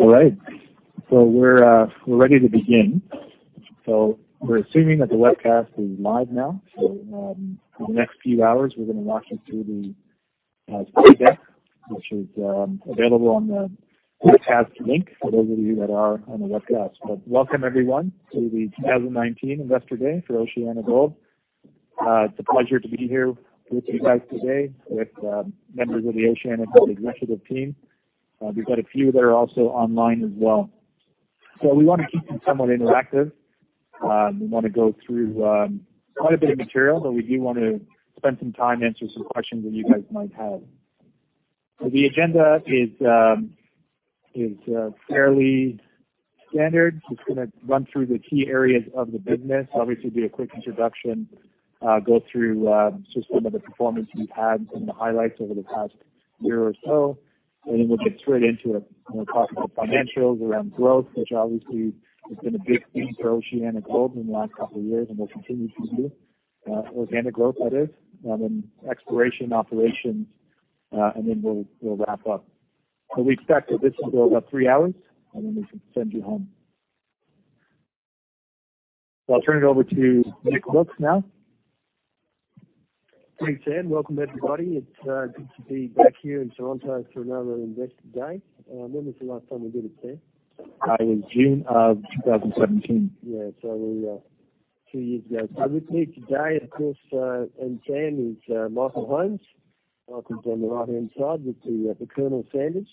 All right. We're ready to begin. We're assuming that the webcast is live now. For the next few hours, we're going to walk you through the slide deck, which is available on the webcast link for those of you that are on the webcast. Welcome everyone to the 2019 Investor Day for OceanaGold. It's a pleasure to be here with you guys today with members of the OceanaGold executive team. We've got a few that are also online as well. We want to keep it somewhat interactive. We want to go through quite a bit of material, but we do want to spend some time answering some questions that you guys might have. The agenda is fairly standard. Just going to run through the key areas of the business. Obviously, do a quick introduction, go through just some of the performance we've had and the highlights over the past year or so. We'll get straight into it when we talk about financials, around growth, which obviously has been a big theme for OceanaGold in the last couple of years and will continue to be. Organic growth, that is. Exploration operations, and then we'll wrap up. We expect that this will go about three hours, and then we can send you home. I'll turn it over to Mick Wilkes now. Thanks, Sam. Welcome, everybody. It's good to be back here in Toronto for another Investor Day. When was the last time we did it, Sam? It was June of 2017. Two years ago. With me today, of course, and Dan, is Michael Holmes. Michael's on the right-hand side with the Colonel Sanders.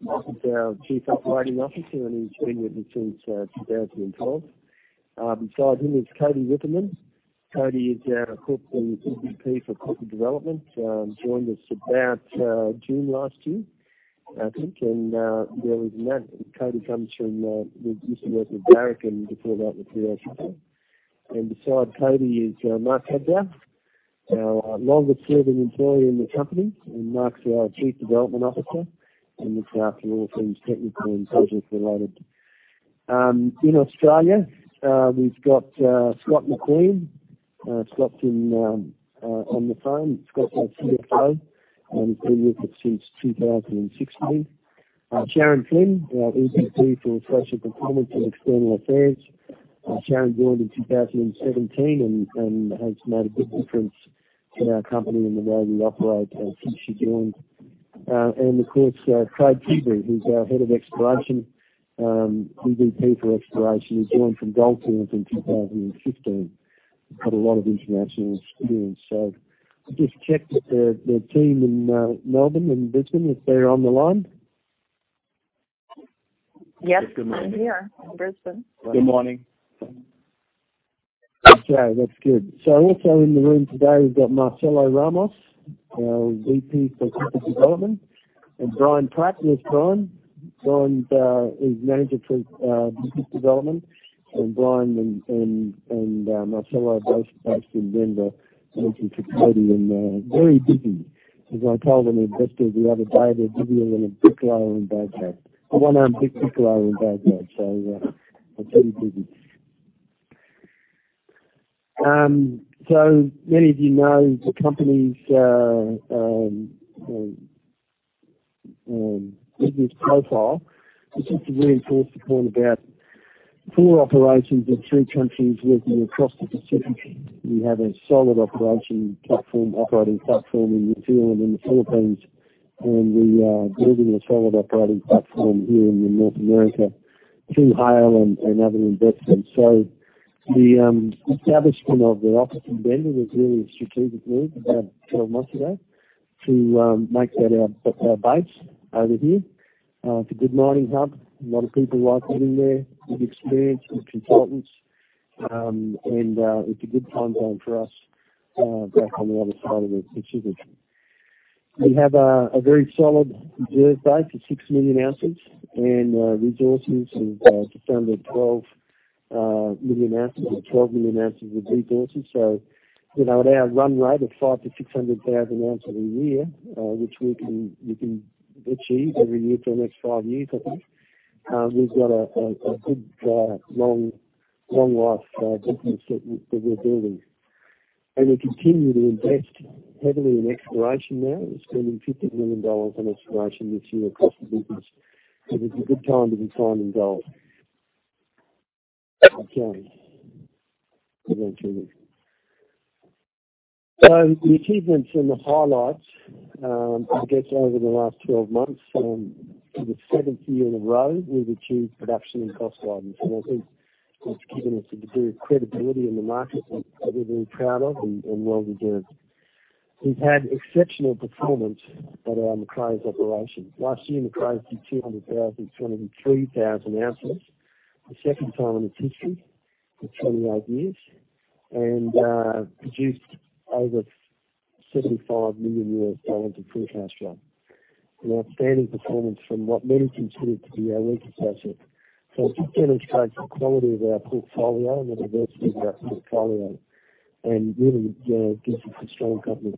Michael's our Chief Operating Officer, and he's been with us since 2012. Beside him is Cody Whipperman. Cody is our Corporate VP for Corporate Development. Joined us about June last year, I think. Well, even that, Cody used to work with Barrick before that with 3M. Beside Cody is Mark Cadzow, our longest-serving employee in the company, and Michael's our Chief Development Officer and looks after all things technical and projects related. In Australia, we've got Scott McQueen. Scott's on the phone. Scott's our CFO, and he's been with us since 2016. Sharon Flynn, our EVP for Social Performance and External Affairs. Sharon joined in 2017 and has made a big difference to our company and the way we operate since she joined. Of course, Craig Party, who's our Head of Exploration, EVP for Exploration. He joined from Gold Fields in 2015. Got a lot of international experience. I'll just check with the team in Melbourne and Brisbane if they're on the line. Yes, I'm here in Brisbane. Good morning. That's good. Also in the room today, we've got Marcelo Ramos, our VP for Business Development, and Brian Martin. Where's Brian? Brian is Manager for Business Development. Brian and Marcelo are both based in Denver, working for [Cody], and very busy. As I told an investor the other day, they're busier than a piccolo in Baghdad. A one-armed piccolo in Baghdad. It's very busy. Many of you know the company's business profile. Just to reinforce the point about 4 operations in 3 countries working across the Pacific. We have a solid operation platform, operating platform in New Zealand and the Philippines, and we are building a solid operating platform here in North America through Haile and other investments. The establishment of the office in Denver was really a strategic move about 12 months ago to make that our base over here. It's a good mining hub. A lot of people like living there, with experience, with consultants. It's a good time zone for us, back on the other side of the Pacific. We have a very solid reserve base of 6 million ounces and resources of just under 12 million ounces or 12 million ounces of resources. At our run rate of 5 to 600,000 ounces a year, which we can achieve every year for the next 5 years, I think, we've got a good long life business that we're building. We continue to invest heavily in exploration now. We're spending $50 million on exploration this year across the business. It's a good time to be finding gold. Moving on to the next. The achievements and the highlights, I guess, over the last 12 months. For the seventh year in a row, we've achieved production and cost guidance. I think that's given us a degree of credibility in the market that we're very proud of and well-deserved. We've had exceptional performance at our Macraes operation. Last year, Macraes did 200,000, 23,000 ounces, the second time in its history for 28 years. And produced over $75 million of free cash flow. An outstanding performance from what many considered to be our weakest asset. It just demonstrates the quality of our portfolio and the diversity of our portfolio and really gives us a strong company.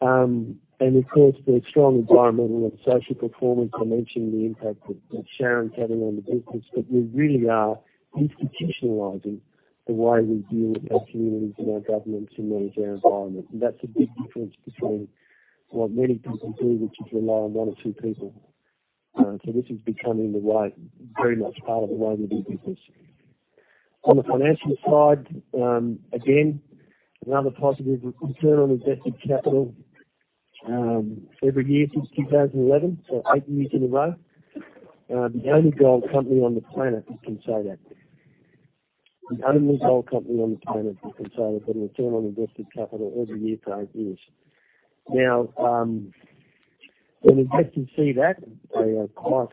Of course, the strong environmental and social performance. I mentioned the impact that Sharon's having on the business, we really are institutionalizing the way we deal with our communities and our governments and manage our environment. That's a big difference between what many people do, which is rely on one or two people. This is becoming very much part of the way we do business. On the financial side, again, another positive return on invested capital, every year since 2011, 8 years in a row. The only gold company on the planet that can say that. The only gold company on the planet that can say they've got a return on invested capital every year for 8 years. When investors see that, they are quite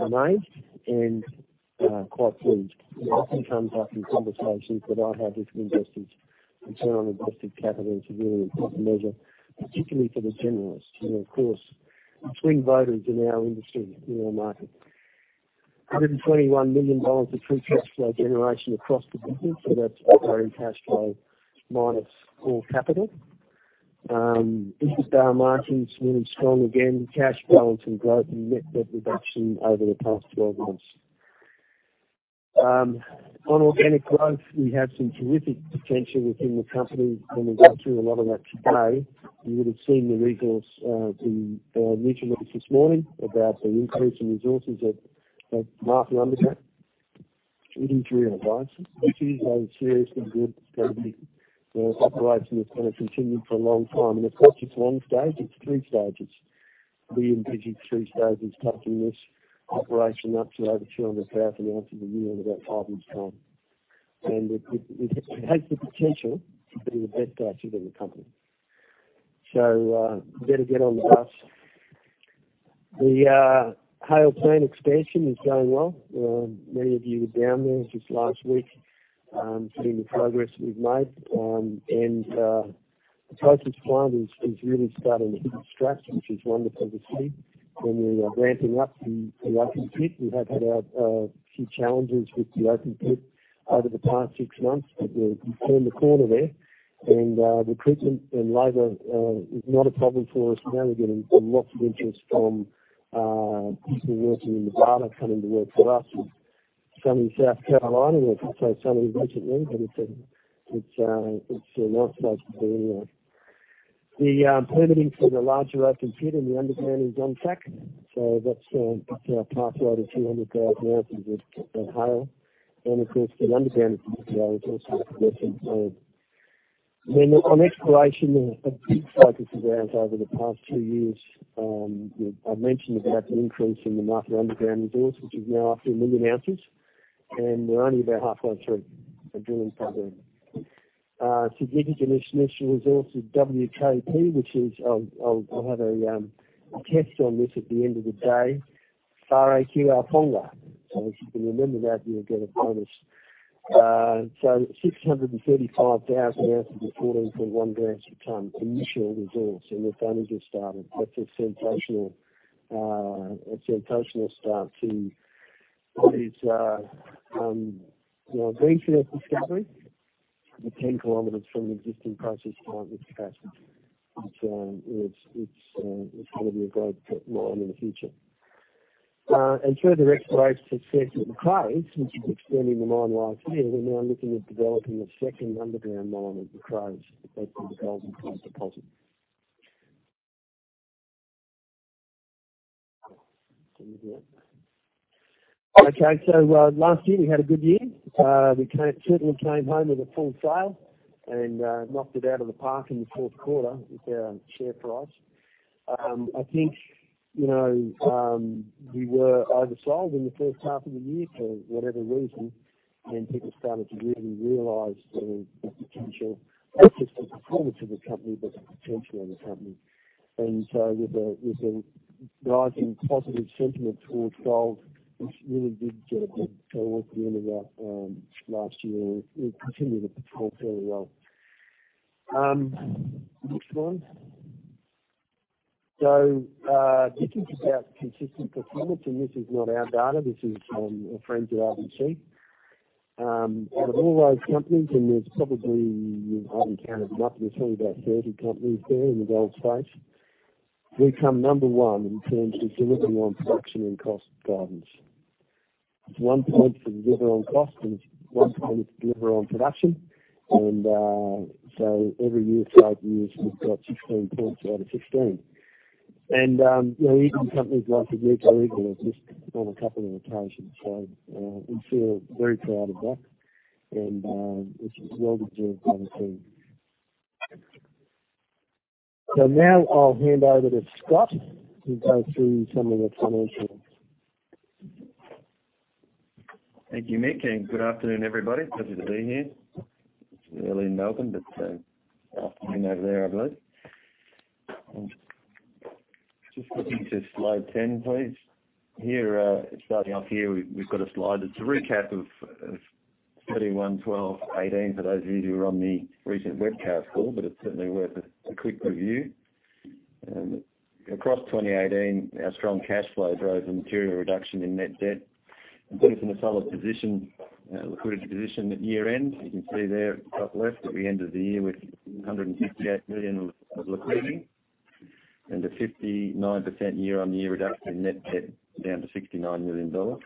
amazed and quite pleased. It often comes up in conversations that I have with investors. Return on invested capital is a really important measure, particularly for the generalist. Of course, between voters in our industry, in our market. $121 million of free cash flow generation across the business, that is operating cash flow minus core capital. Interest margins really strong again. Cash balance and growth in net debt reduction over the past 12 months. On organic growth, we have some terrific potential within the company and we got through a lot of that today. You would have seen the resource in our news release this morning about the increase in resources at Martha Underground. It is real life. It is a seriously good grade. The operation is going to continue for a long time. Of course, it is one stage, it is 3 stages. We envisage 3 stages, taking this operation up to over 200,000 ounces a year in about five years' time. It has the potential to be the best asset in the company. Better get on the bus. The Haile Plant expansion is going well. Many of you were down there just last week, seeing the progress we have made. The focus plant is really starting to hit its straps, which is wonderful to see. When we are ramping up the open pit, we have had a few challenges with the open pit over the past six months, we have turned the corner there. Recruitment and labor is not a problem for us now. We are getting lots of interest from people working in Nevada, coming to work for us. Some in South Carolina, we have employed some recently, but it is a lot of places anywhere. The permitting for the larger open pit and the underground is on track. That is our pathway to 200,000 ounces at Haile. Of course, the underground at Sudbury is also progressing. On exploration, a big focus of ours over the past two years, I have mentioned about the increase in the Mark II Underground resource, which is now up to 1 million ounces, we are only about halfway through the drilling program. Significant initial resource at WKP, which is, I will have a test on this at the end of the day, Wharekirauponga. If you can remember that, you will get a bonus. 635,000 ounces at 14.1 grams per ton. Initial resource, we have only just started. That is a sensational start to these greenfield discoveries, 10 kilometers from the existing processed ore with capacity, which is going to be a great pit mine in the future. Further exploration success at Macraes, since we have extended the mine life here, we are now looking at developing a second underground mine at Macraes. That is in the Golden Point deposit. Last year, we had a good year. We certainly came home with a full sail and knocked it out of the park in the fourth quarter with our share price. I think we were oversold in the first half of the year for whatever reason, people started to really realize the potential, not just the performance of the company, but the potential of the company. With the rising positive sentiment towards gold, which really did get a good go at the end of last year, it continued at the fourth quarter fairly well. Next slide. Thinking about consistent performance, this is not our data, this is from our friends at RBC. Out of all those companies, there is probably, I have encountered about presumably about 30 companies there in the gold space. We come number one in terms of delivery on production and cost guidance. It's one point for deliver on cost and one point to deliver on production. Every year for eight years, we've got 16 points out of 16. Even companies like Agnico Eagle have missed on a couple of occasions. We feel very proud of that. This is well deserved by the team. Now I'll hand over to Scott to go through some of the financials. Thank you, Mick, and good afternoon, everybody. Pleasure to be here. It's early in Melbourne, but afternoon over there, I believe. Just flicking to slide 10, please. Here, starting off here, we've got a slide that's a recap of 3112'18 for those of you who are on the recent webcast call, but it's certainly worth a quick review. Across 2018, our strong cash flow drove a material reduction in net debt and put us in a solid liquidity position at year-end. You can see there at the top left that we ended the year with $158 million of liquidity and a 59% year-on-year reduction in net debt, down to $69 million.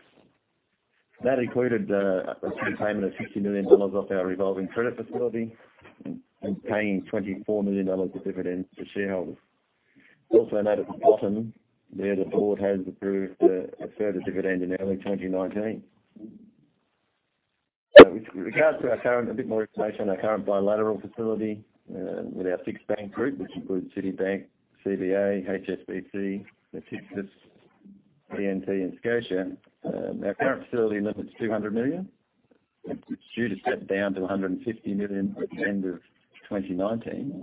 That included a prepayment of $50 million off our revolving credit facility and paying $24 million of dividends to shareholders. Also note at the bottom there, the board has approved a further dividend in early 2019. With regards to a bit more information on our current bilateral facility with our six bank group, which includes Citibank, CBA, HSBC, Natixis, BNP and Scotiabank. Our current facility limit is $200 million, and it's due to step down to $150 million at the end of 2019.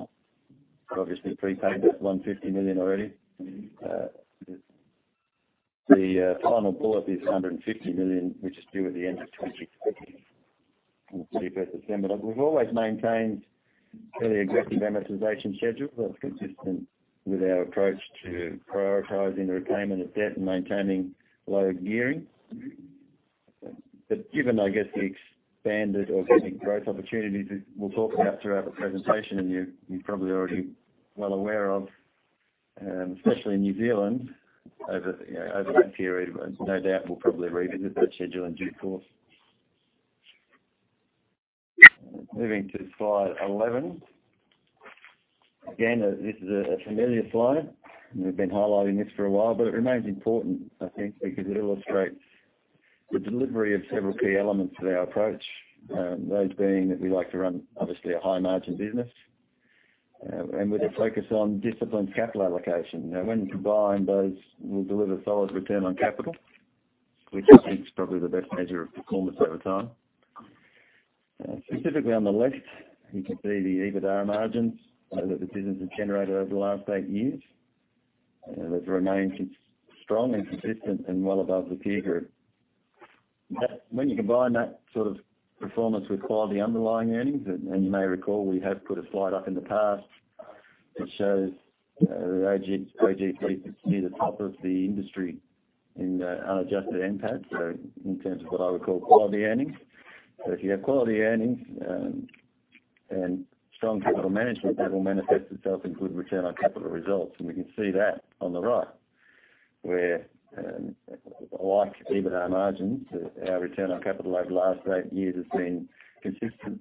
We've obviously prepaid that $150 million already. The final pull-up is $150 million, which is due at the end of 2020 on the 31st December. We've always maintained a fairly aggressive amortization schedule that's consistent with our approach to prioritizing the repayment of debt and maintaining low gearing. Given, I guess, the expanded organic growth opportunities that we'll talk about throughout the presentation, and you're probably already well aware of, especially in New Zealand over that period, no doubt we'll probably revisit that schedule in due course. Moving to slide 11. Again, this is a familiar slide, and we've been highlighting this for a while, but it remains important, I think, because it illustrates the delivery of several key elements of our approach. Those being that we like to run, obviously, a high margin business and with a focus on disciplined capital allocation. Now, when combined, those will deliver solid return on capital, which I think is probably the best measure of performance over time. Specifically on the left, you can see the EBITDA margins that the business has generated over the last eight years. Those remain strong and consistent and well above the peer group. When you combine that sort of performance with quality underlying earnings, you may recall, we have put a slide up in the past that shows OGC to be the top of the industry in unadjusted NPAT, so in terms of what I would call quality earnings. If you have quality earnings and strong capital management, that will manifest itself in good return on capital results. We can see that on the right, where like EBITDA margins, our return on capital over the last 8 years has been consistent,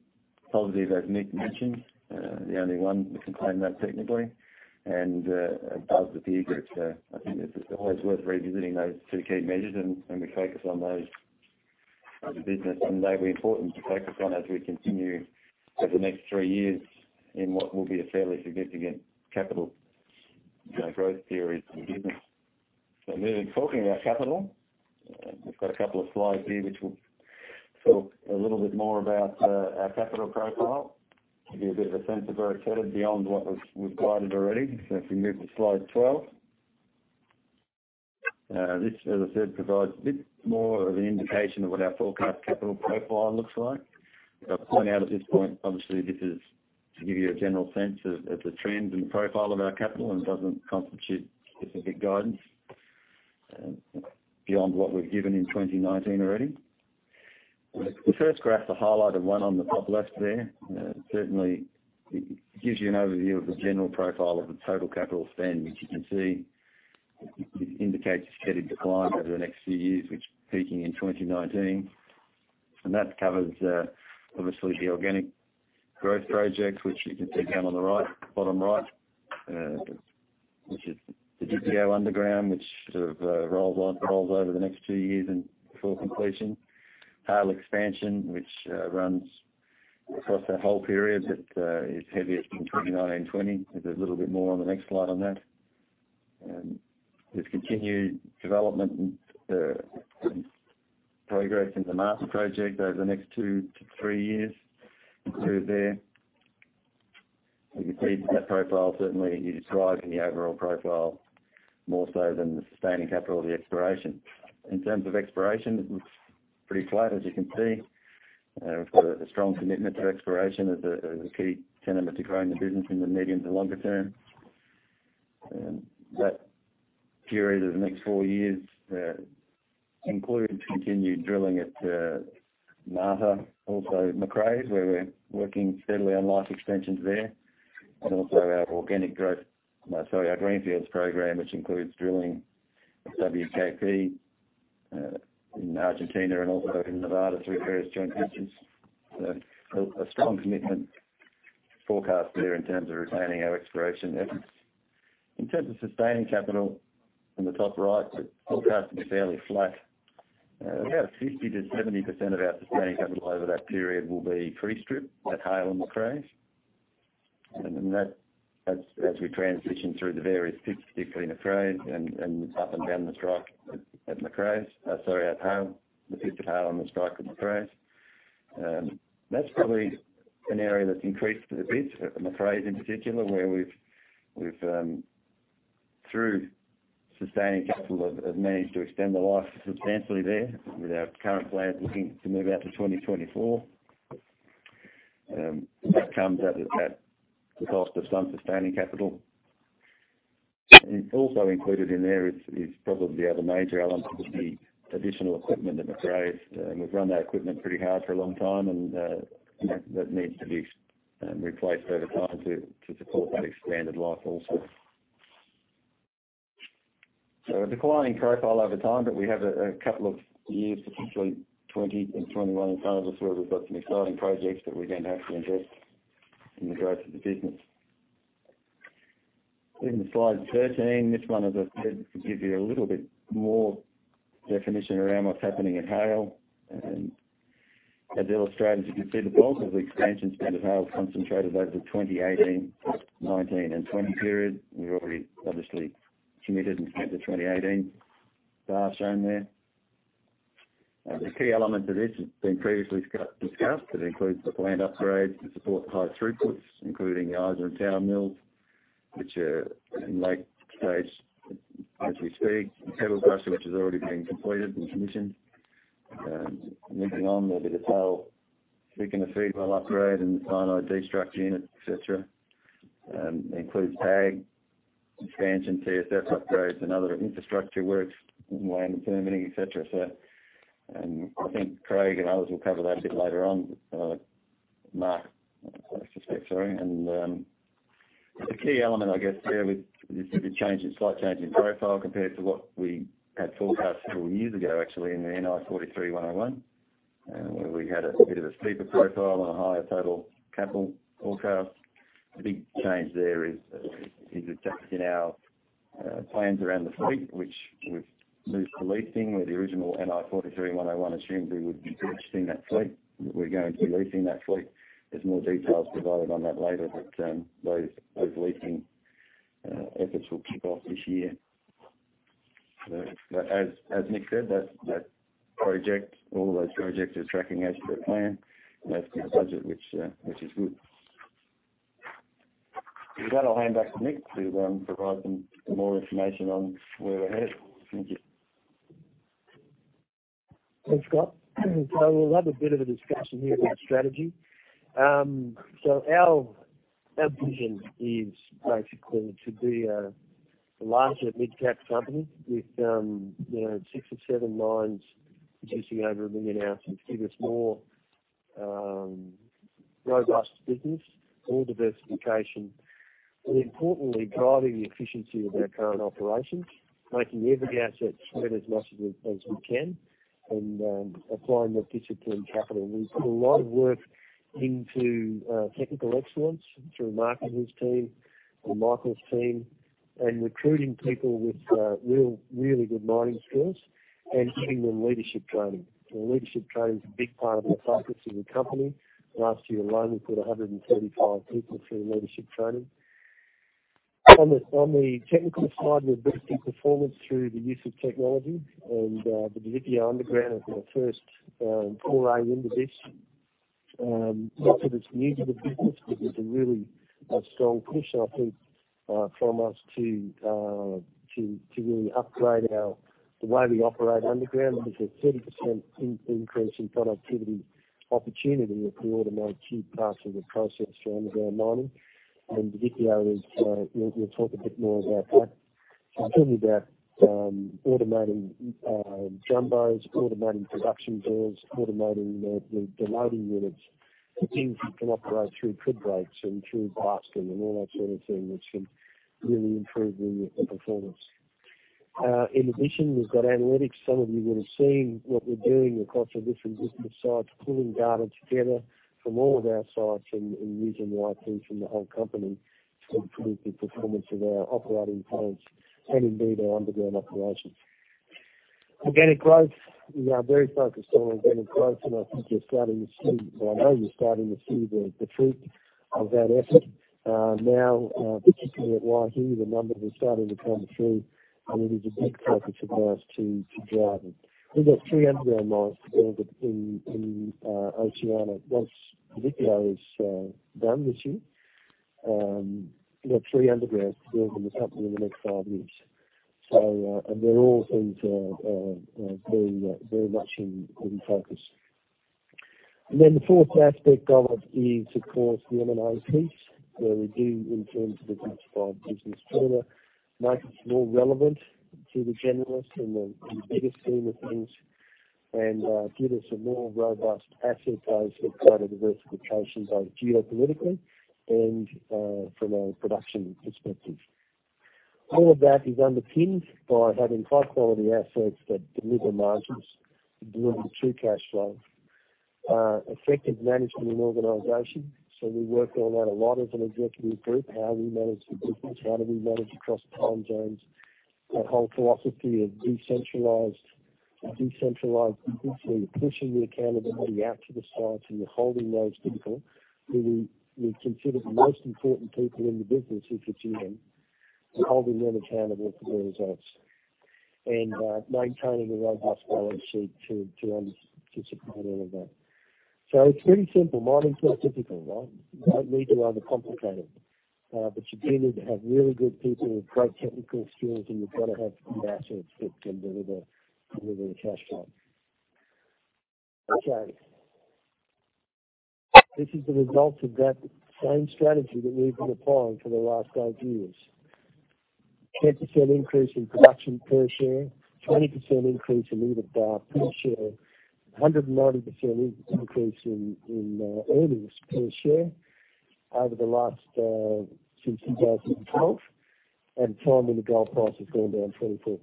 positive, as Mick mentioned, the only one that can claim that technically, and above the peer group. I think it's always worth revisiting those 2 key measures, we focus on those as a business, and they'll be important to focus on as we continue over the next 3 years in what will be a fairly significant capital growth period for the business. Moving, talking about capital, we've got a couple of slides here which will talk a little bit more about our capital profile to give you a bit of a sense of where it's headed beyond what we've provided already. If we move to slide 12. This, as I said, provides a bit more of an indication of what our forecast capital profile looks like. I'll point out at this point, obviously, this is to give you a general sense of the trend and profile of our capital and doesn't constitute specific guidance beyond what we've given in 2019 already. The first graph to highlight the one on the top left there, certainly gives you an overview of the general profile of the total capital spend, which you can see indicates a steady decline over the next few years, which is peaking in 2019. That covers obviously the organic growth projects, which you can see down on the bottom right, which is the Didipio underground, which sort of rolls over the next 2 years before completion. Haile expansion, which runs across that whole period but is heaviest in 2019/20. There's a little bit more on the next slide on that. There's continued development and progress in the Martha project over the next 2 to 3 years through there. You can see that profile certainly is driving the overall profile more so than the sustaining capital of the exploration. In terms of exploration, it looks pretty flat, as you can see. We've got a strong commitment to exploration as a key tenet to growing the business in the medium to longer term. That period over the next 4 years includes continued drilling at Martha, also Macraes, where we're working steadily on life extensions there, and also our organic growth-- Sorry, our greenfields program, which includes drilling at WKP in Argentina and also in Nevada through various joint ventures. A strong commitment forecast there in terms of retaining our exploration efforts. In terms of sustaining capital in the top right, forecast to be fairly flat. About 50%-70% of our sustaining capital over that period will be pre-strip at Haile and Macraes. As we transition through the various pits between Macraes and up and down the strike at Macraes, at Haile, the pit at Haile and the strike at Macraes. That's probably an area that's increased a bit at Macraes in particular, where we've through sustaining capital have managed to extend the life substantially there with our current plans looking to move out to 2024. That comes out of that, the cost of some sustaining capital. Also included in there is probably the other major element, which is the additional equipment that's raised. We've run that equipment pretty hard for a long time, and that needs to be replaced over time to support that expanded life also. A declining profile over time, but we have a couple of years, particularly 2020 and 2021 in front of us, where we've got some exciting projects that we then have to invest in the growth of the business. In slide 13, this one, as I said, to give you a little bit more definition around what's happening at Haile. As illustrated, you can see the bulk of the expansion spend of Haile is concentrated over the 2018, 2019, and 2020 period. We've already obviously committed and spent the 2018 bar shown there. The key element to this has been previously discussed. It includes the plant upgrades to support the higher throughputs, including the AG and tower mills, which are in late stage as we speak. The pebble crusher, which has already been completed and commissioned. Moving on, there'll be detail, thickener feedwell upgrade and the cyanide destruction unit, et cetera. Includes TAG expansion, TSF upgrades, and other infrastructure works, weigh and permitting, et cetera. I think Craig and others will cover that a bit later on. Mark. The key element, I guess, there with the slight change in profile compared to what we had forecast several years ago, actually, in the NI 43-101, where we had a bit of a steeper profile and a higher total capital forecast. The big change there is adjusting our plans around the fleet, which we've moved to leasing, where the original NI 43-101 assumed we would be purchasing that fleet. We're going to be leasing that fleet. There's more details provided on that later, but those leasing efforts will kick off this year. As Mick said, all of those projects are tracking as per plan and as per budget, which is good. With that, I'll hand back to Mick to provide some more information on where we're headed. Thank you. Thanks, Scott. We'll have a bit of a discussion here about strategy. Our vision is basically to be a larger mid-cap company with six or seven mines producing over 1 million ounces, give us more robust business, more diversification, but importantly, driving the efficiency of our current operations, making every asset sweat as much as we can, and applying the discipline capital. We put a lot of work into technical excellence through Mark and his team and Michael's team, and recruiting people with really good mining skills and giving them leadership training. Leadership training is a big part of our focus as a company. Last year alone, we put 135 people through leadership training. On the technical side, we're boosting performance through the use of technology, and the Didipio underground is our first foray into this. Not that it's new to the business, there's a really strong push, I think, from us to really upgrade the way we operate underground. There's a 30% increase in productivity opportunity if we automate key parts of the process for underground mining. We'll talk a bit more about that. Talking about automating jumbos, automating production drills, automating the loading units, things that can operate through foot breaks and through blasting and all that sort of thing, which can really improve the performance. In addition, we've got analytics. Some of you would have seen what we're doing across our different business sites, pulling data together from all of our sites and using the IT from the whole company to improve the performance of our operating plants and indeed our underground operations. Organic growth, we are very focused on organic growth. I think you're starting to see, well, I know you're starting to see the fruit of that effort. Now, particularly at Waihi, the numbers are starting to come through. It is a big focus of ours to drive it. We've got three underground mines to build in Oceana once Didipio is done this year. We've got three undergrounds to build in the company in the next five years. They're all things that are very much in focus. The fourth aspect of it is, of course, the M&A piece. We do intend to reduce our business further, make it more relevant to the generals and the bigger scheme of things, and give us a more robust asset base for further diversifications, both geopolitically and from a production perspective. All of that is underpinned by having high-quality assets that deliver margins, deliver true cash flow. Effective management and organization. We work on that a lot as an executive group, how we manage the business, how do we manage across time zones. That whole philosophy of decentralized business, where you're pushing the accountability out to the sites, and you're holding those people who we consider the most important people in the business if it's you, we're holding them accountable for the results. Maintaining a robust balance sheet to support all of that. It's pretty simple. Mining's not difficult, right? You don't need to overcomplicate it. But you do need to have really good people with great technical skills, and you've got to have the assets that can deliver the cash flow. Okay. This is the result of that same strategy that we've been applying for the last 8 years. 10% increase in production per share, 20% increase in EBITDA per share, 190% increase in earnings per share since 2012, and time when the gold price has gone down 24%.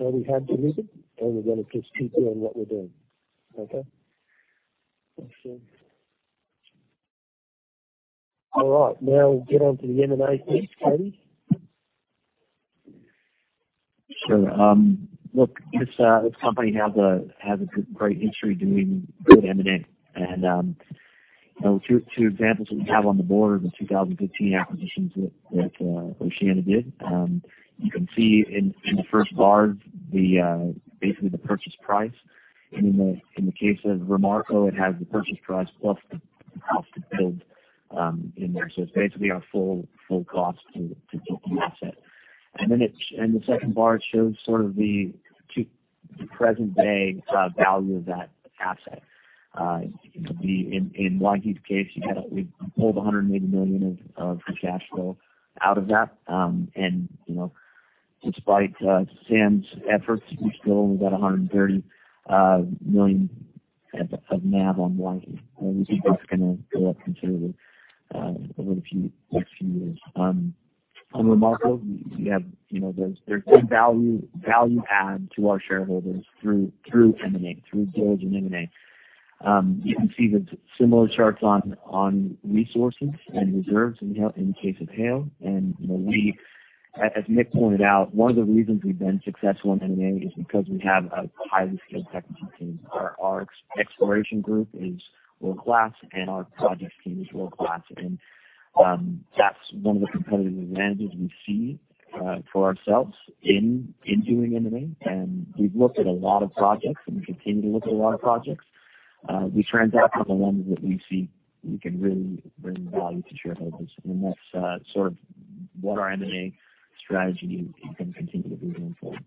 We have delivered, and we're going to just keep doing what we're doing. Okay? Thanks, Sam. All right, now we'll get on to the M&A piece, David. Sure. Look, this company has a great history doing good M&A. Two examples that we have on the board are the 2015 acquisitions that OceanaGold did. You can see in the first bar, basically, the purchase price. In the case of Romarco, it has the purchase price plus the cost to build in there. So it's basically our full cost to build the asset. The second bar, it shows sort of the present-day value of that asset. In Waihi's case, we pulled 180 million of free cash flow out of that. And despite Sam's efforts, we've still only got 130 million of NAV on Waihi. We think that's going to go up considerably over the next few years. On Romarco, there's good value add to our shareholders through M&A, through deals and M&A. You can see the similar charts on resources and reserves in the case of Haile. As Mick pointed out, one of the reasons we've been successful in M&A is because we have a highly skilled technical team. Our exploration group is world-class, and our project team is world-class. And that's one of the competitive advantages we see for ourselves in doing M&A. We've looked at a lot of projects, and we continue to look at a lot of projects. We transact with the ones that we see we can really bring value to shareholders, and that's sort of what our M&A strategy is going to continue to be going forward.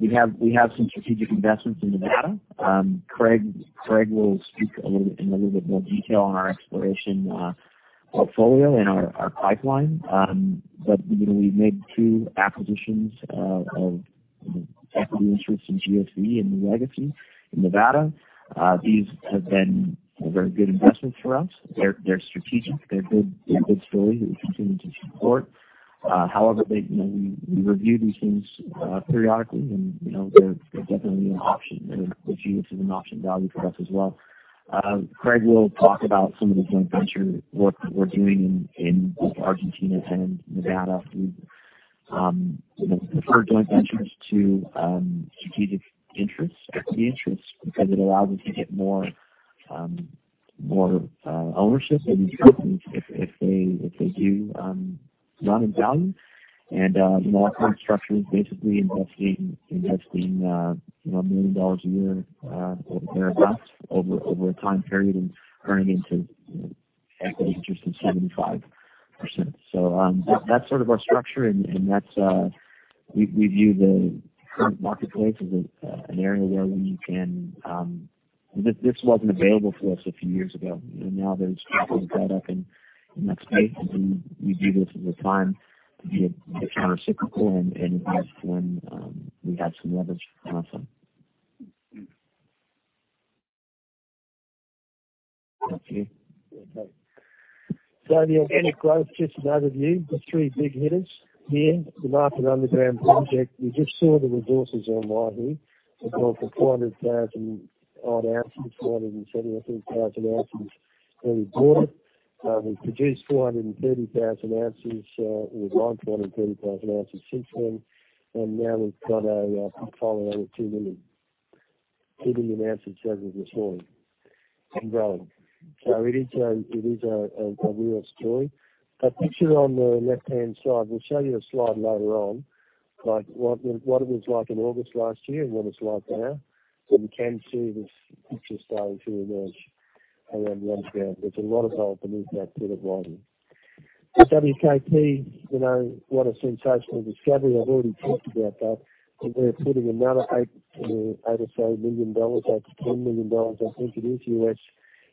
We have some strategic investments in Nevada. Craig will speak in a little bit more detail on our exploration portfolio and our pipeline. But we made two acquisitions of equity interests in GSV and NuLegacy in Nevada. These have been very good investments for us. They're strategic. They're a good story that we continue to support. However, we review these things periodically, and they're definitely an option. Lithium is an option value for us as well. Craig will talk about some of the joint venture work that we're doing in both Argentina and Nevada. We prefer joint ventures to strategic interests, equity interests, because it allows us to get more ownership in these companies if they do run in value. Our current structure is basically investing 1 million dollars a year or thereabout over a time period and turning into equity interest of 75%. So that's sort of our structure, and we view the current marketplace as an area where we can This wasn't available for us a few years ago. Now there's proper breadth up in that space, and we view this as a time to be a countercyclical and invest when we have some leverage for ourselves. Thank you. The organic growth, just an overview. The three big hitters. Here, the Martha Underground project. You just saw the resources on Waihi. We bought for 400,000 odd ounces, 470, I think, thousand ounces when we bought it. We produced 430,000 ounces. Well, mined 430,000 ounces since then. Now we've got a pit column over 2 million. 2 million ounces as of this morning and growing. It is a real story. That picture on the left-hand side, we'll show you a slide later on, what it was like in August last year and what it's like now. We can see this picture starting to emerge around Waihi Underground. There's a lot of gold beneath that pit at Waihi. The WKP, what a sensational discovery. I've already talked about that. We're putting another 8 or so million dollars, up to 10 million dollars, I think it is, US,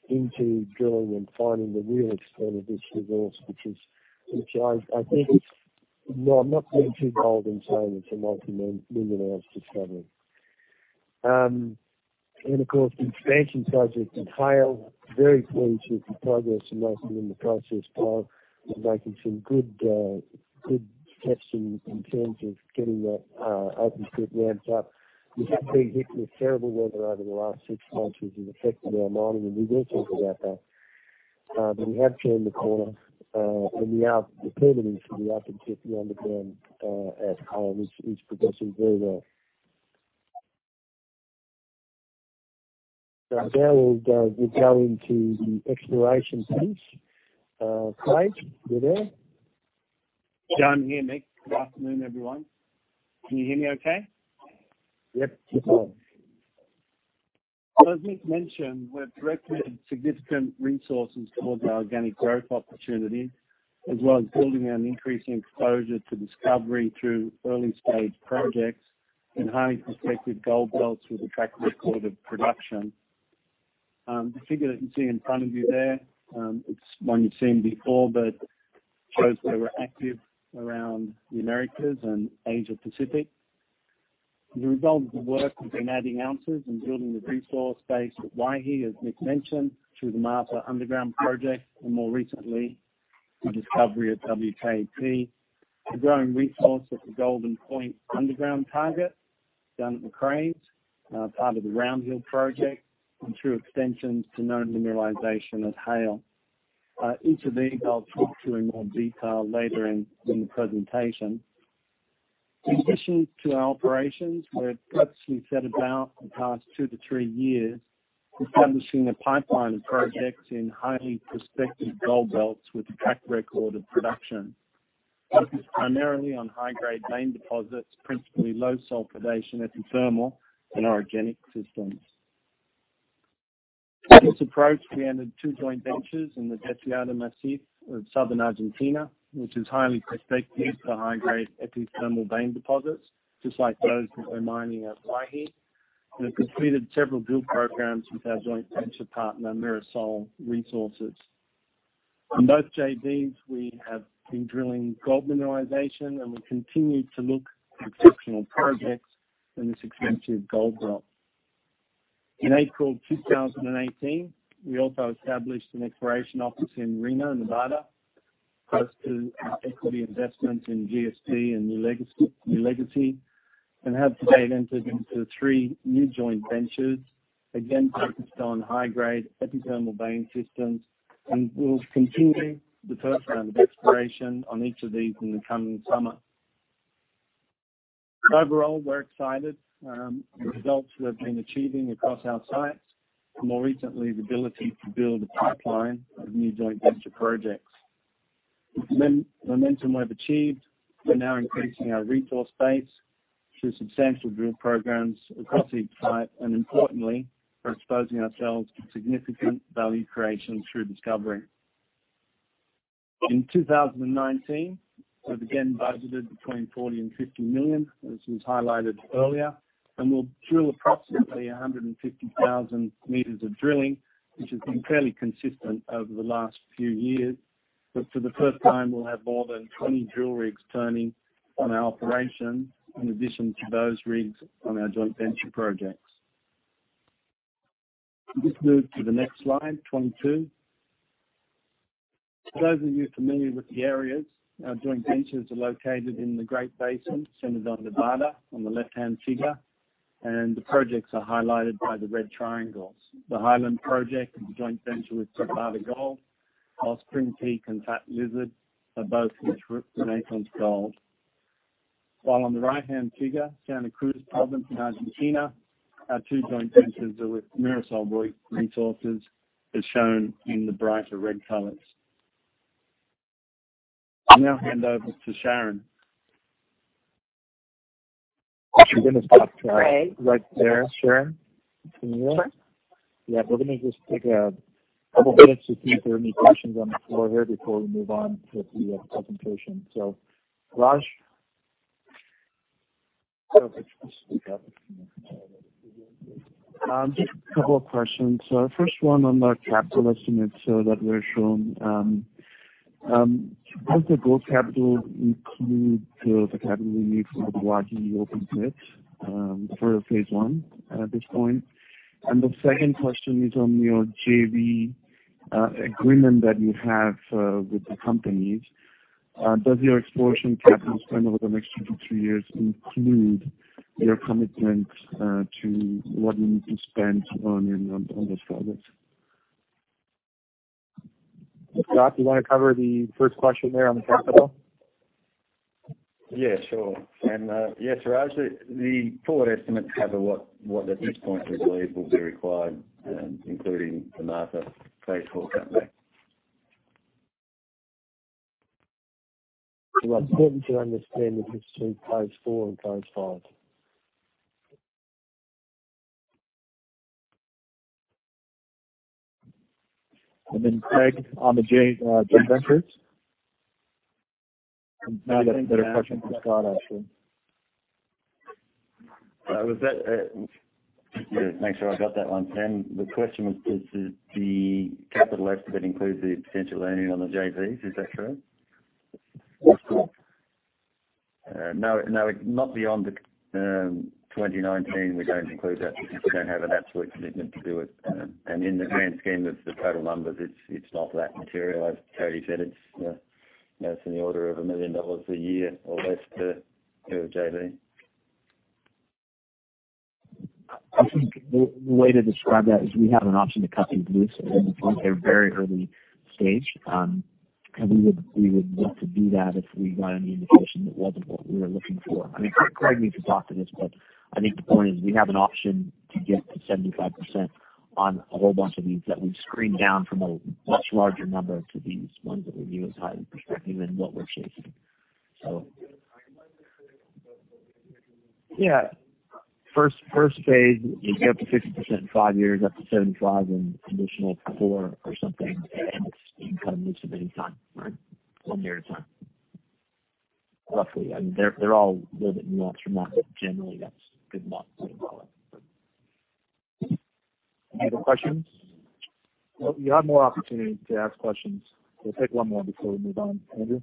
into drilling and finding the real extent of this resource. Which I think, no, I'm not being too bold in saying it's a multimillion ounce discovery. Of course, the expansion project at Haile. Very pleased with the progress and where we're in the process. They're making some good steps in terms of getting that open pit ramped up. We've had pretty terrible weather over the last six months, which has affected our mining, and we will talk about that. We have turned the corner, and we are determined to see the open pit and underground at Haile, which is progressing very well. Now we'll go into the exploration piece. Craig, you there? I'm here, Nick. Good afternoon, everyone. Can you hear me okay? Yep. As Mick mentioned, we've directed significant resources towards our organic growth opportunity, as well as building an increasing exposure to discovery through early-stage projects in highly prospective gold belts with a track record of production. The figure that you see in front of you there, it's one you've seen before, but shows that we're active around the Americas and Asia-Pacific. The results of the work have been adding ounces and building the resource base at Waihi, as Mick mentioned, through the Martha Underground Project, and more recently, the discovery at WKP. The growing resource at the Golden Point underground target down at Macraes, part of the Round Hill project, and through extensions to known mineralization at Haile. Each of these I'll talk to in more detail later in the presentation. In addition to our operations, we've actually set about the past two to three years establishing a pipeline of projects in highly prospective gold belts with a track record of production. Focused primarily on high-grade vein deposits, principally low sulfidation epithermal and orogenic systems. With this approach, we entered two joint ventures in the Deseado Massif of Southern Argentina, which is highly prospective for high-grade epithermal vein deposits, just like those that we're mining at Waihi. We've completed several drill programs with our joint venture partner, Mirasol Resources. In both JVs, we have been drilling gold mineralization, and we continue to look for exceptional projects in this extensive gold belt. In April 2018, we also established an exploration office in Reno, Nevada, close to our equity investment in GSP and NuLegacy, and have today entered into 3 new joint ventures, again, focused on high-grade epithermal vein systems. We'll continue the first round of exploration on each of these in the coming summer. Overall, we're excited with the results we have been achieving across our sites, and more recently, the ability to build a pipeline of new joint venture projects. With the momentum we've achieved, we're now increasing our resource base through substantial drill programs across each site, and importantly, we're exposing ourselves to significant value creation through discovery. In 2019, we've again budgeted between $40 million and $50 million, as was highlighted earlier. We'll drill approximately 150,000 meters of drilling, which has been fairly consistent over the last few years. For the first time, we'll have more than 20 drill rigs turning on our operations in addition to those rigs on our joint venture projects. Can we just move to the next slide 22. For those of you familiar with the areas, our joint ventures are located in the Great Basin, centered on Nevada, on the left-hand figure, and the projects are highlighted by the red triangles. The Highland project is a joint venture with Nevada Gold, whilst Spring Peak and Fat Lizard are both with Renaissance Gold. While on the right-hand figure, Santa Cruz province in Argentina, our two joint ventures are with Mirasol Resources, as shown in the brighter red colors. I'll now hand over to Sharon. We're gonna stop right there, Sharon. Can you hear? Sure. Yeah. We're gonna just take a couple minutes to see if there are any questions on the floor here before we move on with the presentation. Raj? Yeah. Just a couple of questions. First one on the capital estimates that were shown. Does the gold capital include the capital you need for the Waihi open pit for phase 1 at this point? The second question is on your JV agreement that you have with the companies. Does your exploration capital spend over the next two to three years include your commitment to what you need to spend on those projects? Scott, do you want to cover the first question there on the capital? Yeah, sure. Yeah, Raj, the forward estimates cover what at this point we believe will be required, including the Martha Phase 4 cutback. It's important to understand the difference between phase 4 and phase 5. Craig, on the joint ventures. Now that's a question for Scott, actually. Was that just make sure I got that one. The question was does the capital estimate includes the potential earning on the JVs? Is that correct? Yes, sure. No, not beyond 2019, we don't include that because we don't have an absolute commitment to do it. In the grand scheme of the total numbers, it's not that material. As Tony said, it's in the order of $1 million a year or less per JV. I think the way to describe that is we have an option to cut indubitably. They're very early stage, and we would look to do that if we got any indications. That wasn't what we were looking for. I mean, Craig needs to talk to this, but I think the point is we have an option to get to 75% on a whole bunch of these that we've screened down from a much larger number to these ones that we view as highly prospective and what we're chasing. Yeah. First phase is up to 50% in five years, up to 75 in an additional four or something, and it's income each of any time, right? One year at a time. Roughly. I mean, they're all a little bit nuanced from that, but generally that's a good monthly rolling. Any other questions? Well, you have more opportunity to ask questions. We'll take one more before we move on. Andrew?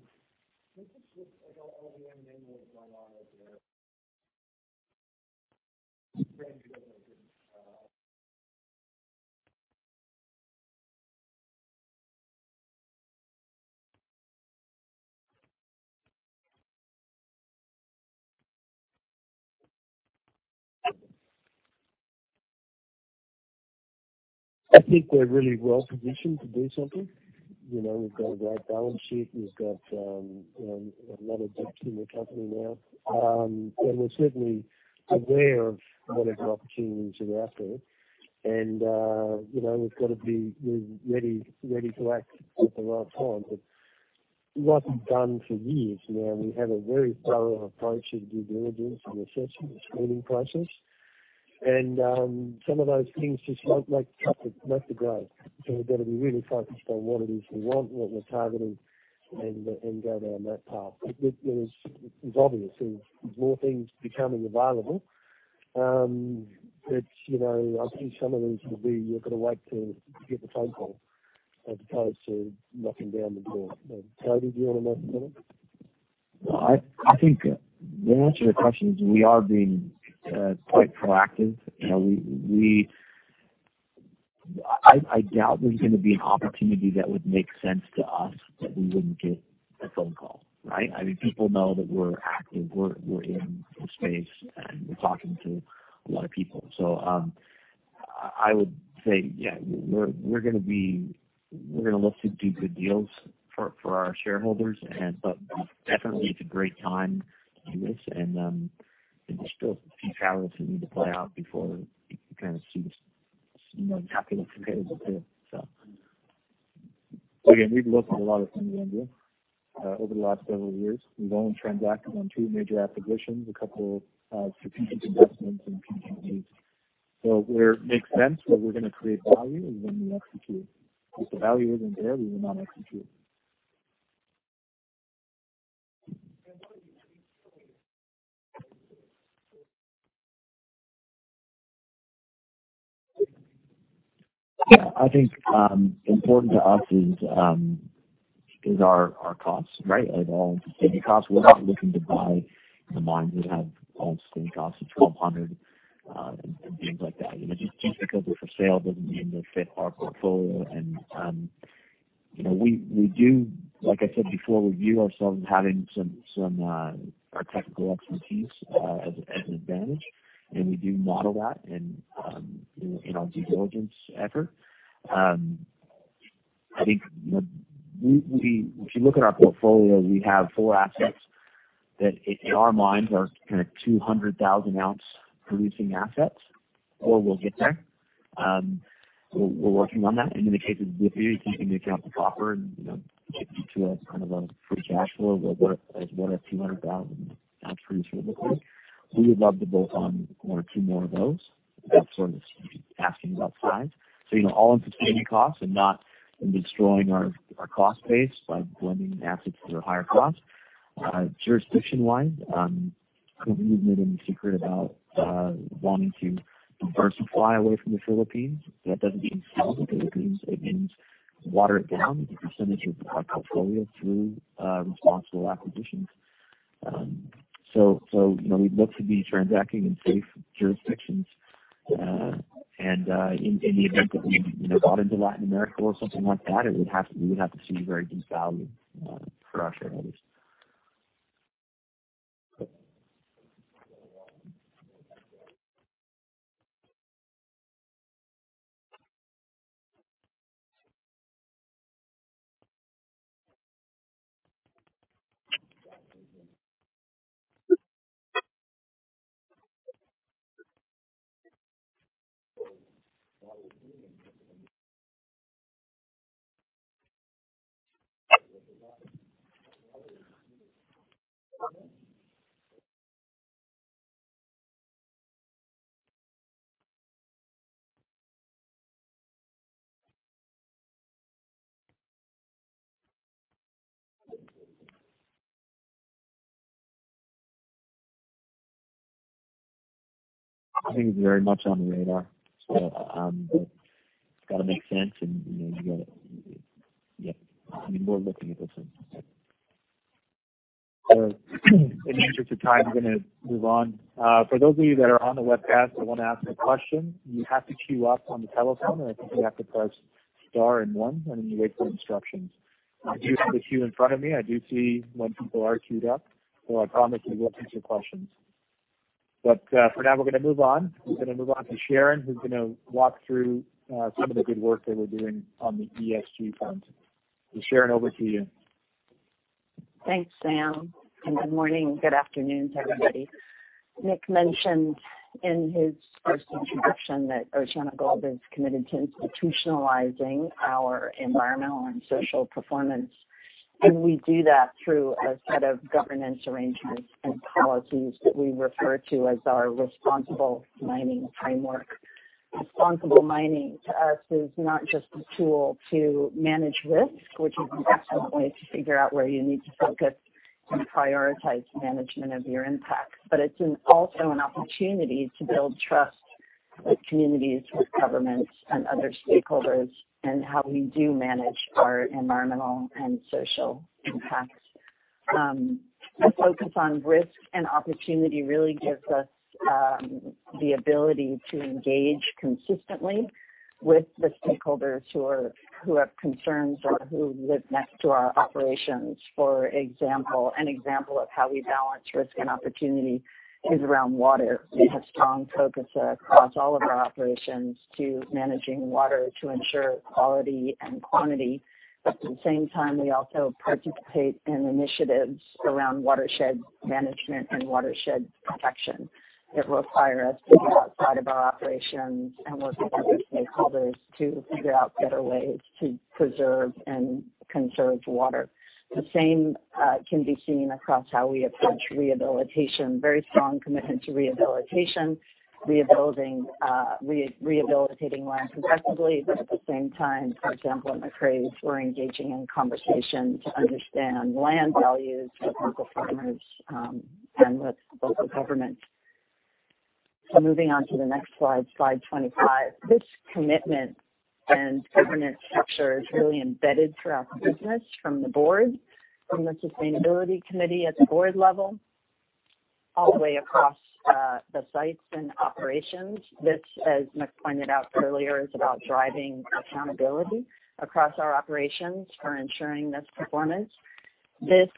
I think we're really well-positioned to do something. We've got a great balance sheet. We've got a lot of depth in the company now. We're certainly aware of whatever opportunities are out there. We've got to be ready to act at the right time. What we've done for years now, we have a very thorough approach to due diligence and assessment and screening process. Some of those things just won't make the grade. We've got to be really focused on what it is we want, what we're targeting, and go down that path. It's obvious. There's more things becoming available. I think some of these will be, you've got to wait to get the phone call as opposed to knocking down the door. Tony, do you want to add to that at all? No, I think the answer to the question is we are being quite proactive. I doubt there's going to be an opportunity that would make sense to us that we wouldn't get a phone call, right? I mean, people know that we're active, we're in the space, and we're talking to a lot of people. I would say, yeah, we're going to look to do good deals for our shareholders. Definitely it's a great time to do this, and there's still a few cards that need to play out before you can kind of see what's happening competitively too. So We've looked at a lot of things, Andrew, over the last several years. We've only transacted on two major acquisitions, a couple of strategic investments in PNG. Where it makes sense, where we're going to create value, we execute. If the value isn't there, we will not execute. Yeah, I think important to us is our costs, right? All-in Sustaining Costs. We're not looking to buy the mines that have All-in Sustaining Costs of $1,200 and things like that. Just because they're for sale doesn't mean they fit our portfolio. We do, like I said before, view ourselves as having our technical expertise as an advantage, and we do model that in our due diligence effort. I think if you look at our portfolio, we have four assets that, in our minds, are kind of 200,000-ounce producing assets, or will get there. We're working on that. In the case of Lihir, keeping the copper, and 52 as kind of a free cash flow is worth a 200,000 ounce producer in the group. We would love to bolt on one or two more of those. That's sort of asking about size. All-in Sustaining Costs and not destroying our cost base by blending assets that are higher cost. Jurisdiction-wise, I don't think we've made any secret about wanting to diversify away from the Philippines. That doesn't mean sell the Philippines. It means water it down, the percentage of our portfolio, through responsible acquisitions. We'd look to be transacting in safe jurisdictions. In the event that we got into Latin America or something like that, we would have to see very good value for our shareholders. I think it's very much on the radar. It's got to make sense and you got to Yeah. I mean, we're looking at those things. In the interest of time, I'm going to move on. For those of you that are on the webcast and want to ask a question, you have to queue up on the telephone, and I think you have to press star and one, you wait for instructions. I do have the queue in front of me. I do see when people are queued up. I promise we will take your questions. We're going to move on. We're going to move on to Sharon, who's going to walk through some of the good work that we're doing on the ESG front. Sharon, over to you. Thanks, Sam, good morning, good afternoon to everybody. Mick mentioned in his first introduction that OceanaGold is committed to institutionalizing our environmental and social performance, and we do that through a set of governance arrangements and policies that we refer to as our responsible mining framework. Responsible mining to us is not just a tool to manage risk, which is an excellent way to figure out where you need to focus and prioritize management of our impacts. It's also an opportunity to build trust with communities, with governments, and other stakeholders in how we do manage our environmental and social impacts. A focus on risk and opportunity really gives us the ability to engage consistently with the stakeholders who have concerns or who live next to our operations. For example, an example of how we balance risk and opportunity is around water. We have strong focus across all of our operations to managing water to ensure quality and quantity. At the same time, we also participate in initiatives around watershed management and watershed protection that require us to be outside of our operations and work with other stakeholders to figure out better ways to preserve and conserve water. The same can be seen across how we approach rehabilitation. Very strong commitment to rehabilitation, rehabilitating land successfully. At the same time, for example, in Macraes, we're engaging in conversation to understand land values with local farmers and with local governments. Moving on to the next slide 25. This commitment and governance structure is really embedded throughout the business, from the board, from the sustainability committee at the board level, all the way across the sites and operations. This, as Mick pointed out earlier, is about driving accountability across our operations for ensuring this performance. This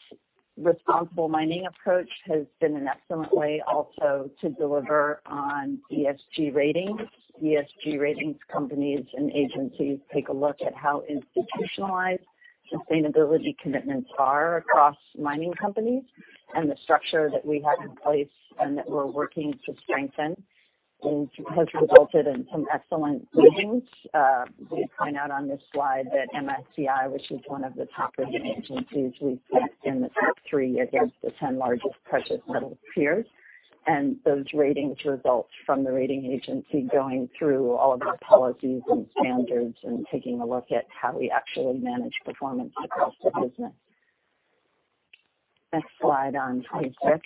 responsible mining approach has been an excellent way also to deliver on ESG ratings. ESG ratings companies and agencies take a look at how institutionalized sustainability commitments are across mining companies. The structure that we have in place and that we're working to strengthen has resulted in some excellent ratings. We point out on this slide that MSCI, which is one of the top rating agencies, we sit in the top 3 against the 10 largest precious metals peers. Those ratings result from the rating agency going through all of our policies and standards and taking a look at how we actually manage performance across the business. Next slide on 26.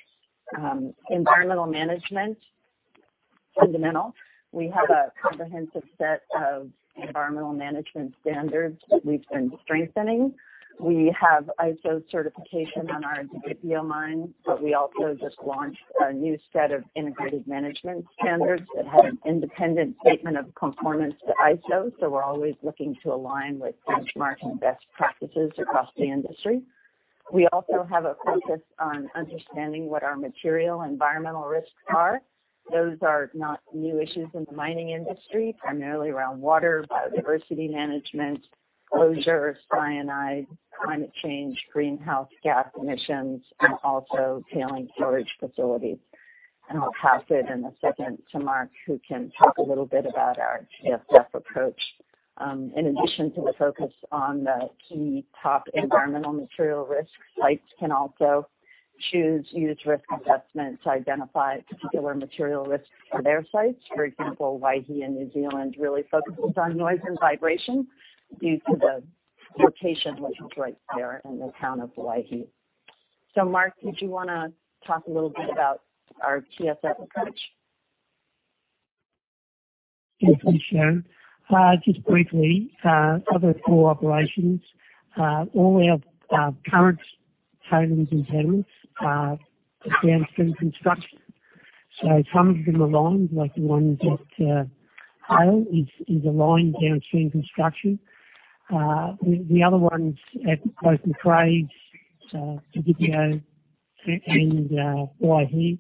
Environmental management, fundamental. We have a comprehensive set of environmental management standards that we've been strengthening. We have ISO certification on our Didipio mine, but we also just launched a new set of integrated management standards that have an independent statement of conformance to ISO. We're always looking to align with benchmarking best practices across the industry. We also have a focus on understanding what our material environmental risks are. Those are not new issues in the mining industry, primarily around water, biodiversity management, closure, cyanide, climate change, greenhouse gas emissions, and also tailings storage facilities. I'll pass it in a second to Mark, who can talk a little bit about our TSF approach. In addition to the focus on the key top environmental material risks, sites can also choose use risk assessment to identify particular material risks for their sites. For example, Waihi in New Zealand really focuses on noise and vibration due to the location, which is right there in the town of Waihi. Mark, did you want to talk a little bit about our TSF approach? Yes, thanks, Sharon. Just briefly, of our four operations, all our current tailings impoundments are downstream construction. Some of them aligned, like the one at Haile, is aligned downstream construction. The other ones at both Macraes, Didipio, and Waihi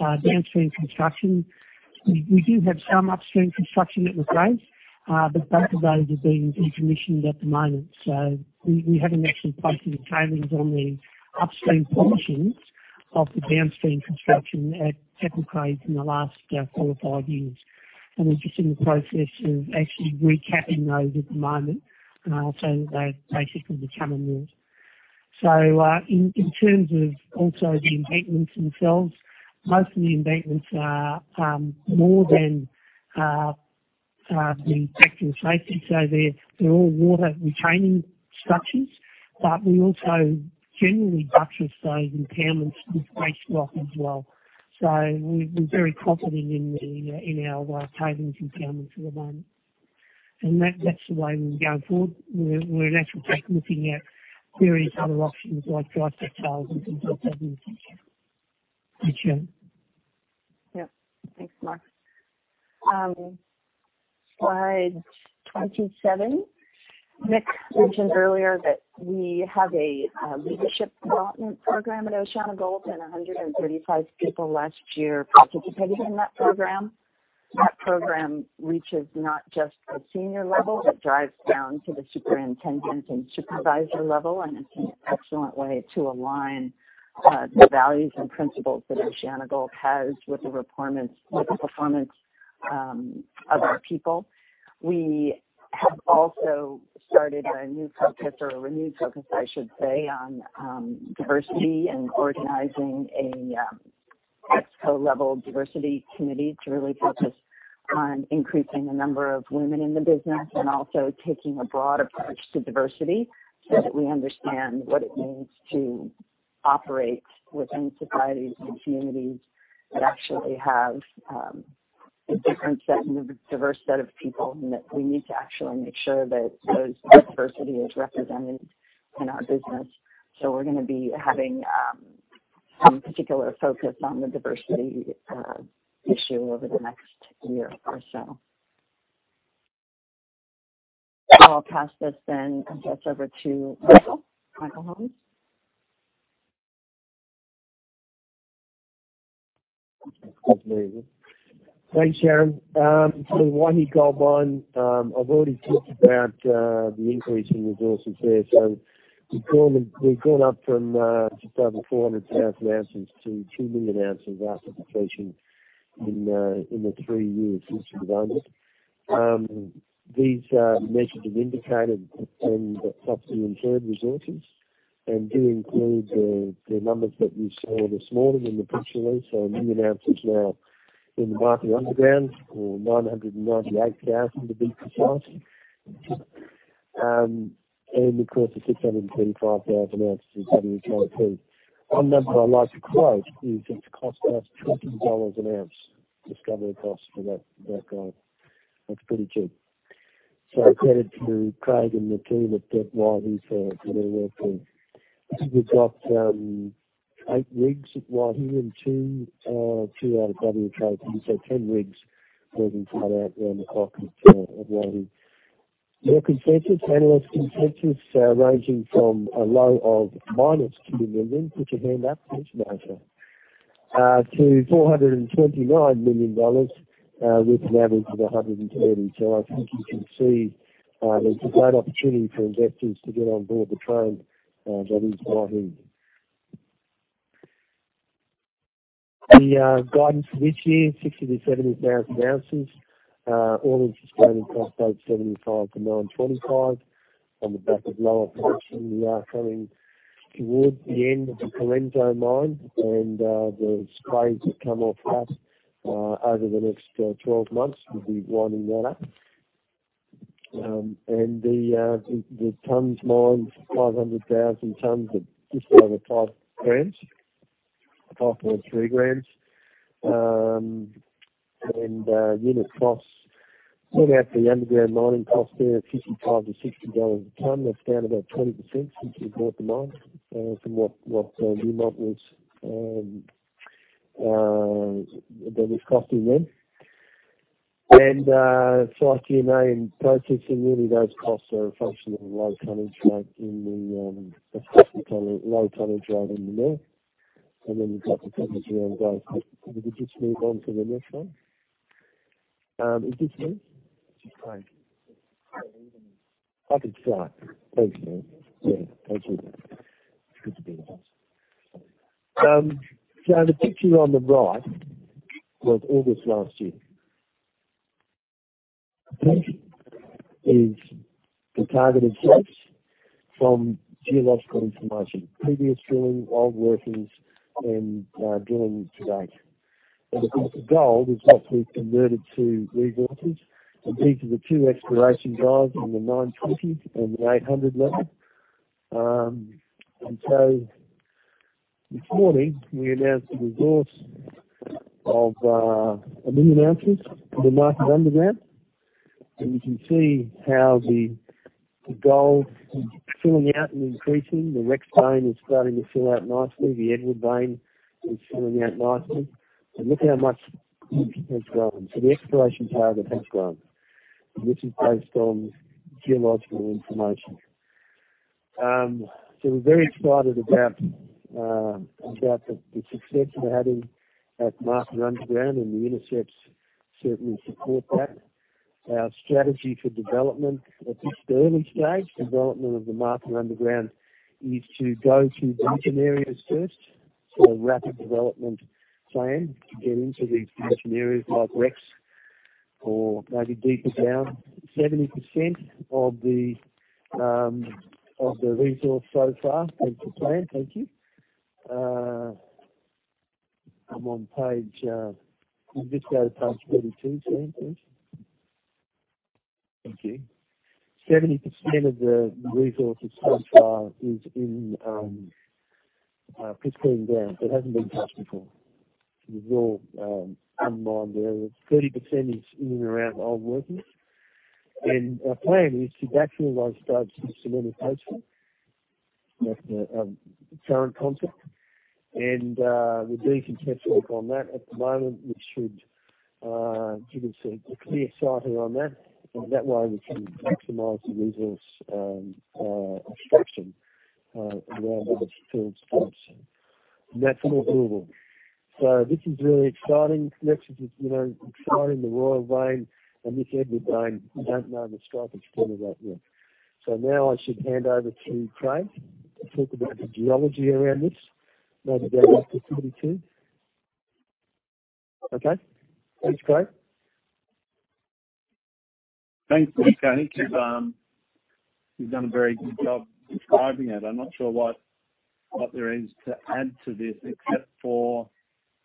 are downstream construction. We do have some upstream construction at Macraes, but both of those are being decommissioned at the moment. We haven't actually placed any tailings on the upstream portions of the downstream construction at Macraes in the last four or five years. We're just in the process of actually recapping those at the moment so that they basically become inert. In terms of also the embankments themselves, most of the embankments are more than the actual safety. They're all water-retaining structures, but we also generally buttress those impoundments with waste rock as well. We're very confident in our tailings impoundments at the moment. That's the way we go forward. We're in actual fact looking at various other options like dry stack tailings and things like that in the future. Thank you, Sharon. Yep. Thanks, Mark. Slide 27. Mick mentioned earlier that we have a leadership development program at OceanaGold, and 135 people last year participated in that program. That program reaches not just the senior level, it drives down to the superintendent and supervisor level, and it's an excellent way to align the values and principles that OceanaGold has with the performance of our people. We have also started a new focus, or a renewed focus, I should say, on diversity and organizing an exco-level diversity committee to really focus on increasing the number of women in the business and also taking a broad approach to diversity so that we understand what it means to operate within societies and communities that actually have a different set and diverse set of people, and that we need to actually make sure that those diversity is represented in our business. We're going to be having some particular focus on the diversity issue over the next year or so. I'll pass this then over to Michael. Michael Holmes. So we're going to be having some particular focus on the diversity issue over the next year or so. I'll pass this then over to Michael. Michael Holmes. Thanks, Sharon. For the Waihi Gold Mine, I've already talked about the increase in resources there. So we've gone up from just over four hundred thousand ounces to two million ounces after completion in the three years since we've opened. These measures have indicated and got up to the inferred resources and do include the numbers that you saw this morning in the press release. So a million ounces now in the Marpa underground, or nine hundred and ninety-eight thousand, to be precise. And of course, the six hundred and thirty-five thousand ounces in the return pit. One number I'd like to quote is it's cost us twenty dollars an ounce, discovery cost for that gold. That's pretty cheap. So credit to Craig and the team at Waihi for their work there. I think we've got eight rigs at Waihi and two out at Karapiti. Ten rigs working flat out around the clock at Waihi. Market consensus, analyst consensus are ranging from a low of -$2 million, put your hand up, who's negative? To $429 million, with an average of $130. I think you can see there's a great opportunity for investors to get on board the train that is Waihi. The guidance for this year, 60,000-70,000 ounces. AISC, $875-$925. On the back of lower production, we are coming towards the end of the Correnso mine and the tons that come off that over the next 12 months will be winding that up. The tons mined, 500,000 tons of just over 5 grams, 5.3 grams. Unit costs, without the underground mining cost there, $55-$60 a ton. That's down about 20% since we bought the mine from what Newmont was costing them. Site, G&A and processing, really those costs are a function of the low tonnage rate in the mine. Then we've got the capital going forward. Can you just move on to the next one? Is this me? It's Craig. I can fly. Thanks. Yeah, thank you. It's good to be the host. The picture on the right was August last year. This is the targeted stops from geological information, previous drilling, old workings, and drilling to date. Of course, the gold is what we've converted to resources. These are the two exploration drives in the 920s and the 800 level. This morning we announced a resource of 1 million ounces at the Martha underground. You can see how the gold is filling out and increasing. The Rex vein is starting to fill out nicely. The Edward vein is filling out nicely. Look how much it's grown. The exploration target has grown, and this is based on geological information. We're very excited about the success we're having at Martha underground, and the intercepts certainly support that. Our strategy for development at this early stage, development of the Martha underground is to go through virgin areas first. A rapid development plan to get into these virgin areas like Rex or maybe deeper down. 70% of the resource so far, next slide. Thank you. I'm on page Can you just go to page 32, Sharon, please? Thank you. 70% of the resource so far is in pristine ground that hasn't been touched before. The raw unmined there. 30% is in and around old workings. Our plan is to actually start some selective face cutting. That's the current concept. We're doing some test work on that at the moment, which should give us a clear sighting on that. That way, we can maximize the resource abstraction around those two intercepts. That's not doable. This is really exciting. Next is just exciting, the Royal vein and this Edward vein. We don't know the strike extent of that yet. Now I should hand over to Craig to talk about the geology around this. Maybe go to slide 22. Okay. Thanks, Craig. Thanks, Nick. You've done a very good job describing it. I'm not sure what there is to add to this, except for,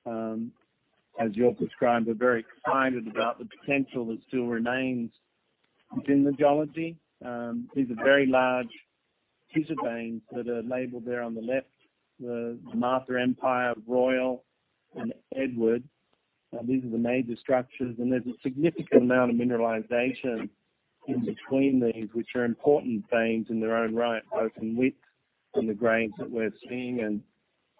as you all described, we're very excited about the potential that still remains within the geology. These are very large teaser veins that are labeled there on the left, the Martha Empire, Royal, and Edward. These are the major structures, and there's a significant amount of mineralization in between these, which are important veins in their own right, both in width and the grades that we're seeing, and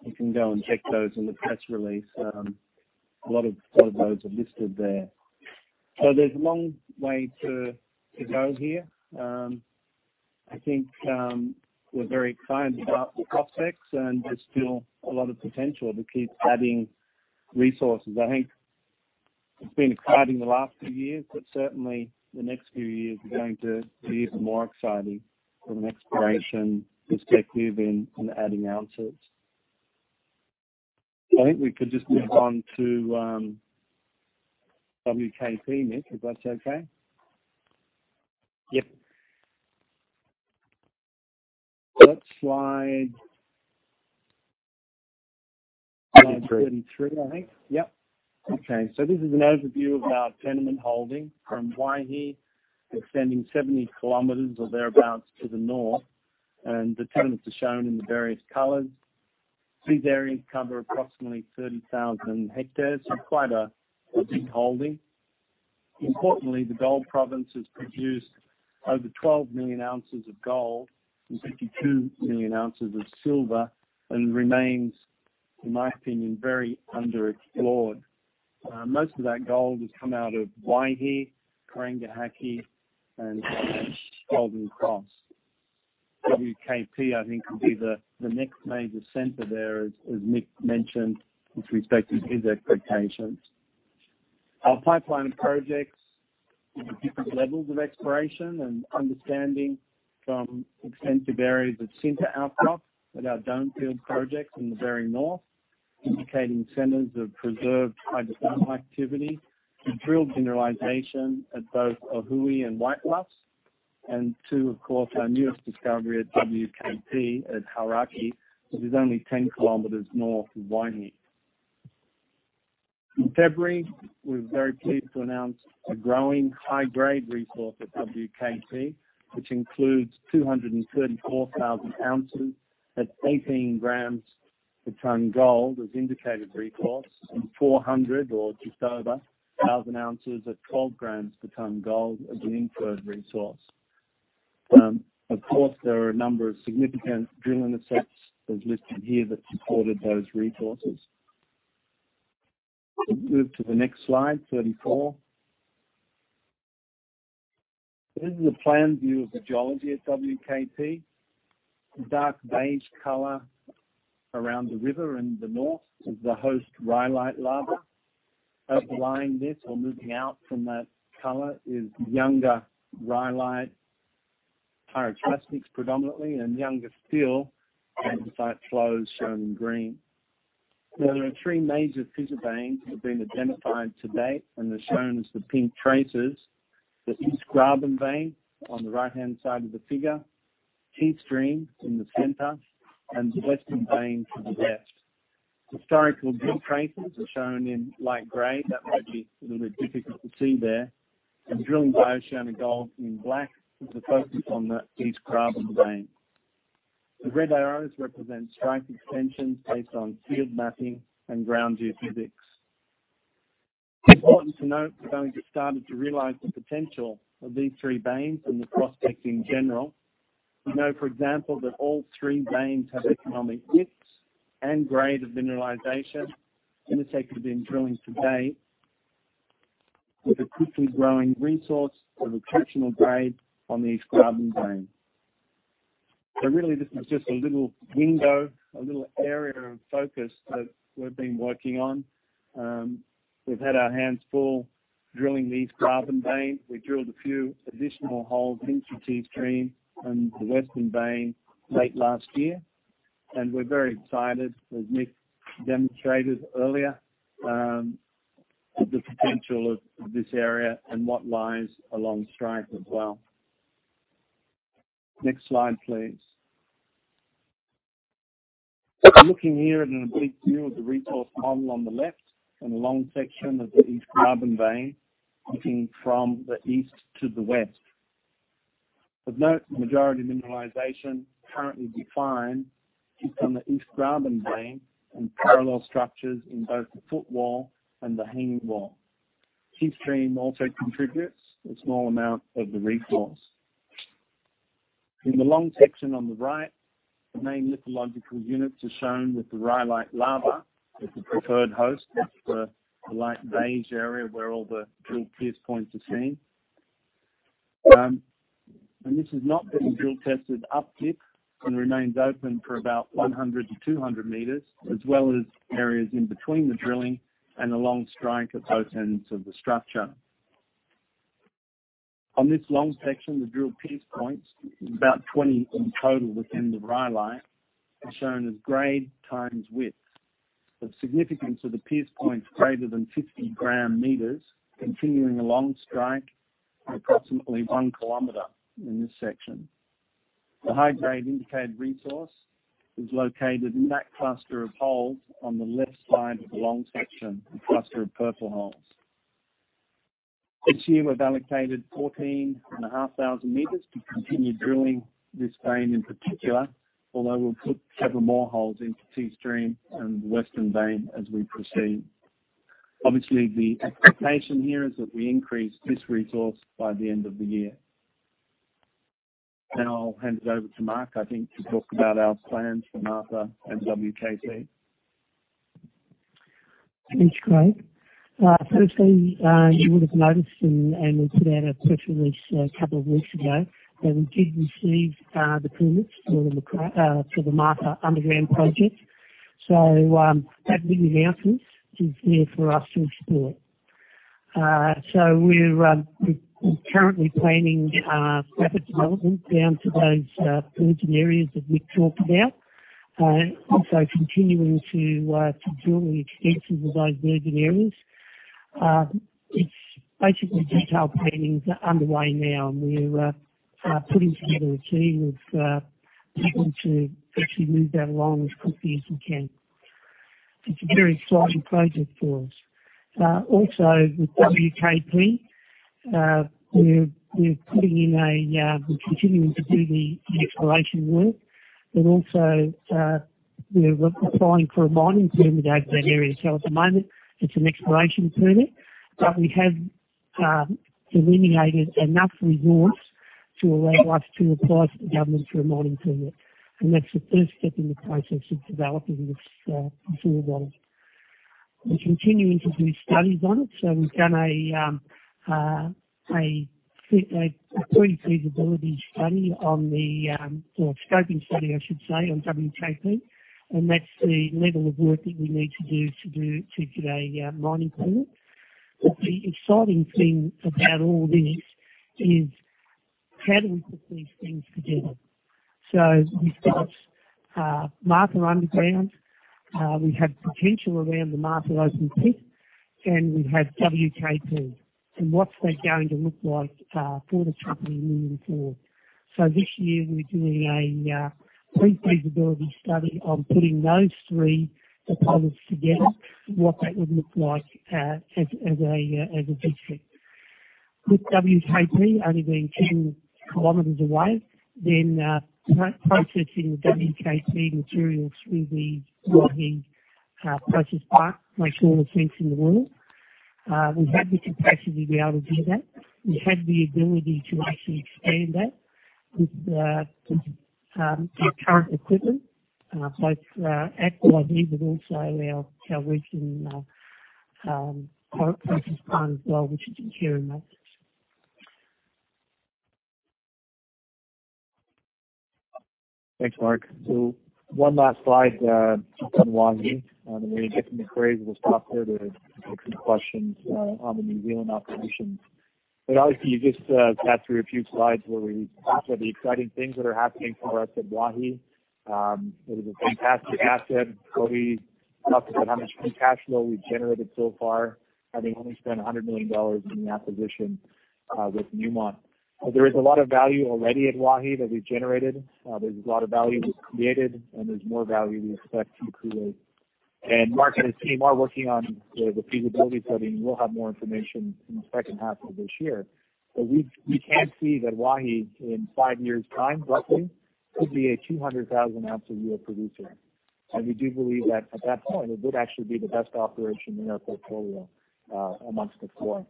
you can go and check those in the press release. A lot of those are listed there. There's a long way to go here. I think we're very excited about the prospects, and there's still a lot of potential to keep adding resources. I think it's been exciting the last few years, but certainly the next few years are going to be even more exciting from an exploration perspective and adding ounces. I think we could just move on to WKP, Nick. Is that okay? Yep. Next slide. Slide 33. Slide 33, I think. Yep. Okay. this is an overview of our tenement holding from Waihi extending 70 kilometers or thereabouts to the north, and the tenements are shown in the various colors. These areas cover approximately 30,000 hectares, so quite a big holding. Importantly, the Hauraki Goldfield has produced over 12 million ounces of gold and 52 million ounces of silver and remains, in my opinion, very underexplored. Most of that gold has come out of Waihi, Karangahake, and Golden Cross. WKP, I think, will be the next major center there, as Mick mentioned with respect to his expectations. Our pipeline of projects in the different levels of exploration and understanding from extensive areas of sinter outcrops at our Dawn Field project in the very north, indicating centers of preserved hydrothermal activity, and drilled mineralization at both Ohui and White Cliffs, and two, of course, our newest discovery at WKP at Hauraki, which is only 10 kilometers north of Waihi. In February, we were very pleased to announce a growing high-grade resource at WKP, which includes 234,000 ounces at 18 grams per tonne gold as indicated resource and 421,000 ounces at 12 grams per tonne gold as an inferred resource. Of course, there are a number of significant drilling intercepts, as listed here, that supported those resources. If we move to the next slide 34. This is a plan view of the geology at WKP. The dark beige color around the river in the north is the host rhyolite lava. Overlying this or moving out from that color is younger rhyolite pyroclastics predominantly, and younger still andesite flows shown in green. Now, there are three major teaser veins that have been identified to date and are shown as the pink traces. The East Graben vein on the right-hand side of the figure, Tea Stream in the center, and the Western vein to the west. Historical drill traces are shown in light gray. That might be a little bit difficult to see there. drilling by OceanaGold in black, with a focus on the East Graben vein. The red arrows represent strike extensions based on field mapping and ground geophysics. It's important to note we've only just started to realize the potential of these three veins and the prospect in general. We know, for example, that all three veins have economic widths and grade of mineralization intersected in drilling to date, with a quickly growing resource of exceptional grade on the East Graben vein. Really, this is just a little window, a little area of focus that we've been working on. We've had our hands full drilling the East Graben vein. We drilled a few additional holes into Tea Stream and the Western vein late last year. We're very excited, as Mick demonstrated earlier, at the potential of this area and what lies along strike as well. Next slide, please. We're looking here at an oblique view of the resource model on the left and a long section of the East Graben vein, looking from the east to the west. Of note, the majority of mineralization currently defined is on the East Graben vein and parallel structures in both the foot wall and the hanging wall. Tea Stream also contributes a small amount of the resource. In the long section on the right, the main lithological units are shown with the rhyolite lava as the preferred host. That's the light beige area where all the drill pierce points are seen. This has not been drill tested up dip and remains open for about 100 to 200 meters, as well as areas in between the drilling and the long strike at both ends of the structure. On this long section, the drill pierce points, about 20 in total within the rhyolite, are shown as grade times width. The significance of the pierce points greater than 50 gram meters continuing along strike approximately one kilometer in this section. The high-grade indicated resource is located in that cluster of holes on the left side of the long section, the cluster of purple holes. This year, we've allocated 14,500 meters to continue drilling this vein in particular. Although we'll put several more holes into Tea Stream and Western vein as we proceed. Obviously, the expectation here is that we increase this resource by the end of the year. Now I'll hand it over to Mark, I think, to talk about our plans for Martha and WKP. Thanks, Craig. Firstly, you would have noticed, and we put out a press release a couple of weeks ago, that we did receive the permits for the Martha underground project. That big announcement is there for us to explore. We're currently planning rapid development down to those virgin areas that we've talked about, and also continuing to drill the extensions of those virgin areas. Basically detailed planning is underway now, and we're putting together a team of people to actually move that along as quickly as we can. It's a very exciting project for us. Also, with WKP, we're continuing to do the exploration work, but also, we're applying for a mining permit over that area. At the moment, it's an exploration permit, but we have eliminated enough resource to allow us to apply to the government for a mining permit. That's the first step in the process of developing this mineral model. We're continuing to do studies on it. We've done a pre-feasibility study on WKP or a scoping study, I should say, on WKP. That's the level of work that we need to do to get a mining permit. The exciting thing about all this is how do we put these things together? We've got Martha underground, we have potential around the Martha open pit, and we have WKP. What's that going to look like for the company moving forward? This year we're doing a pre-feasibility study on putting those three deposits together, what that would look like as a pit strip. With WKP only being 10 kilometers away, then processing the WKP material through the Waihi processing plant makes all the sense in the world. We have the capacity to be able to do that. We have the ability to actually expand that with our current equipment, both at Waihi, but also our Western processing plant as well, which is in here in Macraes.. Thanks, Mark. One last slide on Waihi, and then we'll get some queries. We'll stop there to take some questions on the New Zealand operations. Obviously you just got through a few slides where we talked about the exciting things that are happening for us at Waihi. It is a fantastic asset. We talked about how much free cash flow we've generated so far, having only spent $100 million in the acquisition with Newmont. There is a lot of value already at Waihi that we've generated. There's a lot of value we've created, and there's more value we expect to create. Mark and his team are working on the feasibility study, and we'll have more information in the second half of this year. We can see that Waihi, in five years' time, roughly, could be a 200,000-ounce a year producer. We do believe that at that point, it would actually be the best operation in our portfolio amongst the four.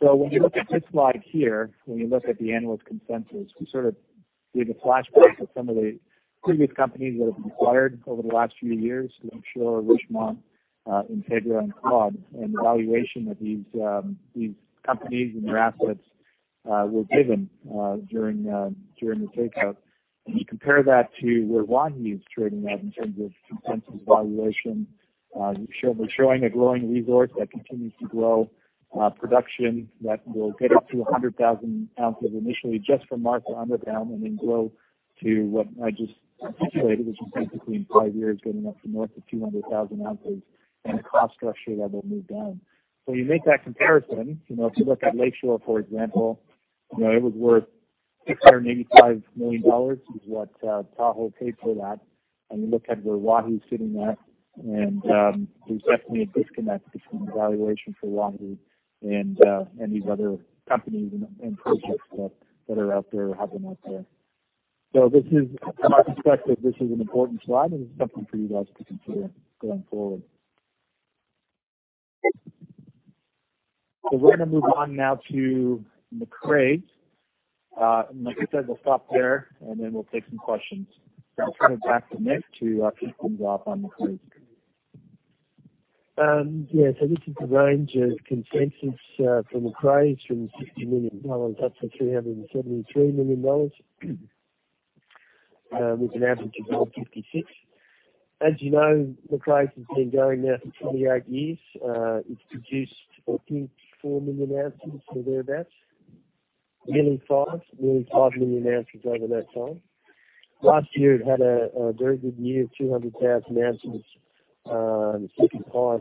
When you look at this slide here, when you look at the analyst consensus, we sort of give a flashback to some of the previous companies that have been acquired over the last few years, Lake Shore, Richmont, Intrepid and Probe, and the valuation that these companies and their assets were given during the takeout. You compare that to where Waihi is trading at in terms of consensus valuation. We're showing a growing resource that continues to grow, production that will get up to 100,000 ounces initially just from Martha underground, and then grow to what I just articulated, which is basically in five years, getting up to north of 200,000 ounces and a cost structure that will move down. You make that comparison. If you look at Lake Shore, for example, it was worth $685 million, is what Tahoe paid for that. You look at where Waihi is sitting at, and there's definitely a disconnect between the valuation for Waihi and these other companies and projects that are out there or have been out there. From my perspective, this is an important slide, and this is something for you guys to consider going forward. We're going to move on now to Macraes. Like I said, we'll stop there, and then we'll take some questions. I'll turn it back to Mick to actually drop on Macraes. Yeah. This is the range of consensus for Macraes, from 60 million dollars up to 373 million dollars, with an average of 256. As you know, Macraes has been going now for 28 years. It's produced 14 to 4 million ounces or thereabouts. Nearly five million ounces over that time. Last year, it had a very good year, 200,000 ounces and 55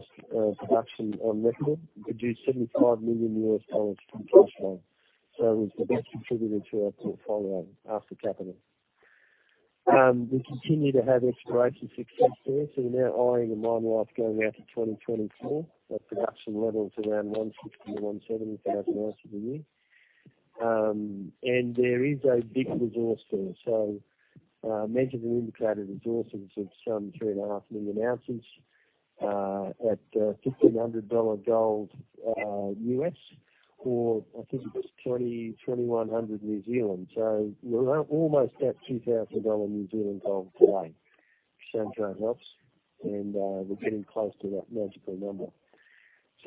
production on record. It produced 75 million US dollars from cash flow. It's the best contributor to our portfolio after capital. We continue to have exploration success there. We're now eyeing a mine life going out to 2024 at production levels around 160 to 170 thousand ounces a year. There is a big resource there. Measured and indicated resources of some 3.5 million ounces at $1,500 gold US, or I think it was 2,100 New Zealand. We're almost at 2,000 New Zealand dollars gold today. Which sounds right helps, and we're getting close to that magical number.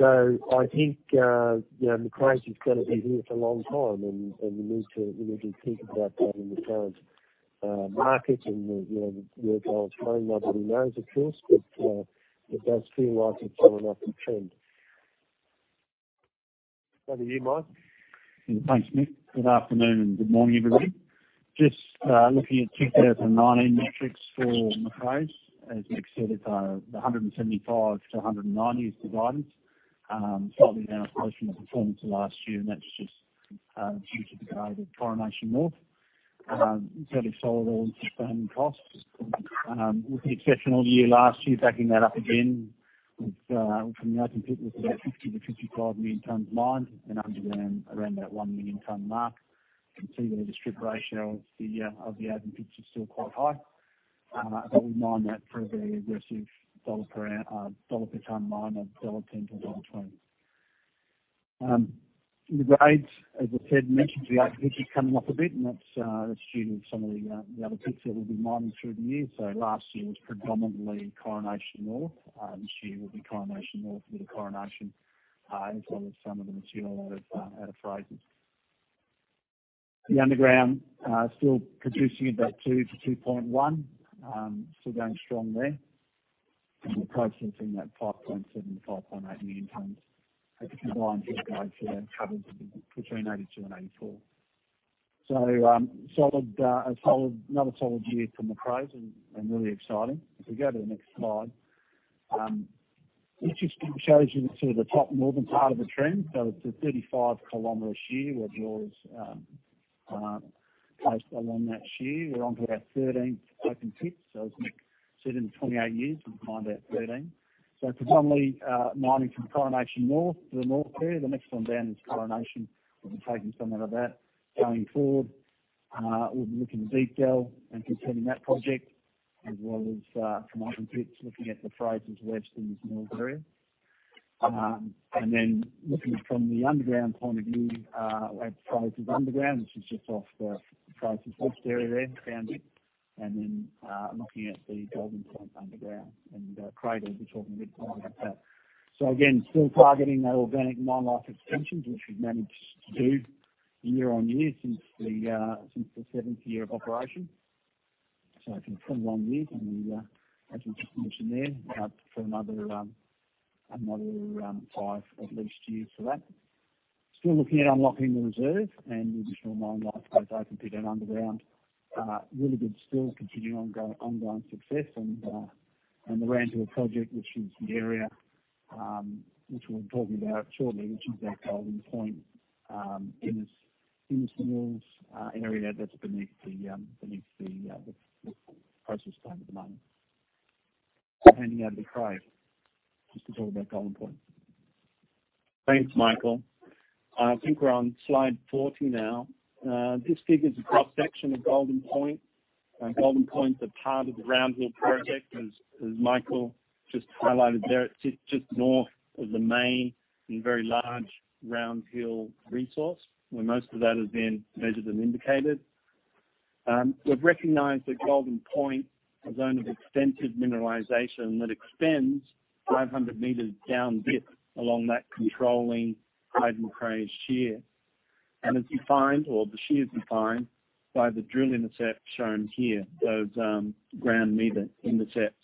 I think, Macraes is going to be here for a long time, and we need to think about that in the current market and where gold's going. Nobody knows, of course, but it does feel like it's on an upward trend. Over to you, Mike. Thanks, Nick. Good afternoon and good morning, everybody. Just looking at 2019 metrics for Macraes. As Mick said, it's 175 to 190 is the guidance. Slightly down on performance for last year, and that's just due to the grade at Coronation North. It's fairly solid on sustaining costs. With the exceptional year last year, backing that up again with, from the open pit with about 50 to 55 million tons mined and underground around that 1 million ton mark. You can see that the strip ratio of the open pits is still quite high. We mine that for a very aggressive dollar per ton mine of $1.10 to $1.20. The grades, as I said, mentioned the open pit coming off a bit, and that's due to some of the other pits that we've been mining through the year. Last year was predominantly Coronation North. This year will be Coronation North with Coronation, as well as some of the material out of Frazer. The underground still producing at that 2 to 2.1. Still going strong there. And we're processing that 5.7, 5.8 million tons at the combined pit grade for that covering between 82 and 84. So another solid year for Macraes and really exciting. If we go to the next slide. This just shows you the top northern part of the trend. So it's a 35-kilometer shear where the ore is, based along that shear. We're onto our thirteenth open pit. As Mick said, in 28 years, we've mined out 13. So predominantly mining from Coronation North to the north there. The next one down is Coronation. We'll be taking some out of that going forward. We'll be looking in detail and continuing that project as well as from open pits, looking at the Frazer to Webster East mills area. And then looking from the underground point of view, at Frazer's underground, which is just off the Frazer's West area there, boundary. And then, looking at the Golden Point underground, and Craig will be talking a bit more about that. So again, still targeting that organic mine life extensions, which we've managed to do year on year since the seventh year of operation. So for 21 years, and as we just mentioned there, for another five at least years for that. Still looking at unlocking the reserve and additional mine life both open pit and underground. Really good still, continuing ongoing success and the Round Hill project, which is the area, which we'll be talking about shortly, which is that Golden Point, Innes Mills area that's beneath the process plant at the moment. Handing over to Craig, just to talk about Golden Point. Thanks, Michael. I think we're on slide 40 now. This figure's a cross-section of Golden Point. Golden Point's a part of the Round Hill project, as Michael just highlighted there. It's just north of the main and very large Round Hill resource, where most of that has been measured and indicated. We've recognized that Golden Point, a zone of extensive mineralization that extends 500 meters down dip along that controlling Hyde-Macraes shear. It's defined, or the shear's defined by the drill intercepts shown here, those gram meter intercepts.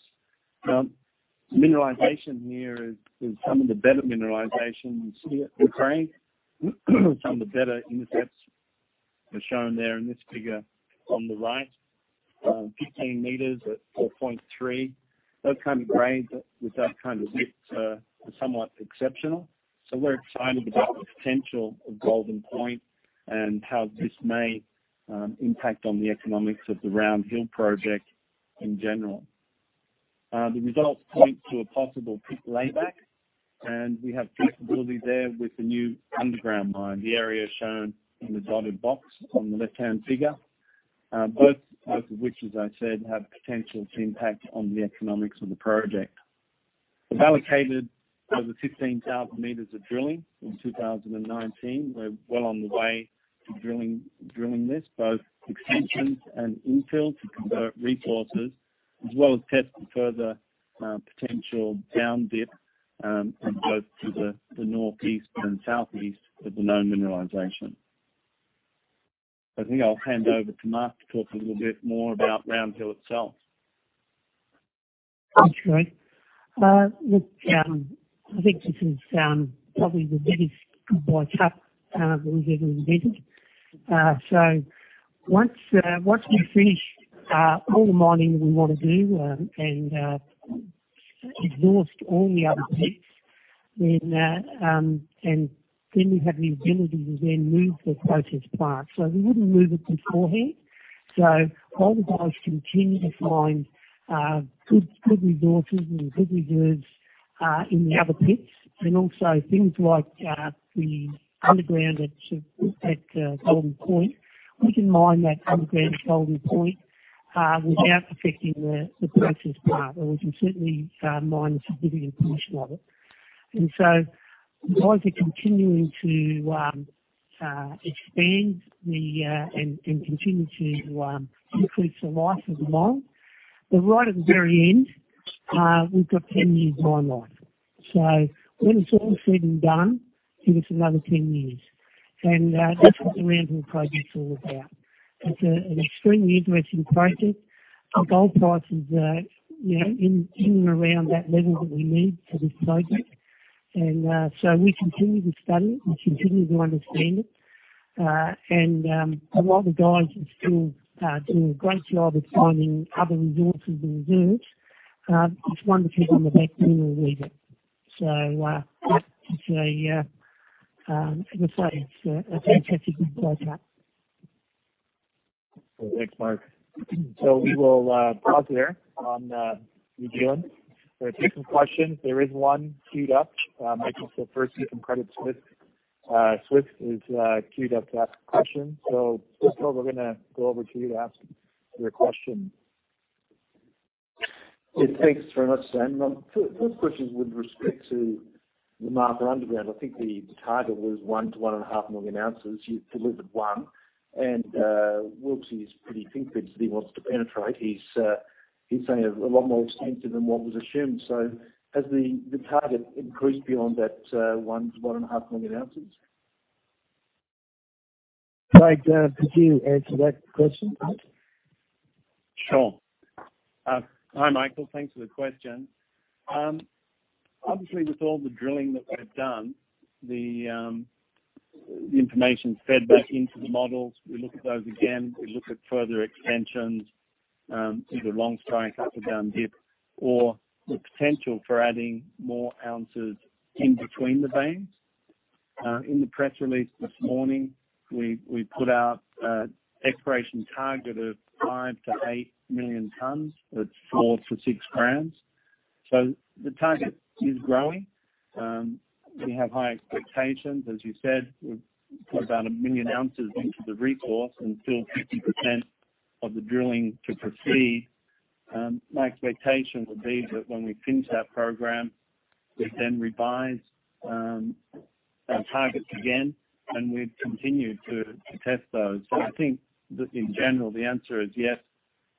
Mineralization here is some of the better mineralizations here at Macraes. Some of the better intercepts are shown there in this figure on the right. 15 meters at 4.3. Those kind of grades with that kind of width are somewhat exceptional. We're excited about the potential of Golden Point and how this may impact on the economics of the Round Hill project in general. The results point to a possible pit layback, and we have flexibility there with the new underground mine, the area shown in the dotted box on the left-hand figure. Both of which, as I said, have potential to impact on the economics of the project. We've allocated over 16,000 meters of drilling in 2019. We're well on the way to drilling this, both extensions and infill, to convert resources, as well as test further potential down dip, and both to the northeast and southeast of the known mineralization. I think I'll hand over to Mark to talk a little bit more about Round Hill itself. Thanks, Craig. Look, I think this is probably the best that we've ever invented. Once we finish all the mining that we want to do and exhaust all the other pits, then we have the ability to then move the process plant. We wouldn't move it beforehand. While the guys continue to find good resources and good reserves in the other pits, and also things like the underground at Golden Point, we can mine that underground at Golden Point without affecting the process plant, or we can certainly mine a significant portion of it. The guys are continuing to expand and continue to increase the life of the mine. Right at the very end, we've got 10 years mine life. When it's all said and done, give us another 10 years. That's what the Round Hill project's all about. It's an extremely interesting project. The gold price is in and around that level that we need for this project. We continue to study it, we continue to understand it. A lot of the guys are still doing a great job of finding other resources and reserves. It's one to keep on the back burner with. As I say, it's a fantastic Well, thanks, Mark. We will pause there on New Zealand. We'll take some questions. There is one queued up. Michael Siperco from Credit Suisse is queued up to ask a question. Michael, we're going to go over to you to ask your question. Yeah, thanks very much. My first question is with respect to the Martha underground. I think the target was one to one and a half million ounces. You've delivered one. Wilkes is pretty convinced that he wants to penetrate. He's saying a lot more extensive than what was assumed. Has the target increased beyond that one to one and a half million ounces? Greg, could you answer that question please? Sure. Hi, Michael. Thanks for the question. Obviously, with all the drilling that we've done, the information's fed back into the models. We look at those again. We look at further extensions, either along strike up or down dip, or the potential for adding more ounces in between the veins. In the press release this morning, we put out an exploration target of five to eight million tons at four to six grams. The target is growing. We have high expectations. As you said, we've put about a million ounces into the resource and still 50% of the drilling to proceed. My expectation would be that when we finish that program, we then revise our targets again, and we'd continue to test those. I think that in general, the answer is yes.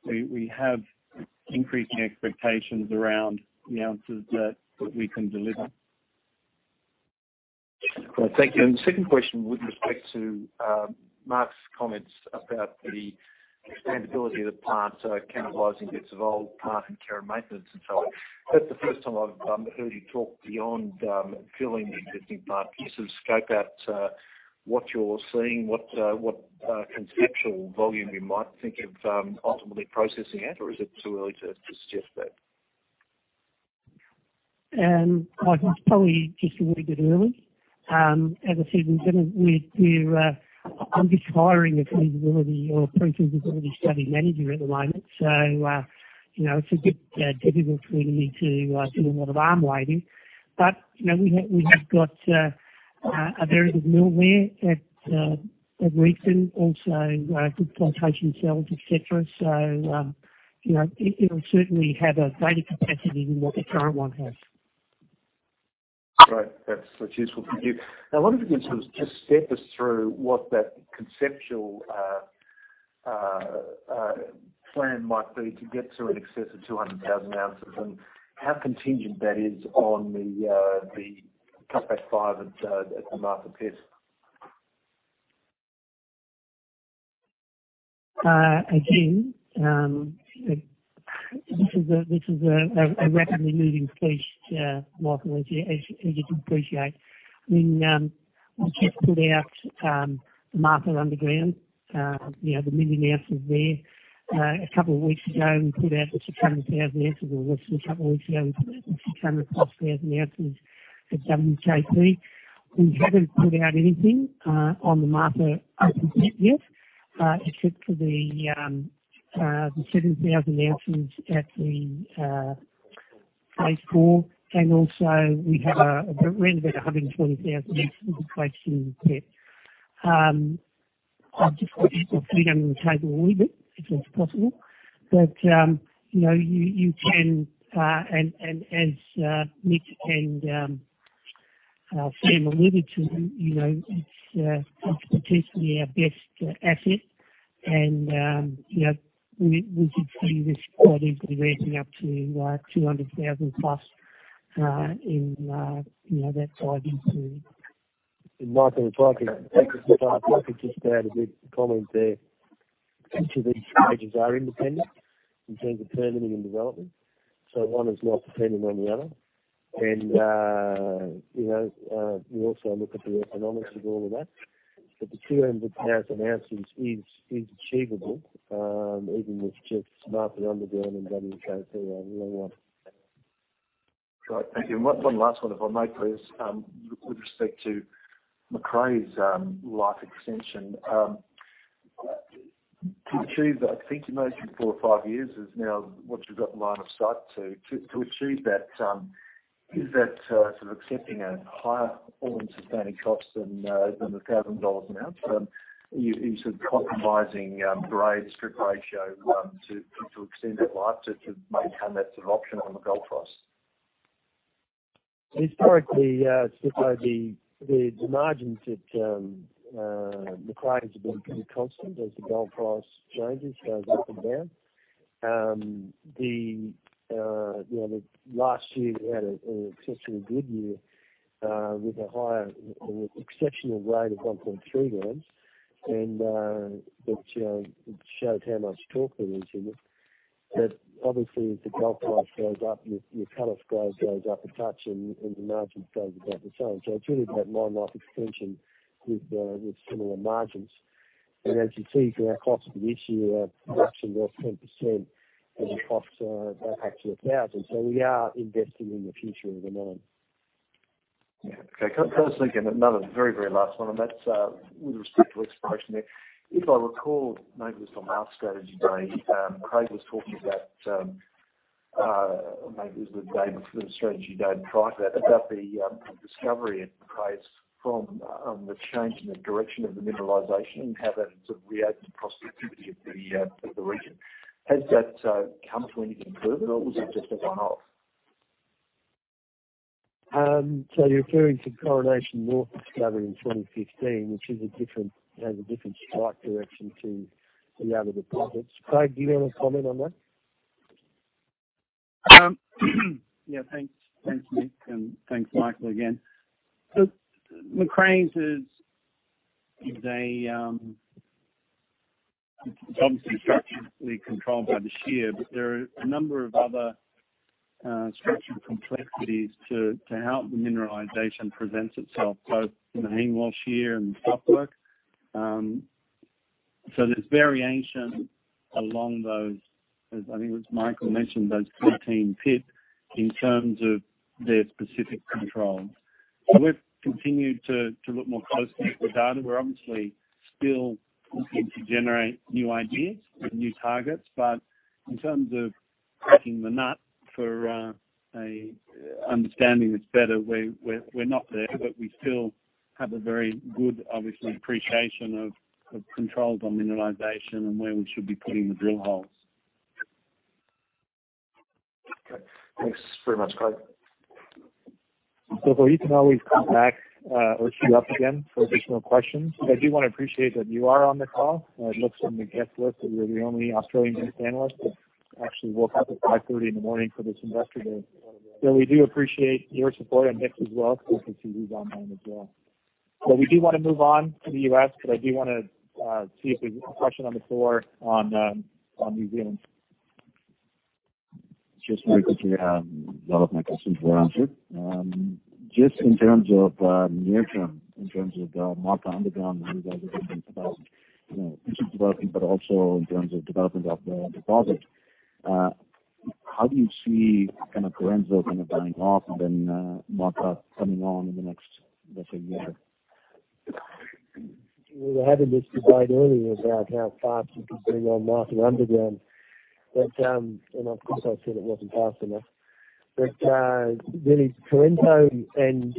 We have increasing expectations around the ounces that we can deliver. Great. Thank you. The second question, with respect to Mark's comments about the expandability of the plant, so cannibalizing bits of old plant and care and maintenance and so on. That's the first time I've heard you talk beyond filling the existing plant. Can you sort of scope out what you're seeing, what conceptual volume you might think of ultimately processing out? Or is it too early to suggest that? Michael, it's probably just a wee bit early. As I said, we're hiring a feasibility or pre-feasibility study manager at the moment. It's a bit difficult for me to do a lot of arm waving. We have got a very good mill there at Winston, also good flotation cells, et cetera. It'll certainly have a greater capacity than what the current one has. Great. That's useful. Thank you. Now, I wonder if you can sort of just step us through what that conceptual plan might be to get to in excess of 200,000 ounces and how contingent that is on the Cutback Five at the Martha pit. Again, this is a rapidly moving feast, Michael, as you'd appreciate. We just put out the Martha underground, the million ounces there, a couple of weeks ago. We put out the 600,000 ounces or less than a couple of weeks ago, the 600 plus thousand ounces at WKP. We haven't put out anything on the Martha open pit yet, except for the 7,000 ounces at the stockpile call, and also we have around about 120,000 in the place being kept. I'd just put it on the table a little bit, if that's possible. You can, and as Mick and Sam alluded to, it's potentially our best asset. We could see this quite easily ramping up to 200,000 plus, in that side into- Michael, if I could, if I could just add a quick comment there. Each of these stages are independent in terms of permitting and development. One is not dependent on the other. We also look at the economics of all of that. The 200,000 ounces is achievable, even with just Martha underground and WKP alone. Right. Thank you. One last one, if I may, please. With respect to Macraes life extension. To achieve, I think you mentioned four or five years is now what you've got line of sight to achieve that, is that sort of accepting a higher all-in sustaining cost than the $1,000 an ounce? Are you sort of compromising grade, strip ratio, to extend that life, to maintain that sort of option on the gold price? Historically, the margins at Macraes have been pretty constant as the gold price changes goes up and down. The last year, we had an exceptionally good year, with a higher exceptional grade of 1.3 grams and, which showed how much torque there is in it. obviously, if the gold price goes up, your cut-off grade goes up a touch and the margin stays about the same. it's really about mine life extension with similar margins. as you see from our costs for this year, our production was 10% and the costs are back to 1,000. we are investing in the future of the mine. Yeah. Okay. Can I just take another very last one, and that's with respect to exploration there. If I recall, maybe it was from our strategy day, Craig was talking about, maybe it was the day before the strategy day, prior to that, about the discovery at Price from the change in the direction of the mineralization and how that sort of reopens the productivity of the region. Has that come to any improvement or was it just a one-off? you're referring to Coronation North discovery in 2015, which has a different strike direction to the other deposits. Craig, do you want to comment on that? Yeah. Thanks, Nick, and thanks, Michael, again. Macraes is obviously structurally controlled by the shear, but there are a number of other structural complexities to how the mineralization presents itself, both in the hanging wall shear and the footwall. there's variation along those, as I think it was Michael mentioned, those 13 pits in terms of their specific controls. we've continued to look more closely at the data. We're obviously still looking to generate new ideas and new targets, in terms of cracking the nut for understanding this better, we're not there, but we still have a very good, obviously, appreciation of controls on mineralization and where we should be putting the drill holes. Okay. Thanks very much, Craig. you can always come back or queue up again for additional questions. I do want to appreciate that you are on the call. It looks from the guest list that you're the only Australian analyst that actually woke up at 5:30 in the morning for this investor day. we do appreciate your support and Mick's as well, since we see he's online as well. we do want to move on to the U.S. because I do want to see if there's a question on the floor on New Zealand. Just very quickly, a lot of my questions were answered. Just in terms of near-term, in terms of Martha underground and developing, but also in terms of development of the deposit. How do you see Correnso kind of dying off and then Martha coming on in the next, let's say, a year? We were having this debate earlier about how fast you could bring on Martha underground. and of course, I said it wasn't fast enough. really Correnso and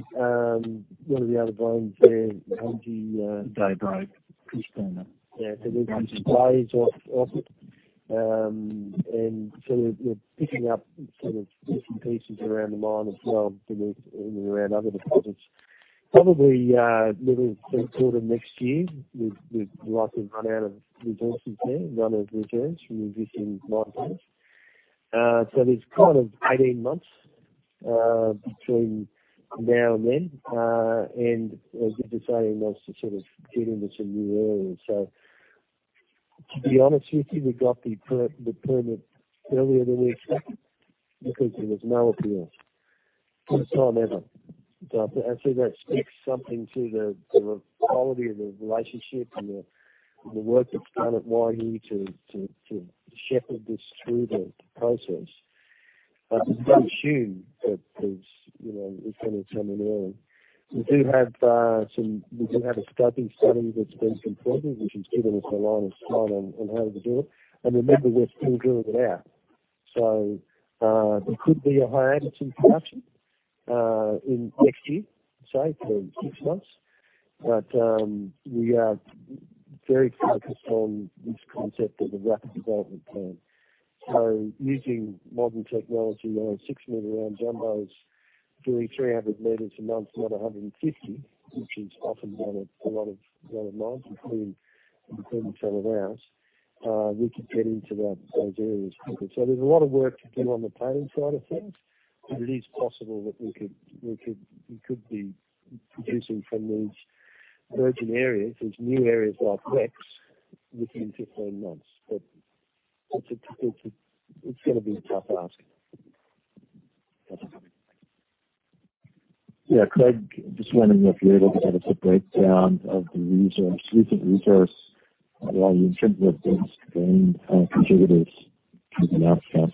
what are the other mines there, [Hanji]- Daybreak. Christina. Yeah. There's [Hanji]. Day is off it. Sort of we're picking up sort of different pieces around the mine as well in and around other deposits. Probably, middle, third quarter of next year, we'd likely run out of resources there, run out of reserves from existing mines. There's kind of 18 months, between now and then. As you were saying, once you sort of get into some new areas so. To be honest with you, we got the permit earlier than we expected because there was no appeals for the first time ever. I'd say that speaks something to the sort of quality of the relationship and the work that's done at Waihi to shepherd this through the process. It's fair to assume that there's, it's going to come in early. We do have a scoping study that's been completed, which has given us a line of sight on how to do it. Remember, we're still drilling it out. There could be a hiatus in production, in next year, say for six months. We are very focused on this concept of a rapid development plan. Using modern technology on six-meter round jumbos, doing 300 meters a month, not 150, which is often done at a lot of mines, including some of ours, we could get into those areas quicker. There's a lot of work to do on the planning side of things, but it is possible that we could be producing from these virgin areas, these new areas like Rex, within 15 months. It's going to be a tough ask. Yeah, Craig, just wondering if you're able to give us a breakdown of the recent resource at Waihi in terms of those vein contributors to the North Pit.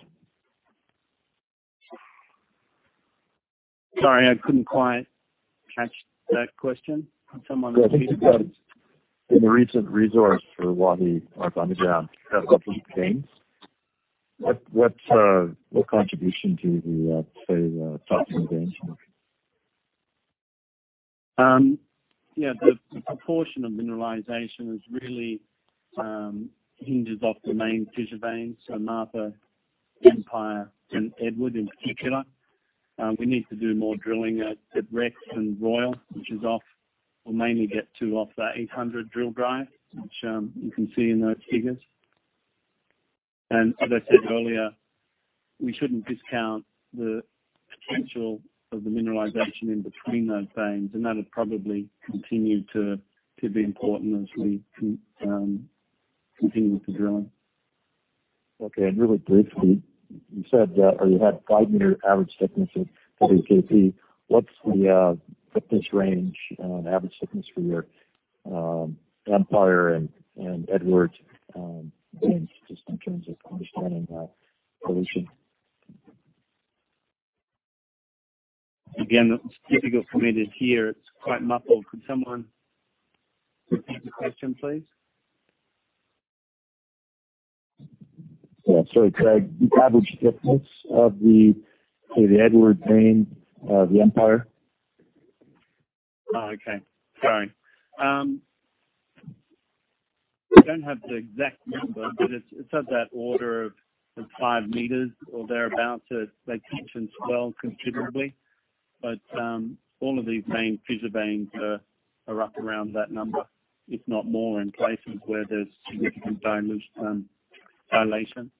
Sorry, I couldn't quite catch that question. Can someone repeat it, please? In the recent resource for Waihi underground, you have a couple of veins. What contribution do the South Wing veins make? Yeah. The proportion of mineralization really hinges off the main fissure veins, so Martha, Empire, and Edward in particular. We need to do more drilling at Rex and Royal. We'll mainly get two off that 800 drill drive, which you can see in those figures. As I said earlier, we shouldn't discount the potential of the mineralization in between those veins, and that'd probably continue to be important as we continue with the drilling. Okay. Really briefly, you said that you had five-meter average thickness at WKP. What's the thickness range on average thickness for your Empire and Edward veins, just in terms of understanding that evolution? Again, it's difficult for me to hear. It's quite muffled. Could someone repeat the question, please? Yeah. Sorry, Craig. The average thickness of the Edward vein, the Empire. Oh, okay. Sorry. We don't have the exact number, but it's of that order of five meters or thereabout. They can swell considerably. But all of these main fissure veins are up around that number, if not more, in places where there's significant vein dilation.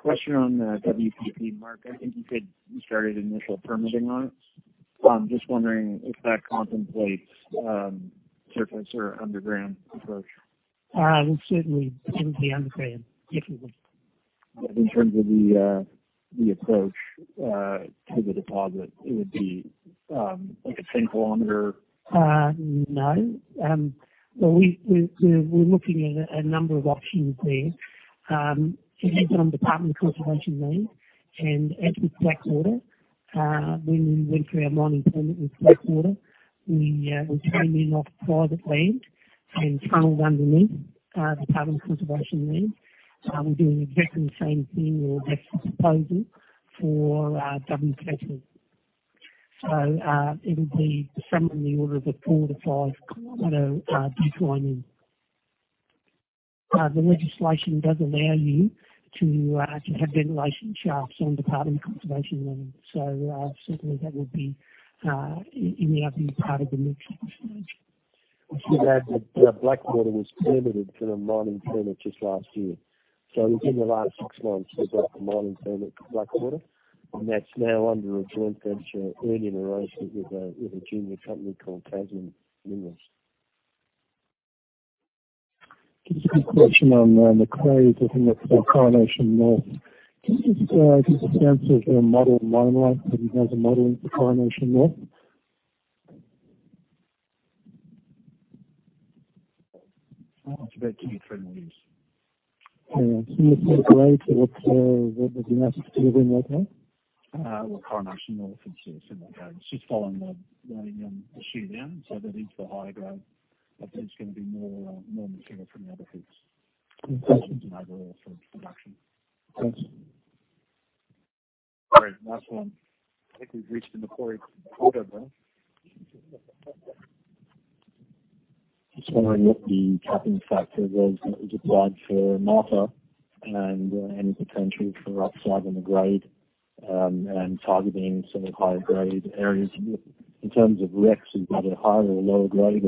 Question on the WKP, Mark. I think you said you started initial permitting on it. I'm just wondering if that contemplates surface or underground approach. It certainly will be underground. Definitely. In terms of the approach to the deposit, it would be like a 10-kilometer- No. Well, we're looking at a number of options there. It is on Department of Conservation land, and as with Blackwater, when we went for our mining permit with Blackwater, we turned in off private land and tunneled underneath the Department of Conservation land. We're doing exactly the same thing or that's the proposal for WKP. It'll be somewhere in the order of a four to five-kilometer decline in. The legislation does allow you to have ventilation shafts on Department of Conservation land. Certainly, that would be in the early part of the mixed stage. Just to add that Blackwater was permitted for the mining permit just last year. Within the last six months, we got the mining permit for Blackwater, and that's now under a joint venture, earn-in arrangement, with a junior company called Tasman Mining. Just a quick question on Macraes, looking at the Coronation North. Can you just give a sense of your model mine life if it has a model for Coronation North? It's about two to three more years. Yeah. Similar to Macraes. what's the gymnastics you're doing right now? Well, Coronation North, it's just following the shear down. that into the higher grade. I think it's going to be more material from the other pits in terms of overall sort of production. Thanks. All right. Last one. I think we've reached the Macraes quota, Brad. Just wondering what the capping factor was that was applied for Martha and any potential for upside on the grade, and targeting some of the higher-grade areas. In terms of Rex, is that a higher or lower grade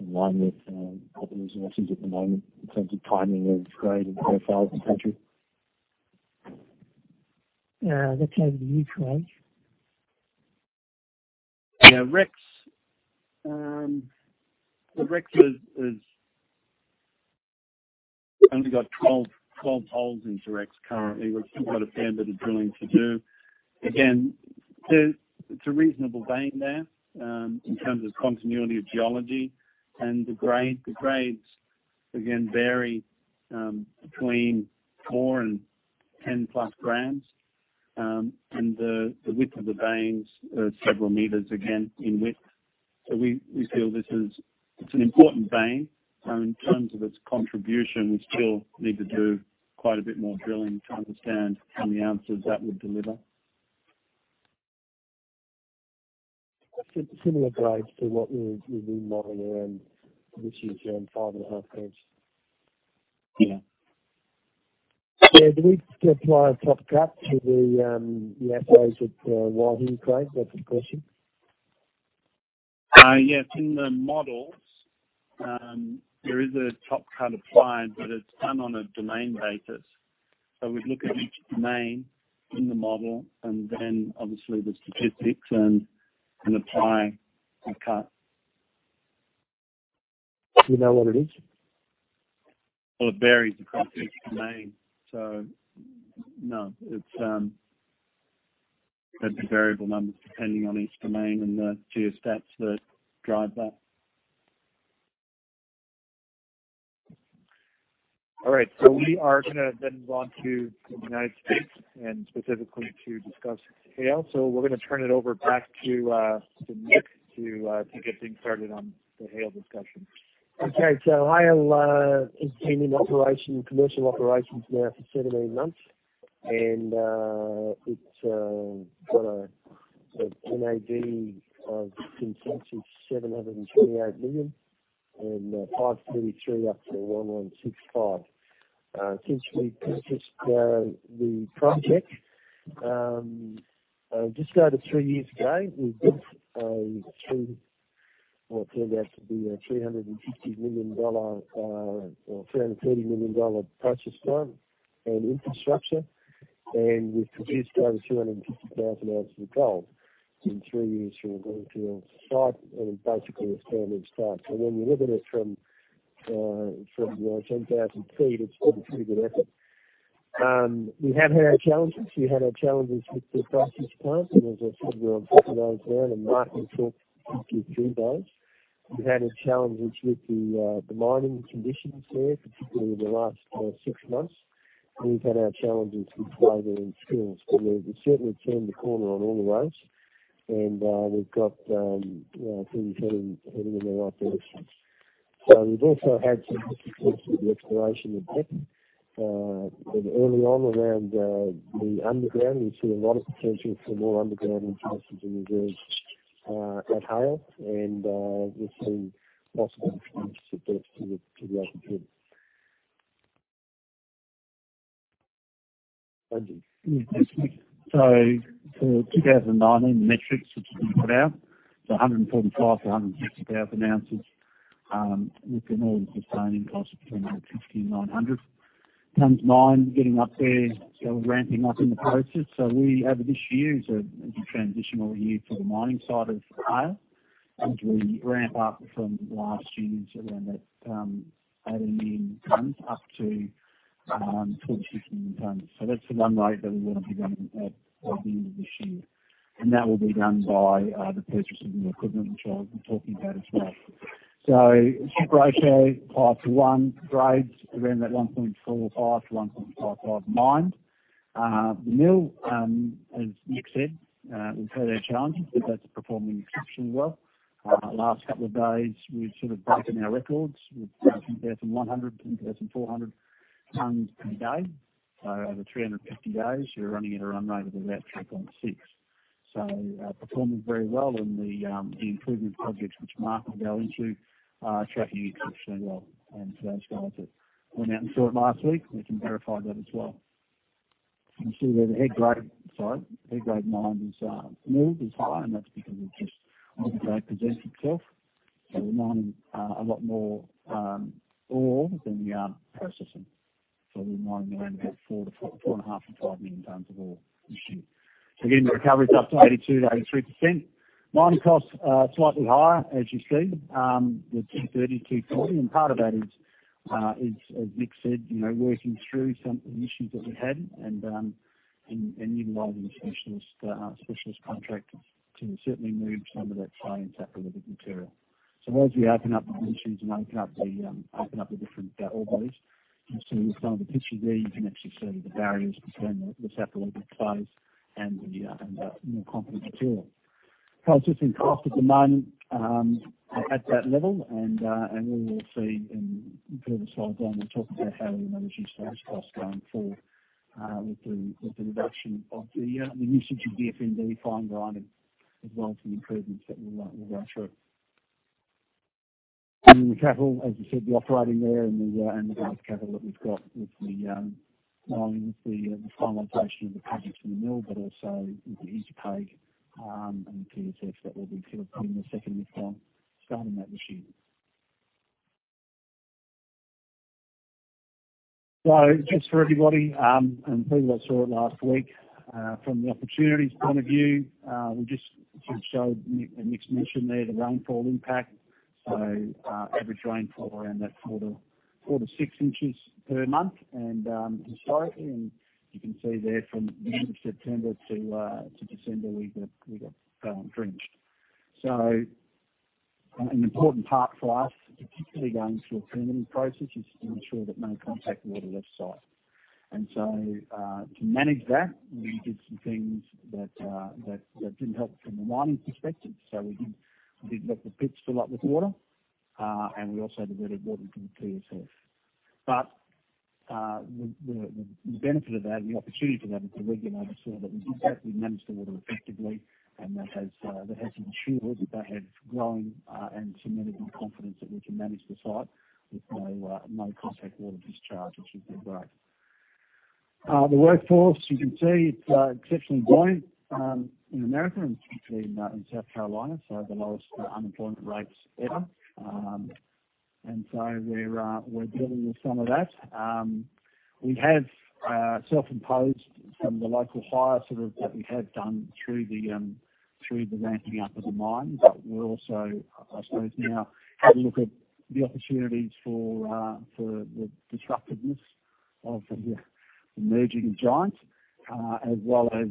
or in line with other resources at the moment in terms of timing of grade and profile potential? That's over to you, Craig. Yeah. Rex. We only got 12 holes into Rex currently. We've still got a fair bit of drilling to do. Again, it's a reasonable vein there in terms of continuity of geology. The grades, again, vary between four and 10-plus grams. The width of the veins are several meters, again, in width. We feel this is an important vein. In terms of its contribution, we still need to do quite a bit more drilling to understand how many ounces that would deliver. Similar grades to what you've been modeling around, which is around five and a half grams. Yeah. Yeah. Do we still apply a top cut to the orebodies with wide hinge grade? That's the question. Yes, in the models, there is a top cut applied, but it's done on a domain basis. We look at each domain in the model and then obviously the statistics and apply a cut. Do you know what it is? Well, it varies across each domain. No. It's variable numbers depending on each domain and the geostats that drive that. All right. We are going to then move on to the U.S. and specifically to discuss Haile. We're going to turn it over back to Mick to get things started on the Haile discussion. Okay. Haile has been in commercial operations now for 17 months, and it's got a NAV of, since then, $728 million and $533 up to $1165. Since we purchased the project just over three years ago, we built what turned out to be a $350 million or $330 million purchase price and infrastructure. We've produced over 250,000 ounces of gold in three years from going from site and basically a standing start. When you look at it from, 10,000 feet, it's been a pretty good effort. We have had our challenges. We had our challenges with the process plant, and as I said, we're on top of those now. Martin will talk you through those. We've had our challenges with the mining conditions there, particularly in the last six months. We've had our challenges with labor and skills. We've certainly turned the corner on all of those, and we've got things heading in the right direction. We've also had some difficulties with the exploration of depth. Early on around the underground, we see a lot of potential for more underground resources and reserves at Haile, and we'll see lots more attempts at that through the year. Andrew. Yes. For 2019, the metrics which we put out, so 145,000 to 160,000 ounces, with an all-in sustaining cost of between $950 and $900. Tons mined getting up there, ramping up in the process. This year is a transitional year for the mining side of Haile as we ramp up from last year's around that, 8 million tons up to 12 to 15 million tons. That's the run rate that we want to be running at by the end of this year. That will be done by the purchase of new equipment, which I'll be talking about as well. Strip ratio 5 to 1. Grades around that 1.45 to 1.55 mined. The mill as Mick said, we've had our challenges, but that's performing exceptionally well. Last couple of days, we've sort of broken our records with 13,100, 13,400 tons per day. So over 350 days, we're running at a run rate of about 3.6. So performing very well in the improvement projects, which Martin will go into, tracking exceptionally well. And for those guys that went out and saw it last week, we can verify that as well. You can see there, the head grade, sorry, head grade mined is milled is higher, and that's because of just ore grade presents itself. So we're mining a lot more ore than we are processing. So we're mining around about 4.5 to 5 million tons of ore this year. So again, the recovery is up to 82% to 83%. Mining costs are slightly higher, as you see, with $230, $240. And part of that is, as Mick said, working through some issues that we had and utilizing specialist contractors to certainly move some of that clay and saprolitic material. So as we open up the pits and open up the different ore bodies, you can see with some of the pictures there, you can actually see the barriers between the saprolitic clays and the more competent material. Processing cost at the moment, at that level, and we will see in further slides on, we'll talk about how we manage these storage costs going forward with the reduction of the usage of [DFND] fine grinding, as well as the improvements that we'll go through. And then the capital, as we said, the operating there and the growth capital that we've got with the mining, the finalization of the projects in the mill, but also with the Inter-Pig and the POX that will be put in the second half starting that this year. just for everybody, and people that saw it last week, from the opportunities point of view, we just sort of showed, and Mick's mentioned there, the rainfall impact. average rainfall around that four to six inches per month and historically, and you can see there from the end of September to December, we got drenched. an important part for us, particularly going through a permitting process, is to ensure that no contact water left site. to manage that, we did some things that didn't help from the mining perspective. we did let the pits fill up with water, and we also diverted water from the PSM. the benefit of that and the opportunity for that is that we can oversaw that we exactly managed the water effectively, and that has ensured that they have grown and cemented in confidence that we can manage the site with no contact water discharge, which has been great. the workforce, you can see it's exceptionally buoyant in America and particularly in South Carolina, so the lowest unemployment rates ever. we're dealing with some of that. we have self-imposed some of the local hire sort of that we have done through the ramping up of the mine. we also, I suppose now, have a look at the opportunities for the disruptiveness of the emerging giant, as well as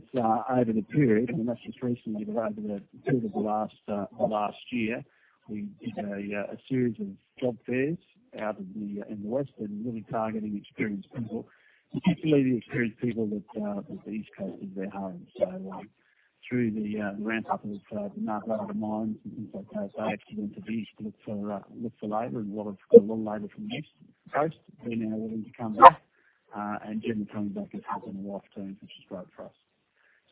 over the period, and that's just recently, but over the period of the last year, we did a series of job fairs out in the West and really targeting experienced people, particularly the experienced people that the East Coast is their home. through the ramp-up of the mine in South Carolina, they had to go to the East to look for labor, and a lot of labor from the East Coast been now willing to come back, and Jim coming back has helped in a tight team, which is great for us.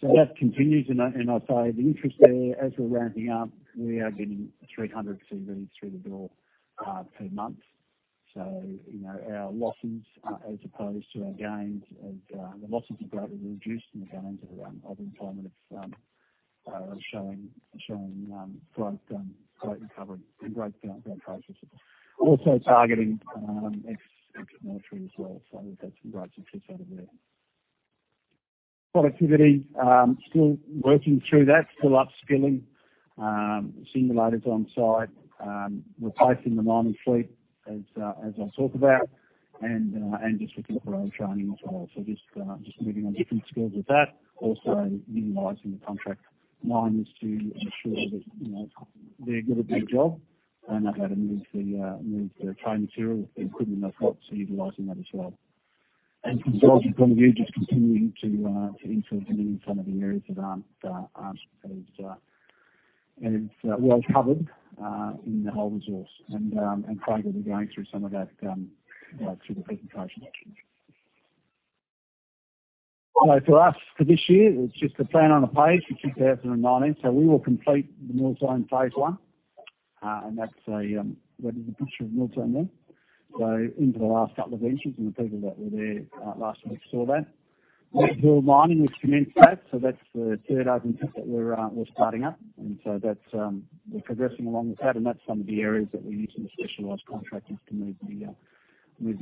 that continues, and I say the interest there as we're ramping up, we are getting 300 CVs through the door per month. our losses as opposed to our gains, the losses are greatly reduced and the gains of employment are showing great recovery and great processes. also targeting ex-military as well. we've had some great success over there. productivity, still working through that, still upskilling simulators on-site, replacing the mining fleet as I talk about and just looking at our own training as well. just moving on different skills with that. also utilizing the contract miners to ensure that they're good at their job and they know how to move the clay material with the equipment they've got, so utilizing that as well. from a consultant point of view, just continuing to infill some of the areas that aren't as well covered in the whole resource and Craig will be going through some of that through the presentation. For us, for this year, it's just a plan on a page for 2019. We will complete the Mill Zone Phase One, and that's a, where there's a picture of Mill Zone there. Into the last couple of benches and the people that were there last week saw that. Open pit mining, we've commenced that, so that's the third open pit that we're starting up, and so that's, we're progressing along with that, and that's some of the areas that we're using the specialized contractors to move the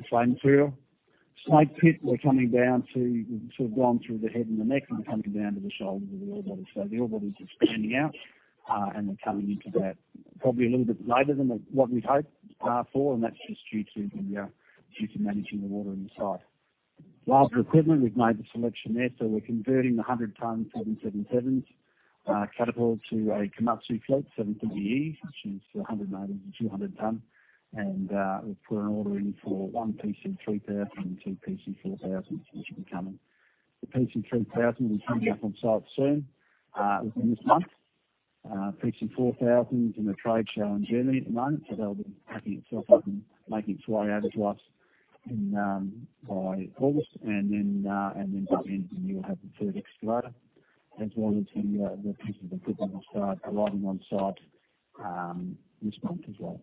slate material. Slate pit, we're coming down to, we've sort of gone through the head and the neck and we're coming down to the shoulders of the ore body. The ore bodies are standing out, and we're coming into that probably a little bit later than what we'd hoped for, and that's just due to managing the water in the site. Larger equipment, we've made the selection there. We're converting the 100 ton 777 Caterpillar to a Komatsu fleet, 730E, which is a 190 to 200 ton. And we've put an order in for one PC3000 and two PC4000s, which will be coming. The PC3000 will come here on site soon, within this month. PC4000 is in a trade show in Germany at the moment, so that will be packing itself up and making its way out to us by August. And then at the end of the year, we'll have the third excavator, as well as the pieces of equipment will start arriving on site this month as well.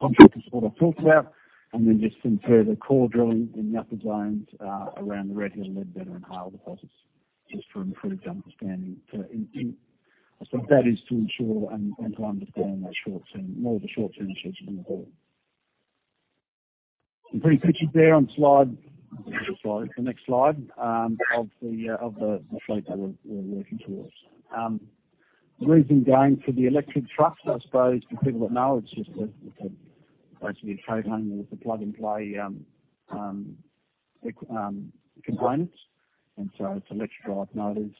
Contract is what I talked about, and then just some further core drilling in the upper zones around the Red Hill, Ledbetter and Haile deposits, just for improved understanding. That is to ensure and to understand those short-term, more of the short-term issues moving forward. Some pretty pictures there on slide, the next slide, of the fleet that we're working towards. The reason going for the electric trucks, I suppose, for people that know, it's just basically a trade name with a plug-and-play components. And so it's electric drive motors.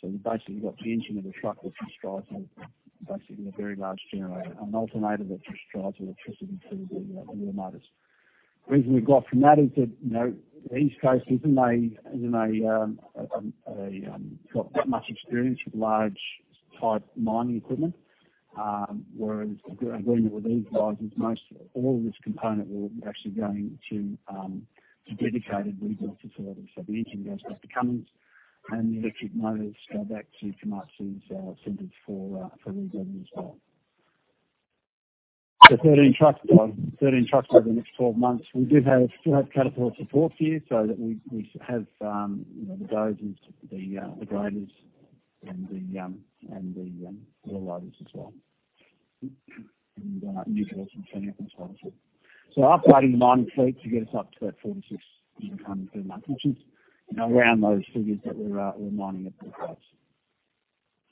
So you basically got the engine of the truck, which just drives a, basically a very large generator, an alternator that just drives electricity through the wheel motors. The reason we've got from that is that, the East Coast isn't a-- got that much experience with large type mining equipment, whereas agreement with these guys is most, all of this component will actually be going to dedicated rebuild facilities. So the engine goes back to Cummins, and the electric motors go back to Komatsu's centers for rebuilding as well. 13 trucks over the next 12 months. We do have still have Caterpillar support here so that we have the dozers, the graders, and the wheel loaders as well. News also coming up as well. Upgrading the mining fleet to get us up to that 46 in the coming few months, which is around those figures that we're mining at the rates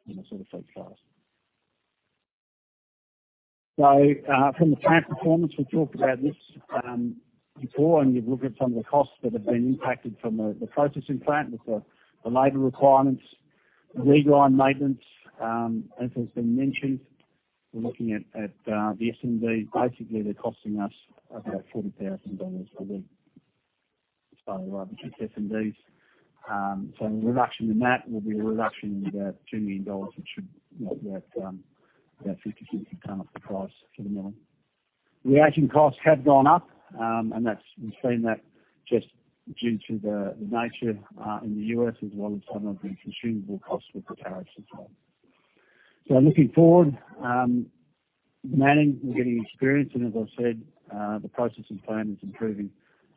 in a sort of safe class. From the plant performance, we talked about this before, and you've looked at some of the costs that have been impacted from the processing plant with the labor requirements, the regrind maintenance, as has been mentioned. We're looking at the SMDs. Basically, they're costing us about $40,000 a week. Sorry, the SMDs. A reduction in that will be a reduction of about $2 million, which should make that 50, 60 ton of the price for the million. Reaction costs have gone up, and we've seen that just due to the nature in the U.S. as well in terms of the consumable costs with the tariffs as well. Looking forward, manning, we're getting experience, and as I've said, the process and plan is improving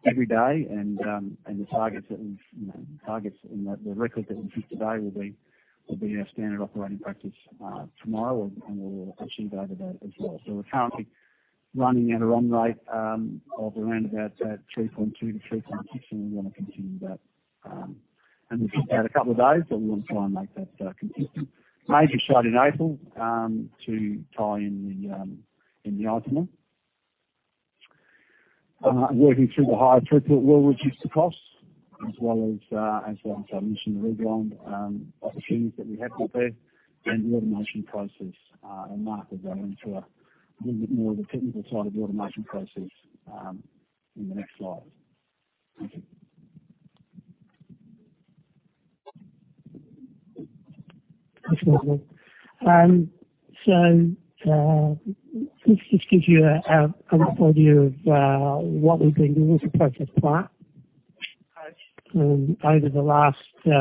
every day and the targets and the record that we've hit today will be our standard operating practice tomorrow and we'll achieve over that as well. We're currently running at a run rate of around about 3.2 to 3.6, and we want to continue that. We've had a couple of days, but we want to try and make that consistent. Major shut in April to tie in the itema. Working through the higher throughput will reduce the costs as well as I mentioned, the regrind opportunities that we have got there and the automation process. Mark will go into a little bit more of the technical side of the automation process in the next slide. Thank you. Absolutely. This just gives you an overview of what we've been doing to the process plant over the last two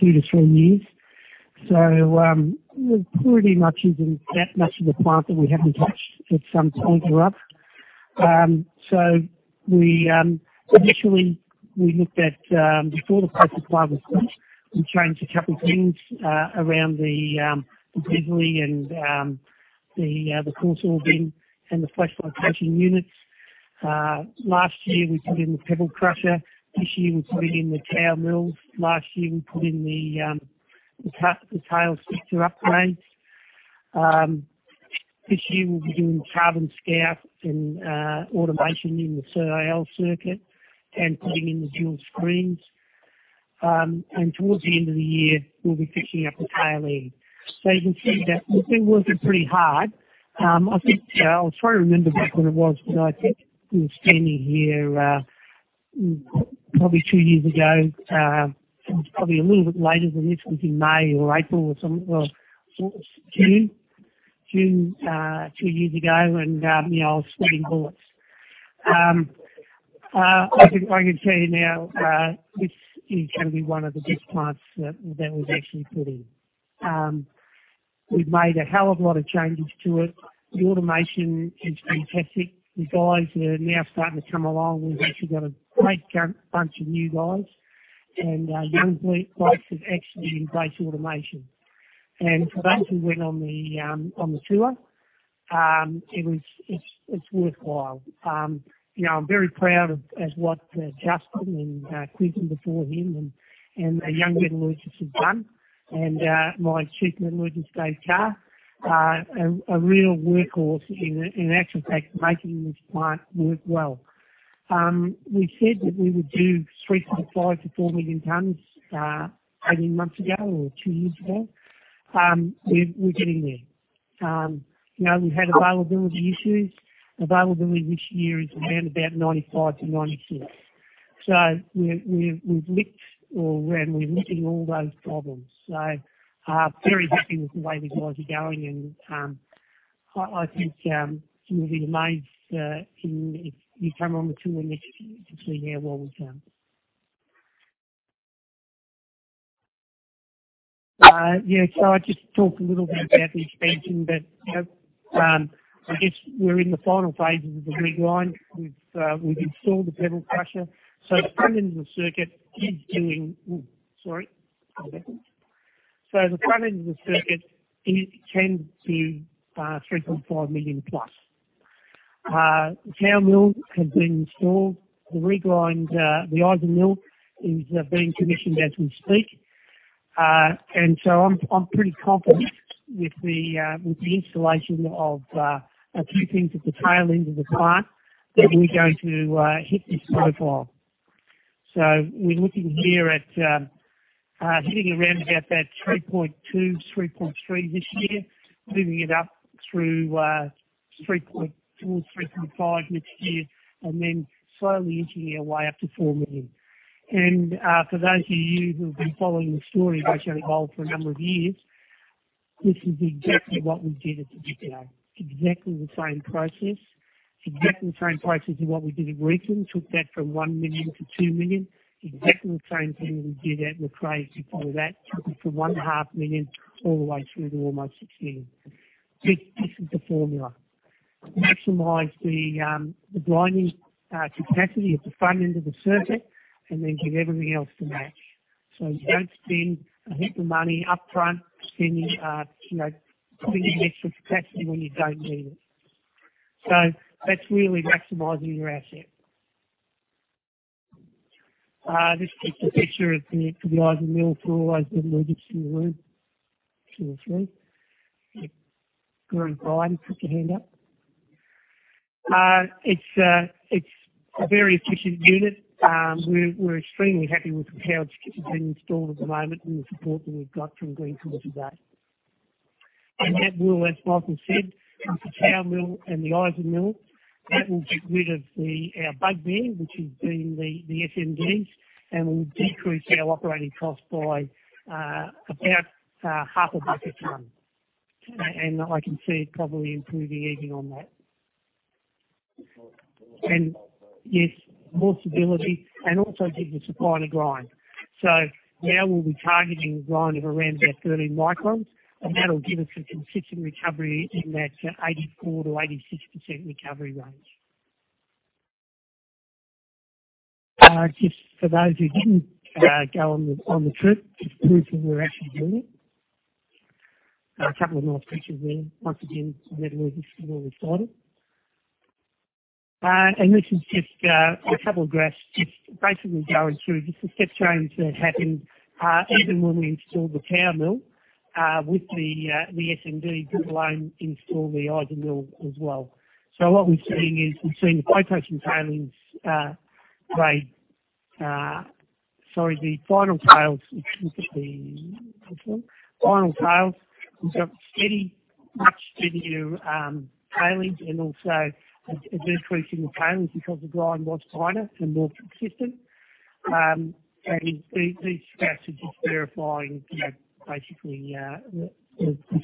to three years. We're pretty much using that much of the plant that we haven't touched at some point or other. Initially, before the process plant was touched, we changed a couple of things around the grizzly and the coarse ore bin and the flash flotation units. Last year, we put in the pebble crusher. This year, we put in the tower mills. Last year, we put in the tailings thickener to upgrade. This year, we'll be doing Carbon Scout and automation in the CIL circuit and putting in the dual screens. Towards the end of the year, we'll be fixing up the tail end. You can see that we've been working pretty hard. I was trying to remember back when it was, but I think we were standing here probably two years ago, probably a little bit later than this, maybe May or April or June, two years ago, and I was sweating bullets. I can tell you now, this is going to be one of the best plants that was actually put in. We've made a hell of a lot of changes to it. The automation is fantastic. The guys are now starting to come along. We've actually got a great bunch of new guys and young blokes that actually embrace automation. For those who went on the tour, it's worthwhile. I'm very proud of as what Justin and Quentin before him and our young metallurgist has done, and my chief metallurgist, Dave Carr, a real workhorse in actual fact, making this plant work well. We said that we would do 3 to 5 to 4 million tons 18 months ago or 2 years ago. We're getting there. We've had availability issues. Availability this year is around about 95 to 96. We're licking all those problems. Very happy with the way the guys are going, and I think you will be amazed if you come on the tour next, you'll see how well we've done. I just talked a little bit about the expansion, but I guess we're in the final phases of the regrind. We've installed the pebble crusher. The front end of the circuit is doing. Sorry. One second. The front end of the circuit can do 3.5 million plus. The tower mill has been installed. The regrind, the IsaMill is being commissioned as we speak. I'm pretty confident with the installation of a few things at the tail end of the plant that we're going to hit this profile. We're looking here at hitting around about that 3.2, 3.3 this year, moving it up through towards 3.5 next year, and then slowly inching our way up to 4 million. For those of you who have been following the story of OceanaGold for a number of years, this is exactly what we did at Didipio. Exactly the same process. Exactly the same process as what we did at Macraes, took that from 1 million to 2 million. Exactly the same thing we did at Macraes before that, took it from 1.5 million all the way through to almost 6 million. This is the formula. Maximize the grinding capacity at the front end of the circuit then get everything else to match. You don't spend a heap of money upfront putting in extra capacity when you don't need it. That's really maximizing your asset. This is just a picture of the IsaMill for all those metallurgists in the room, 2 or 3. Greg Bryant, put your hand up. It's a very efficient unit. We're extremely happy with the power that's been installed at the moment the support that we've got from Greenhill to date. That will, as Michael said, the tower mill and the IsaMill, that will get rid of our baghouse, which has been the SMD, and will decrease our operating cost by about $0.50 a ton. I can see it probably improving even on that. Yes, more stability and also taking the supply to grind. Now we'll be targeting a grind of around about 30 microns, and that'll give us a consistent recovery in that 84%-86% recovery range. Just for those who didn't go on the trip, just proof that we're actually doing it. A couple of nice pictures there. Once again, where the resources all started. This is just a couple of graphs, just basically going through the step changes that happened, even when we installed the tower mill, with the SMD, but alone install the IsaMill as well. What we're seeing is, we've seen the flotation tailings grade. Sorry, the final tails, which is the final tails. We've got much steadier tailings and also a decrease in the tailings because the grind was finer and more consistent. These graphs are just verifying basically the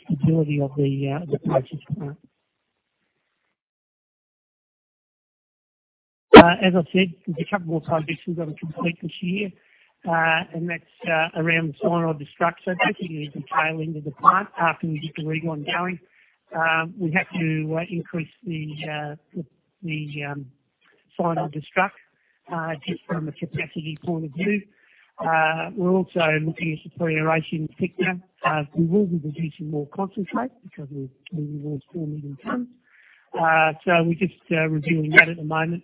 stability of the process plant. As I said, there's a couple more projects we've got to complete this year, and that's around cyanide destruct. So basically, the tail end of the plant. After we get the region going, we have to increase the cyanide destruct, just from a capacity point of view. We're also looking at some pre-aeration in the picture. We will be producing more concentrate because we're moving towards four million tons. So we're just reviewing that at the moment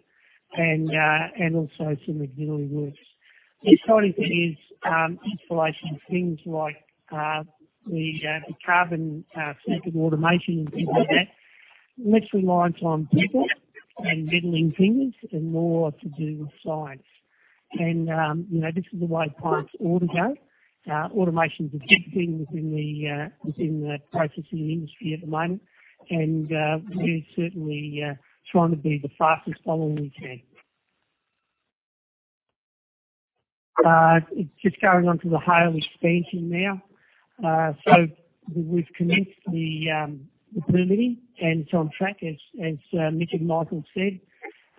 and also some ancillary works. The exciting thing is installation of things like the carbon circuit automation and things like that. Less reliance on people and meddling fingers and more to do with science. And this is the way plants ought to go. Automation's a big thing within the processing industry at the moment, and we're certainly trying to be the fastest following we can. Just going on to the Haile expansion now. We've commenced the permitting and it's on track, as Mick and Michael said.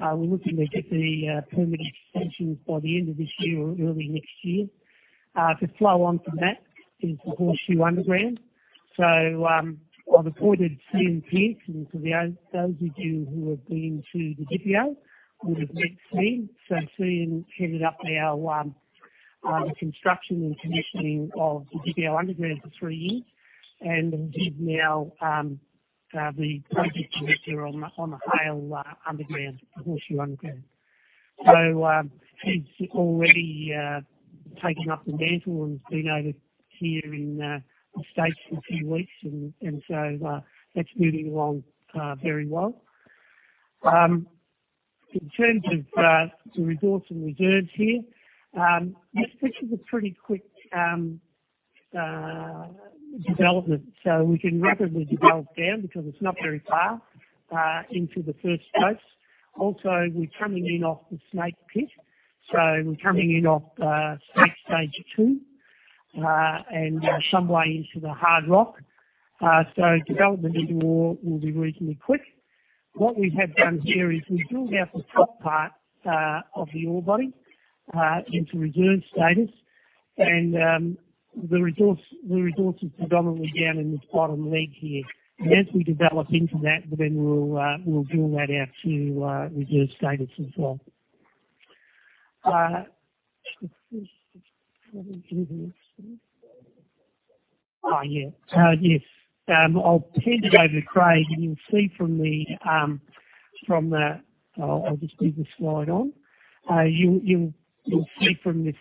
We're looking to get the permit extensions by the end of this year or early next year. To flow on from that is the Horseshoe underground. I've appointed Ian Pearson. For those of you who have been to the Didipio, you would have met Ian. So Ian headed up our construction and commissioning of the Didipio underground for three years and is now the project director on the Haile underground, the Horseshoe underground. He's already taken up the mantle and has been over here in the States for two weeks and so that's moving along very well. In terms of the resource and reserves here, this picture's a pretty quick development. We can rapidly develop down because it's not very far into the first stope. Also, we're coming in off the Snake pit. We're coming in off stage 2, and some way into the hard rock. So development into ore will be reasonably quick. What we have done here is we've drilled out the top part of the ore body into reserve status. And the resource is predominantly down in this bottom leg here. And as we develop into that, then we'll drill that out to reserve status as well. I'll hand you over to Craig, and you'll see from the I'll just leave the slide on. You'll see from this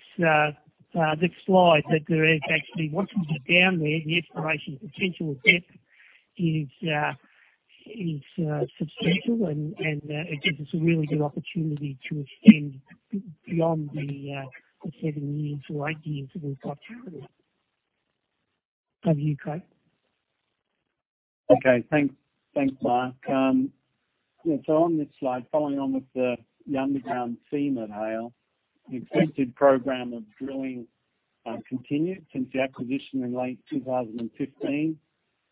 slide that there is actually, once we get down there, the exploration potential depth is substantial and it gives us a really good opportunity to extend beyond the seven years or eight years that we've got currently. Over to you, Craig. Okay. Thanks, Mark. Yeah, on this slide, following on with the underground theme at Haile, the extended program of drilling continued since the acquisition in late 2015.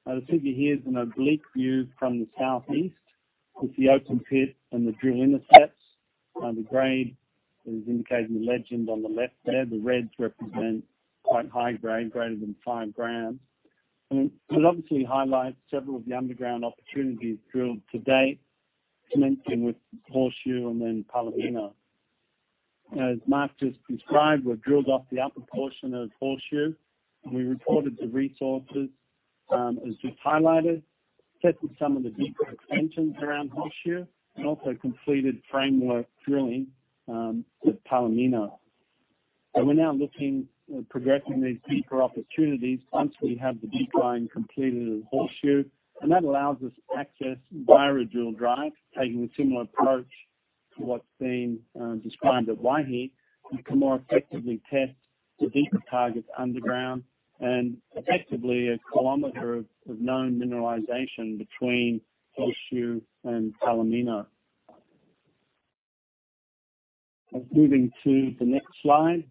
The figure here is an oblique view from the southeast with the open pit and the drill intercepts. The grade is indicated in the legend on the left there. The reds represent quite high grade, greater than five grams. It obviously highlights several of the underground opportunities drilled to date, commencing with Horseshoe and then Palomino. As Mark just described, we've drilled off the upper portion of Horseshoe, and we reported the resources, as we've highlighted, tested some of the deeper extensions around Horseshoe and also completed framework drilling at Palomino. We're now looking at progressing these deeper opportunities once we have the decline completed at Horseshoe. That allows us access via a dual drive, taking a similar approach to what's been described at Waihi. We can more effectively test the deeper targets underground and effectively a kilometer of known mineralization between Horseshoe and Palomino. Moving to the next slide.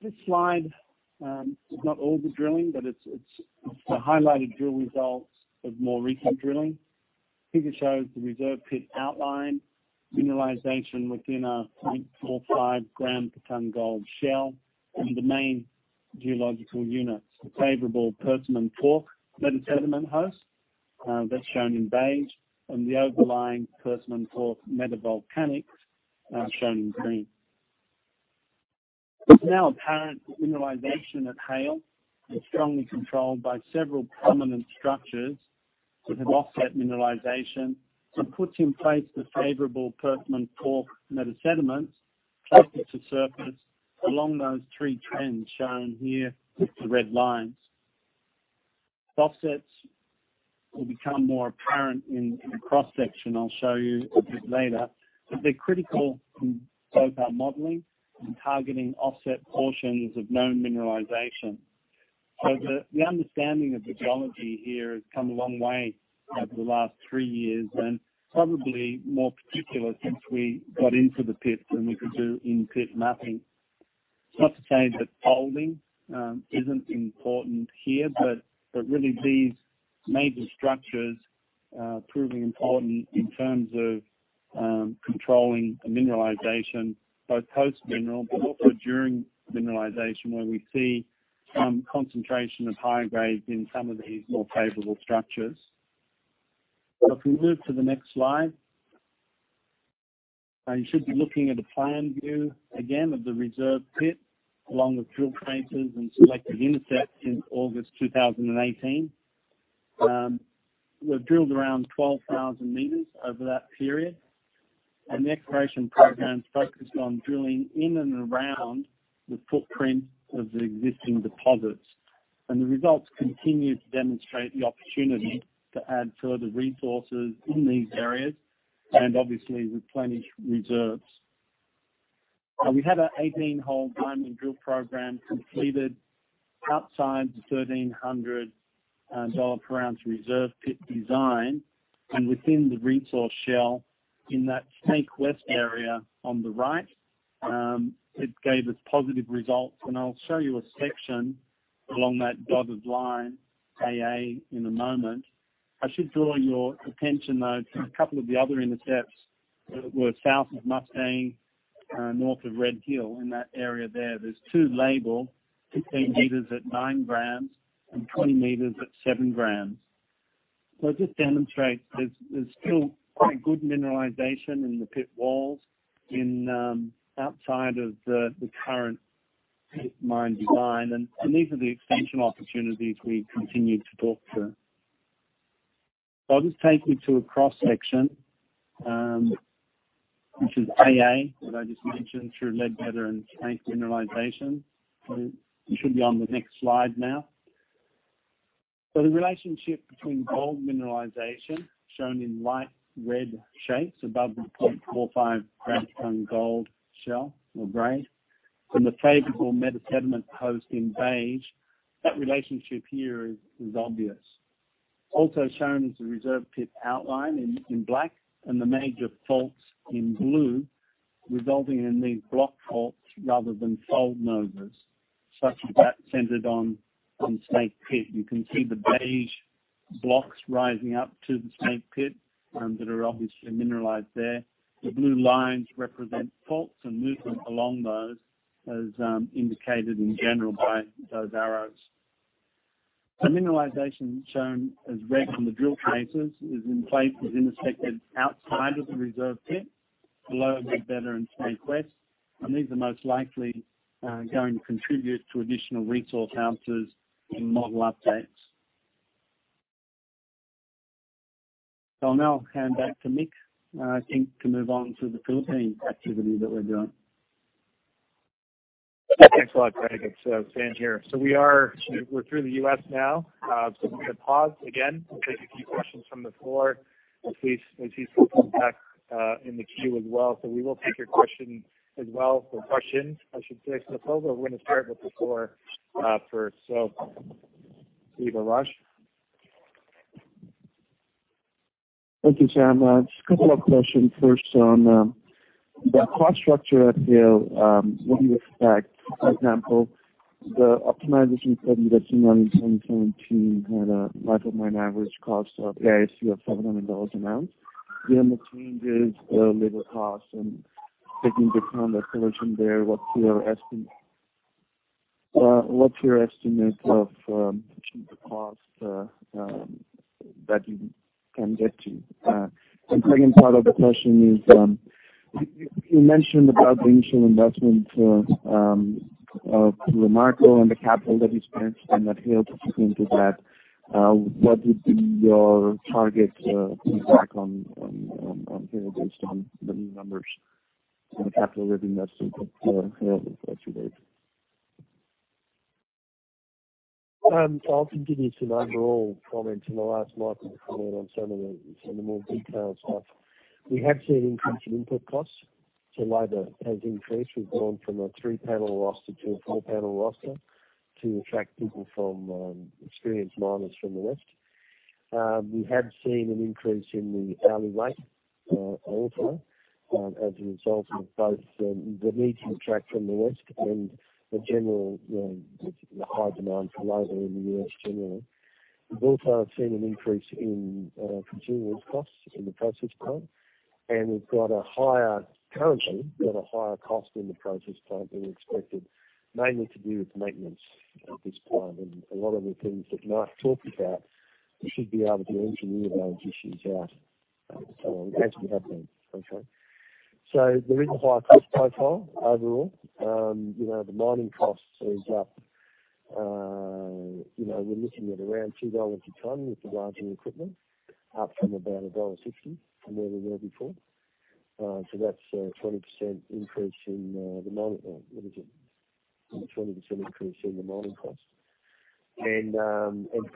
This slide is not all the drilling, but it's the highlighted drill results of more recent drilling. Figure shows the reserve pit outline, mineralization within a 0.45 gram per ton gold shell, and the main geological units. The favorable Persimmon Fork metasediment host, that's shown in beige, and the overlying Persimmon Fork metavolcanics are shown in green. It's now apparent that mineralization at Haile is strongly controlled by several prominent structures that have offset mineralization and puts in place the favorable Persimmon Fork metasediments close to surface along those three trends shown here with the red lines. The offsets will become more apparent in the cross-section I'll show you a bit later. But they're critical in both our modeling and targeting offset portions of known mineralization. So the understanding of the geology here has come a long way over the last three years, and probably more particularly since we got into the pit and we could do in-pit mapping. It's not to say that folding isn't important here, but really, these major structures are proving important in terms of controlling the mineralization, both post-mineral, but also during mineralization, where we see some concentration of higher grades in some of these more favorable structures. If we move to the next slide. You should be looking at a plan view again of the reserve pit, along with drill traces and selected intercepts in August 2018. We've drilled around 12,000 meters over that period. The exploration program's focused on drilling in and around the footprint of the existing deposits. The results continue to demonstrate the opportunity to add further resources in these areas and obviously replenish reserves. We had an 18-hole diamond drill program completed outside the $1,300 per ounce reserve pit design and within the resource shell in that Snake West area on the right. It gave us positive results, and I'll show you a section along that dotted line, AA, in a moment. I should draw your attention, though, to a couple of the other intercepts that were south of Mustang, north of Red Hill. In that area there's two labeled, 15 meters at nine grams and 20 meters at seven grams. So it just demonstrates there's still quite good mineralization in the pit walls outside of the current pit mine design. These are the expansion opportunities we continue to talk through. I'll just take you to a cross-section, which is AA, that I just mentioned, through Ledbetter and Snake mineralization. You should be on the next slide now. The relationship between gold mineralization, shown in light red shapes above the 0.45 gram per ton gold shell or grade, and the favorable metasediment host in beige, that relationship here is obvious. Also shown is the reserve pit outline in black and the major faults in blue, resulting in these block faults rather than fold noses, such as that centered on Snake Pit. You can see the beige blocks rising up to the Snake Pit that are obviously mineralized there. The blue lines represent faults and movement along those, as indicated in general by those arrows. The mineralization shown as red from the drill traces is in places intersected outside of the reserve pit, below Ledbetter and Snake West. These are most likely going to contribute to additional resource ounces in model updates. I'll now hand back to Nick, I think, to move on to the Philippines activity that we're doing. Thanks a lot, Greg. It's Sam here. We're through the U.S. now. We're going to pause again. We'll take a few questions from the floor. Please, as you still come back in the queue as well. We will take your question as well, or questions I should say, for the floor. We're going to start with the floor first. Over to you, Raj. Thank you, Sam. Just a couple of questions first on the cost structure at Haile. What do you expect? For example, the optimization study that you ran in 2017 had a life of mine average cost of AISC of $700 an ounce. Given the changes in labor costs and taking the current inflation there, what's your estimate of the cost that you can get to? Second part of the question is, you mentioned about the initial investment of Romarco and the capital that is spent and that Haile contributing to that. What would be your target payback on Haile based on the new numbers and the capital that you invested for Haile to date? I'll give you some overall comments and I'll ask Michael to comment on some of the more detailed stuff. We have seen an increase in input costs. Labor has increased. We've gone from a three-panel roster to a four-panel roster to attract experienced miners from the West. We have seen an increase in the hourly rate, also, as a result of both the need to attract from the West and the general high demand for labor in the U.S. generally. We've also seen an increase in consumables costs in the process plant, and we've currently got a higher cost in the process plant than we expected, mainly to do with maintenance at this point. A lot of the things that Mike talked about, we should be able to engineer those issues out as we have been. Okay. There is a higher cost profile overall. The mining cost is up. We're looking at around $2 a ton with the larger equipment, up from about $1.60, from where we were before. That's a 20% increase in the mining cost.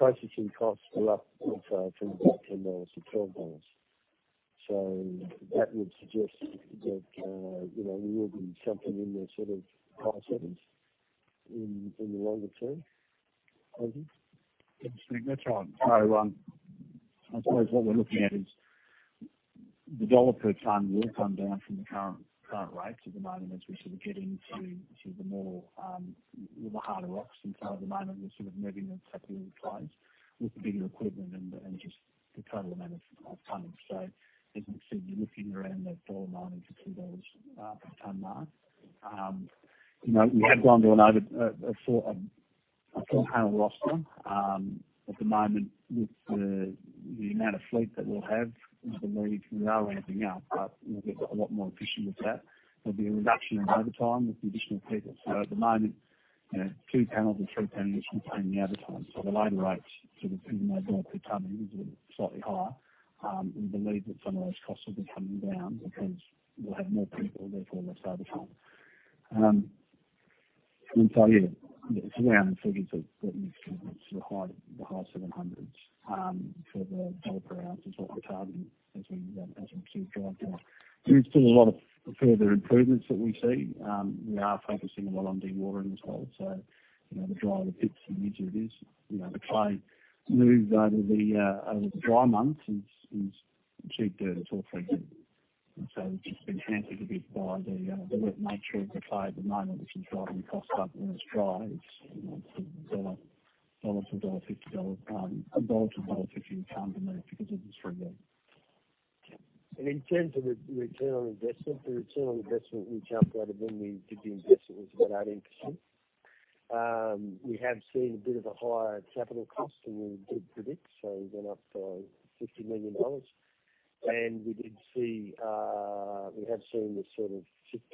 Processing costs are up also from about $10 to $12. That would suggest that we will be something in the high sevens in the longer term. Over. Interesting. That's right. I suppose what we're looking at is the dollar per ton will come down from the current rate at the moment as we sort of get into the harder rocks. At the moment, we're sort of moving the sticky little clays with the bigger equipment and just the total amount of tonnage. As we said, you're looking around that $1 mining to $2 per ton mark. We have gone to a four-panel roster. At the moment, with the amount of fleet that we'll have, we believe we are ramping up, but we'll get a lot more efficient with that. There'll be a reduction in overtime with the additional people. At the moment, two panels and three panels contain the overtime. The labor rates, even though dollar per ton is slightly higher, we believe that some of those costs will be coming down because we'll have more people, therefore less overtime. Yeah, it's around the figures of the high 700s for the dollar per ounce is what we're targeting as we pursue drive 1. There is still a lot of further improvements that we see. We are focusing a lot on dewatering as well. The drier the pits in the winter it is, the clay moves over the dry months is cheaper to haul through. It's just been hampered a bit by the wet nature of the clay at the moment, which is driving costs up when it's dry. It's $1 to $1.50 a ton to move because of this reason. In terms of the return on investment, the return on investment we calculated when we did the investment was about 18%. We have seen a bit of a higher capital cost than we did predict. We went up to $50 million. We have seen this sort of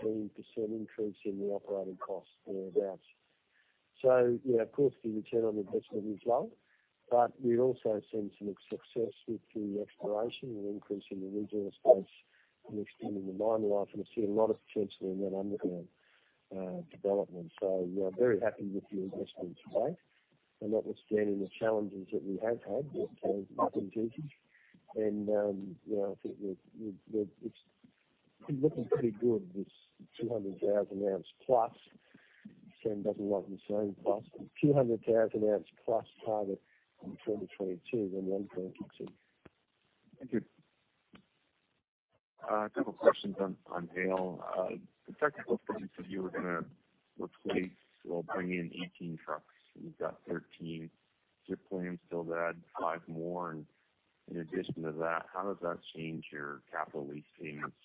16% increase in the operating cost, thereabouts. Yeah, of course, the return on investment is lower. We also have seen some success with the exploration and increasing the resource base and extending the mine life, and we see a lot of potential in that underground development. We are very happy with the investment to date. Notwithstanding the challenges that we have had with the contingencies, and I think it's looking pretty good, this 200,000 ounce plus. Sam doesn't like me saying plus, but 200,000 ounce plus target in 2022 and 2023. Thank you. A couple questions on Haile. The technical prints that you were going to replace will bring in 18 trucks. You've got 13. Is your plan still to add five more in addition to that? How does that change your capital lease payments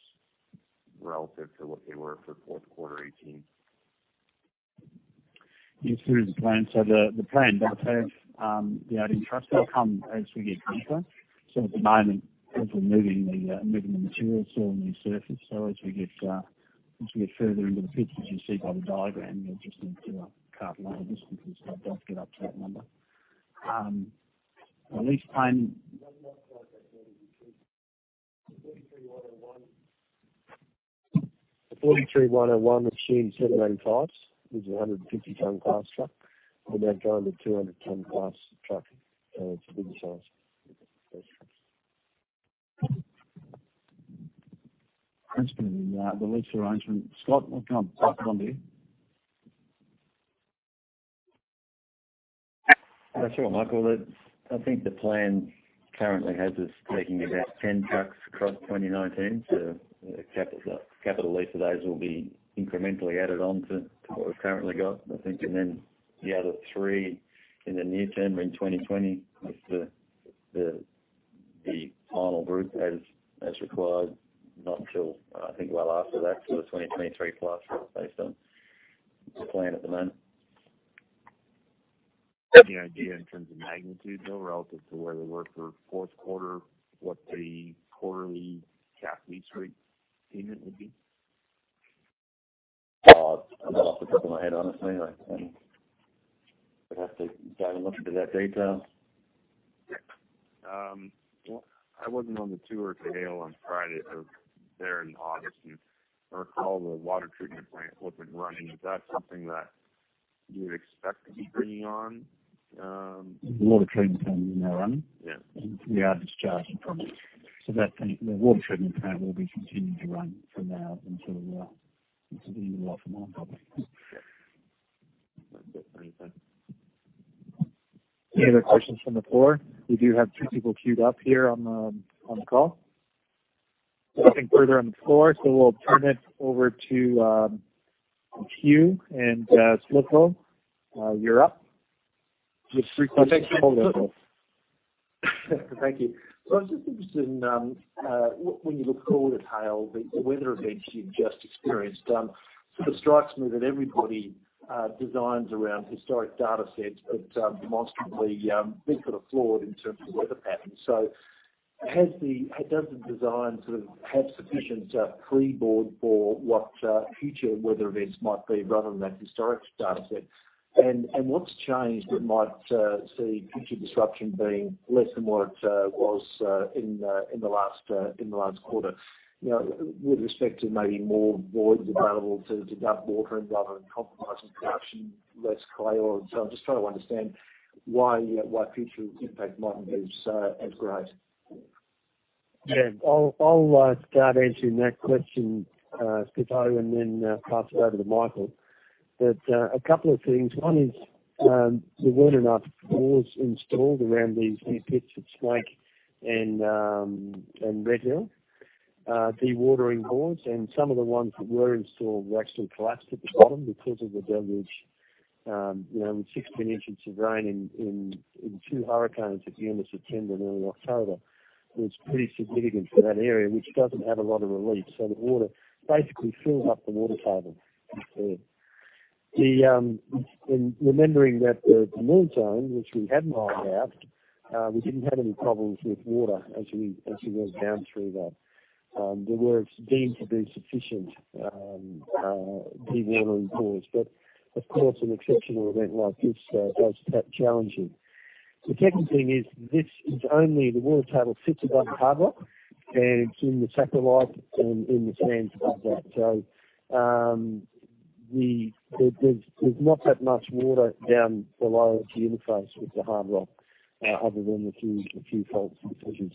relative to what they were for fourth quarter 2018? Yes. Here is the plan. The plan, they'll have the 18 trucks. They'll come as we get deeper. At the moment, as we're moving the material, it's all near surface. As we get further into the pits, as you see by the diagram, you'll just need to cart longer distances, so don't get up to that number. The lease plan- The 43-101 assumes 785, which is 150 ton class truck. We're now going to 200 ton class truck. It's a bigger size. That's been in the lease arrangement. Scott, hop on here. Sure, Michael. I think the plan currently has us taking about 10 trucks across 2019. The capital lease of those will be incrementally added on to what we've currently got, I think. Then the other three in the near term, in 2020, is the final group as required, not till I think well after that, so the 2023 plus based on the plan at the moment. Any idea in terms of magnitude, though, relative to where they were for fourth quarter, what the quarterly cap lease rate payment would be? Off the top of my head, honestly, I'd have to dive a little bit of that data. I wasn't on the tour to Haile on Friday. I was there in August, and I recall the water treatment plant wasn't running. Is that something that you would expect to be bringing on? The water treatment plant is now running. Yeah. We are discharging from it. That thing, the water treatment plant, will be continuing to run from now until the end of the life of the mine, probably. That's it. Thank you. Any other questions from the floor? We do have two people queued up here on the call. Nothing further on the floor, so we'll turn it over to Hugh and Spiro. You're up. Just three questions. Thank you. I was just interested in, when you look forward at Haile, the weather events you've just experienced. It strikes me that everybody designs around historic data sets, but demonstrably been sort of flawed in terms of weather patterns. Does the design sort of have sufficient freeboard for what future weather events might be rather than that historic data set? What's changed that might see future disruption being less than what it was in the last quarter? With respect to maybe more voids available to dump water in rather than compromising production, less clay. I'm just trying to understand why future impact mightn't be as great. I'll start answering that question, Spiro, and then pass it over to Michael. A couple of things. One is, there weren't enough bores installed around these new pits at Snake and Red Hill, dewatering bores, and some of the ones that were installed were actually collapsed at the bottom because of the deluge. 16 inches of rain in two hurricanes at the end of September and early October was pretty significant for that area, which doesn't have a lot of relief. The water basically filled up the water table. Remembering that the North Zone, which we haven't mined out, we didn't have any problems with water as we went down through that. There were deemed to be sufficient dewatering bores. Of course, an exceptional event like this was quite challenging. The second thing is this is only the water table sits above hard rock, and it's in the saprolite and in the sands above that. There's not that much water down below the interface with the hard rock other than the few fault positions.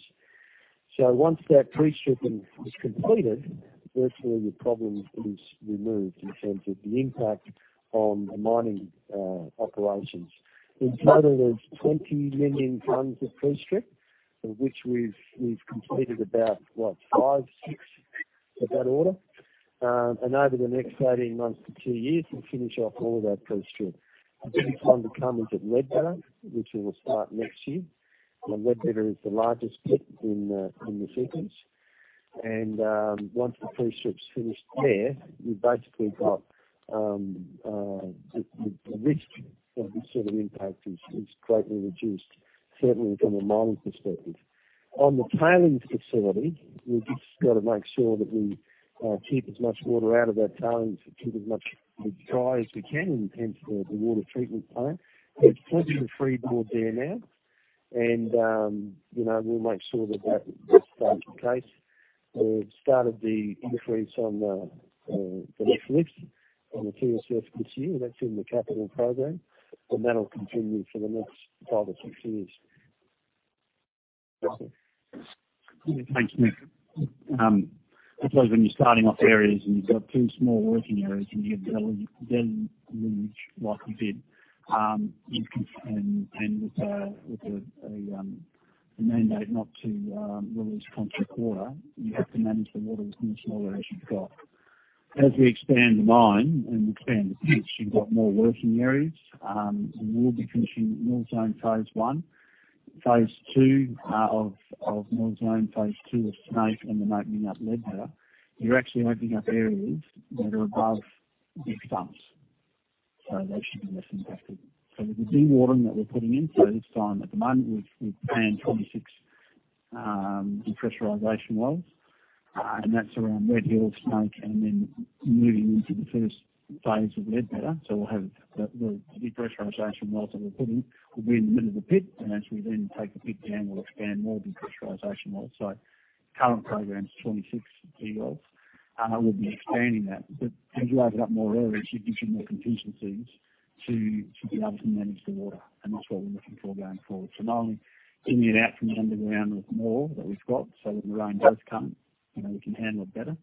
Once that pre-stripping is completed, virtually the problem is removed in terms of the impact on the mining operations. In total, there's 20 million tons of pre-strip, of which we've completed about what? 5, 6 of that order. Over the next 18 months to two years, we'll finish off all of that pre-strip. The biggest one to come is at Red Hill, which we will start next year. Red Hill is the largest pit in the sequence. Once the pre-strip's finished there, we've basically got the risk of this sort of impact is greatly reduced, certainly from a mining perspective. On the tailings facility, we've just got to make sure that we keep as much water out of that tailings and keep it as dry as we can in terms of the water treatment plant. There's plenty of freeboard there now. We'll make sure that that will stay the case. We've started the increase on the next lift on the TSF this year. That's in the capital program, and that'll continue for the next five or six years. Thanks, Mike. I suppose when you're starting off areas and you've got two small working areas and you have deluge like we did, and with a mandate not to release toxic water, you have to manage the water with the smaller as you've got. As we expand the mine and expand the pits, you've got more working areas, and we'll be finishing North Zone phase 1. Phase 2 of North Zone, phase 2 of Snake, and then opening up Red Hill. You're actually opening up areas that are above big dumps, so they should be less impacted. So with the dewatering that we're putting in, so this time at the moment, we've planned 26 depressurization wells, and that's around Red Hill, Snake, and then moving into the first phase of Red Hill. We'll have the depressurization wells that we're putting will be in the middle of the pit, and as we then take the pit down, we'll expand more depressurization wells. So current program's 26 dewater wells. We'll be expanding that. But as you open up more areas, you give you more contingencies to be able to manage the water, and that's what we're looking for going forward. So not only in and out from the underground with more that we've got, so when the rain does come, we can handle it better.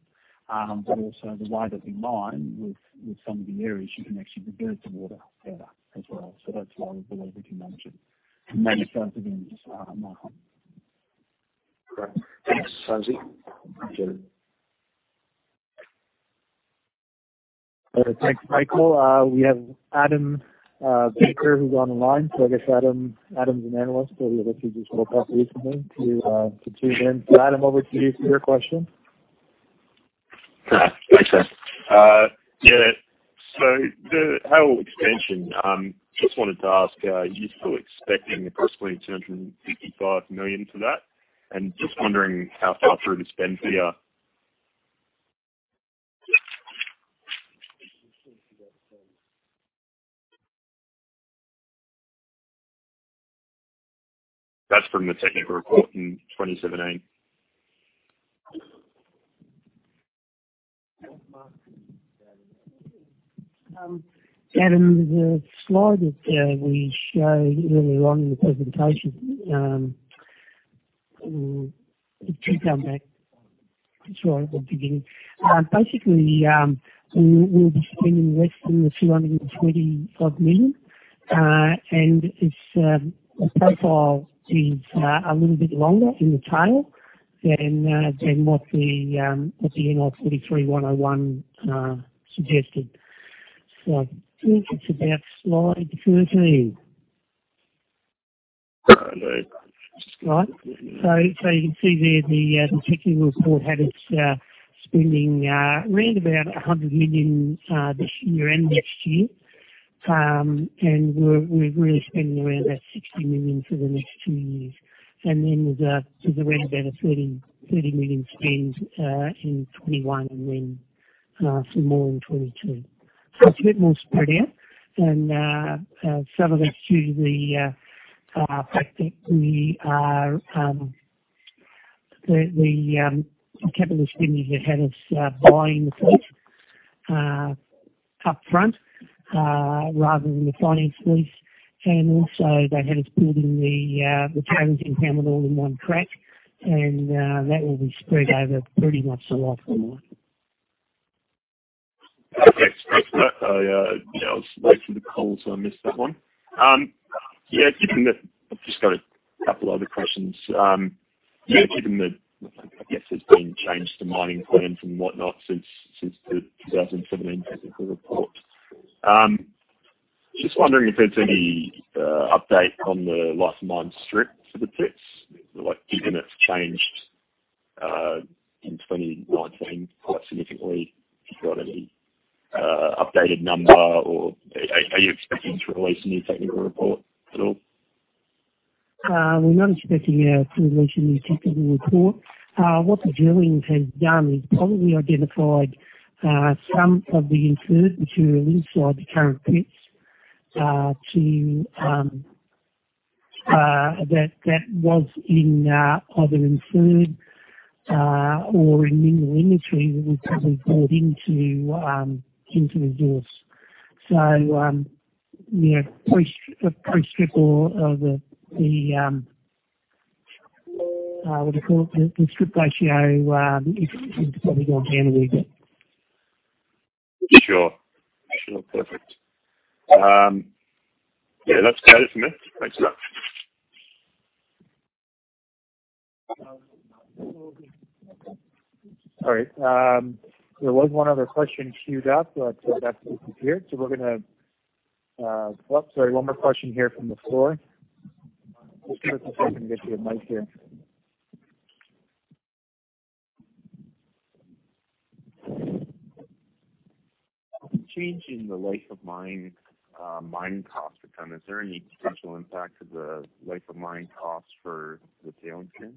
But also the way that we mine with some of the areas, you can actually divert the water better as well. So that's why we believe we can manage it and manage those events. Great. Thanks, Sam Pazuki? Thanks, Michael. We have Adam Baker who's on the line. I guess Adam's an analyst, so we obviously just spoke to recently to tune in. Adam, over to you for your question. Thanks, Sam. Yeah. The whole expansion, just wanted to ask, are you still expecting approximately $255 million for that? Just wondering how far through the spend you are. That's from the technical report in 2017. Adam, the slide that we showed earlier on in the presentation. If you come back to the slide at the beginning. Basically, we'll be spending less than the $225 million, and the profile is a little bit longer in the tail than what the NI 43-101 suggested. I think it's about slide 13. All right. you can see there, the technical report had us spending around about 100 million this year and next year. we're really spending around about 60 million for the next two years. then there's around about 30 million spend in 2021 and then some more in 2022. it's a bit more spread out, and some of that's due to the fact that the capital spending that had us buying the fleet upfront rather than the finance lease, and also they had us building the tailings embankment all in one crack, and that will be spread over pretty much the life of the mine. Okay. Thanks for that. I was late for the call, so I missed that one. I've just got a couple other questions. Given that, I guess, there's been change to mining plans and whatnot since the 2017 technical report. Just wondering if there's any update on the life of mine strip for the pits. Given it's changed in 2019 quite significantly. If you've got any updated number or are you expecting to release a new technical report at all? We're not expecting to release a new technical report. What the drilling has done is probably identified some of the inferred material inside the current pits that was in either inferred or in mineral inventory that we probably brought into the resource. yeah, post strip or the, what do you call it? The strip ratio has probably gone down a wee bit. Sure. Perfect. Yeah, that's about it for me. Thanks a lot. All right. There was one other question queued up, but that's disappeared. Sorry, one more question here from the floor. Just give us a second. Get you a mic here. Changing the life of mine cost return. Is there any potential impact to the life of mine costs for the tailings plant?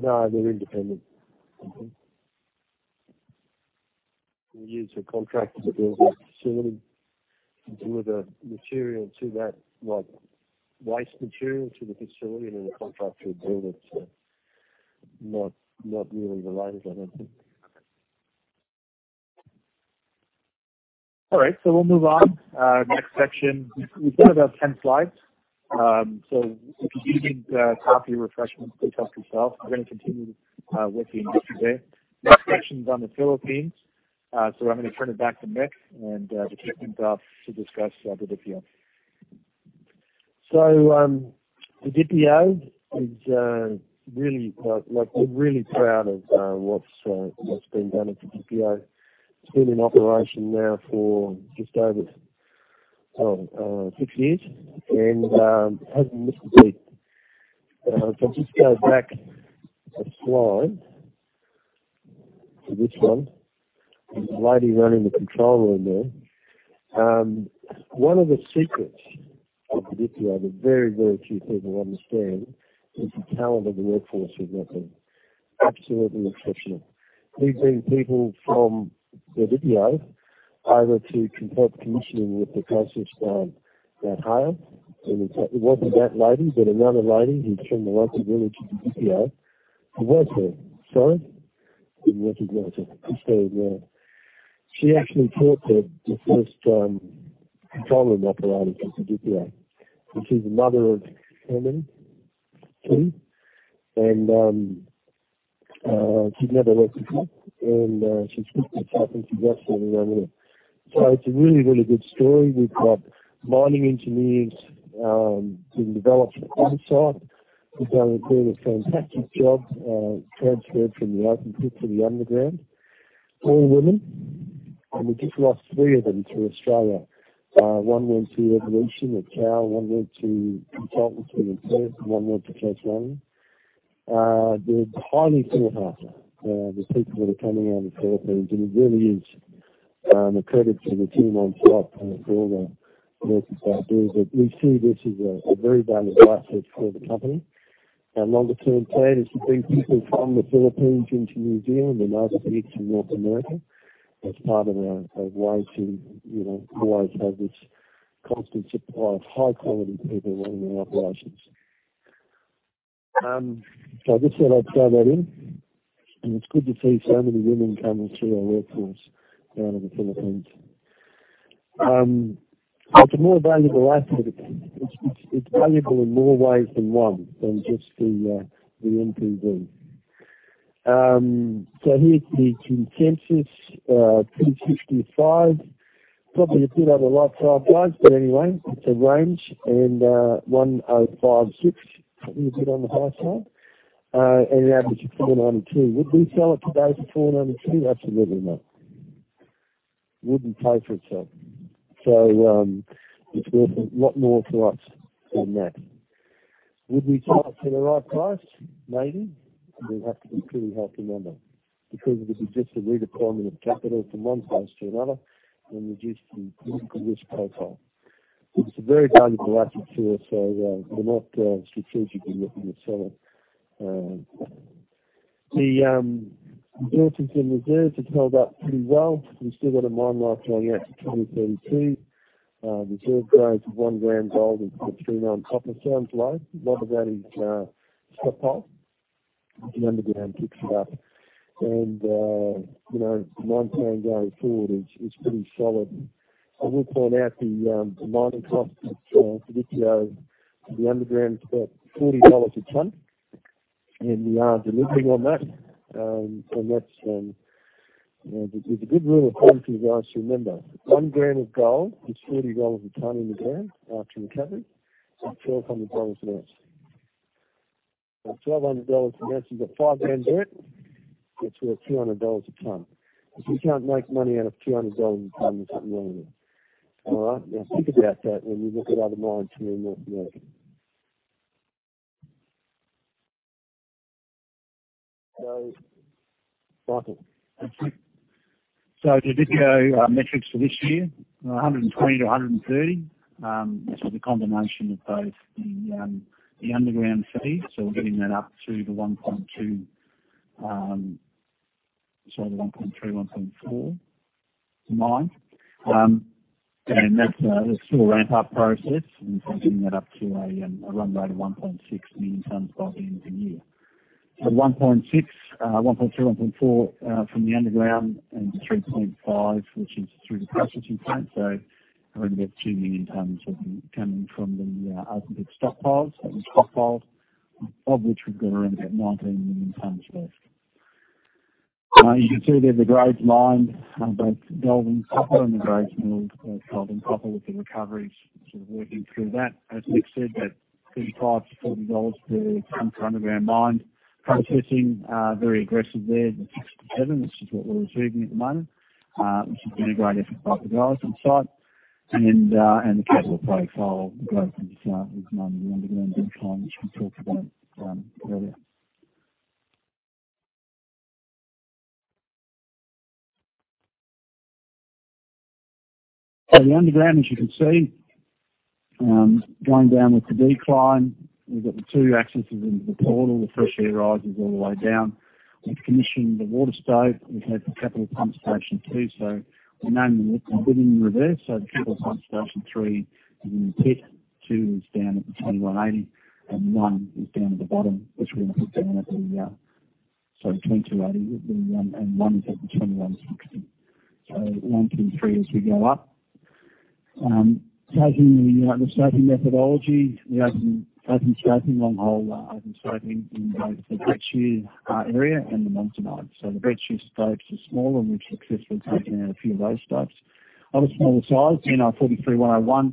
No, they're independent. We use a contractor to build that facility to deliver material to that, like waste material to the facility, and then the contractor build it. Not really related, I don't think. All right. We'll move on. Next section. We've got about 10 slides. If you do need coffee or refreshments, please help yourself. We're going to continue with the investor day. Next section's on the Philippines. I'm going to turn it back to Mick and the technical staff to discuss Didipio. Sorry everyone at Didipio we're really proud of what's being done at Didipio. It's been in operation now for just over six years and hasn't missed a beat. If I just go back a slide to this one. There's a lady running the control room there. One of the secrets of Didipio that very few people understand is the talent of the workforce we've got there. Absolutely exceptional. We've moved people from Didipio over to consult commissioning with the process plant at Haile. It wasn't that lady, but another lady who turned the lights and village at Didipio. It was her. Sorry. Didn't recognize her. She's there as well. She actually taught the first control room operators at Didipio. She's a mother of two. She'd never worked before, and she's picked it up, and she's absolutely nailed it. It's a really good story. We've got mining engineers being developed on site who are doing a fantastic job, transferred from the open pit to the underground. All women. And we just lost three of them to Australia. One went to Evolution at Cowal, one went to consultant with MX, and one went to [Cash Money]. They're highly sought after. The people that are coming out of the Philippines, and it really is a credit to the team on site and for all the work they do. But we see this as a very valuable asset for the company. Our longer-term plan is to bring people from the Philippines into New Zealand and other states in North America as part of our way to always have this constant supply of high-quality people running our operations. So I just thought I'd throw that in. It's good to see so many women coming through our workforce down in the Philippines. It's a more valuable asset. It's valuable in more ways than one, than just the NPV. So here's the consensus, 265. Probably a bit on the right side, guys, but anyway, it's a range. And 105-106, probably a bit on the high side. And an average of 492. Would we sell it today for 492? Absolutely not. Wouldn't pay for itself. So, it's worth a lot more to us than that. Would we sell it for the right price? Maybe. It would have to be a pretty healthy number, because it would be just a redeployment of capital from one place to another and reduce the risk profile. It's a very valuable asset to us, so we're not strategically looking to sell it. The resources and reserves have held up pretty well. We've still got a mine life going out to 2032. Reserve grades of 1 gram gold and 14 on copper. Sounds low. A lot of that is stockpile, which the underground picks it up. The mine plan going forward is pretty solid. I will point out the mining cost for Didipio, the underground is about $40 a ton, and we are delivering on that. There's a good rule of quality for you guys to remember. 1 gram of gold is $40 a ton in the ground after recovery. It's $1,200 an ounce. If $1,200 an ounce, you've got 5 gram dirt, it's worth $200 a ton. If you can't make money out of $200 a ton, there's something wrong with you. All right? Now think about that when you look at other mines here in North America. So, Michael. Didipio metrics for this year, 120-130. This is a combination of both the underground phase, so we're getting that up to the 1.2, sorry, the 1.3, 1.4 mine. That's still a ramp-up process, and we're targeting that up to a run rate of 1.6 million tons by the end of the year. So 1.6, 1.2, 1.4 from the underground and 3.5, which is through the processing plant. So around about 2 million tons will be coming from the open pit stockpiles, of which we've got around about 19 million tons left. You can see there the grades mined, both gold and copper, and the grades milled, both gold and copper, with the recoveries sort of working through that. As Mick said, that $35-$40 per ton for underground mine processing, very aggressive there. The 6 to 7, which is what we're achieving at the moment, which has been a great effort by the guys on site. The capital profile growth is mainly underground decline, which we talked about earlier. The underground, as you can see, going down with the decline. We've got the two accesses into the portal. The fresh air rises all the way down. We've commissioned the water stope. We've had the capital pump station two. We're now looking, putting in reverse. The capital pump station three is in the pit, two is down at the 2180, and one is down at the bottom, which we're going to put down at the sorry, 2280, and one is at the 2160. one, two, three as we go up. The stope methodology, the open stope, long hole open stope in both the Red Shoe area and the monzonite. The Red Shoe stopes are smaller and we're successfully taking out a few of those stopes. Other smaller size, NI 43-101.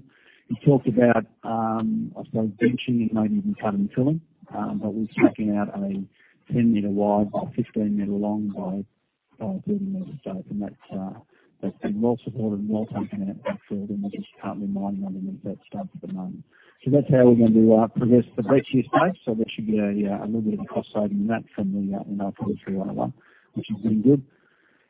We talked about, I suppose benching and maybe even cut and fill, but we're striking out a 10-meter wide by 15-meter long by 30-meter stope and that's been well supported and well taken out backfill, and we're just currently mining one of them at that stope at the moment. That's how we're going to progress the Red Shoe stope. There should be a little bit of a cost saving in that from the NI 43-101, which has been good.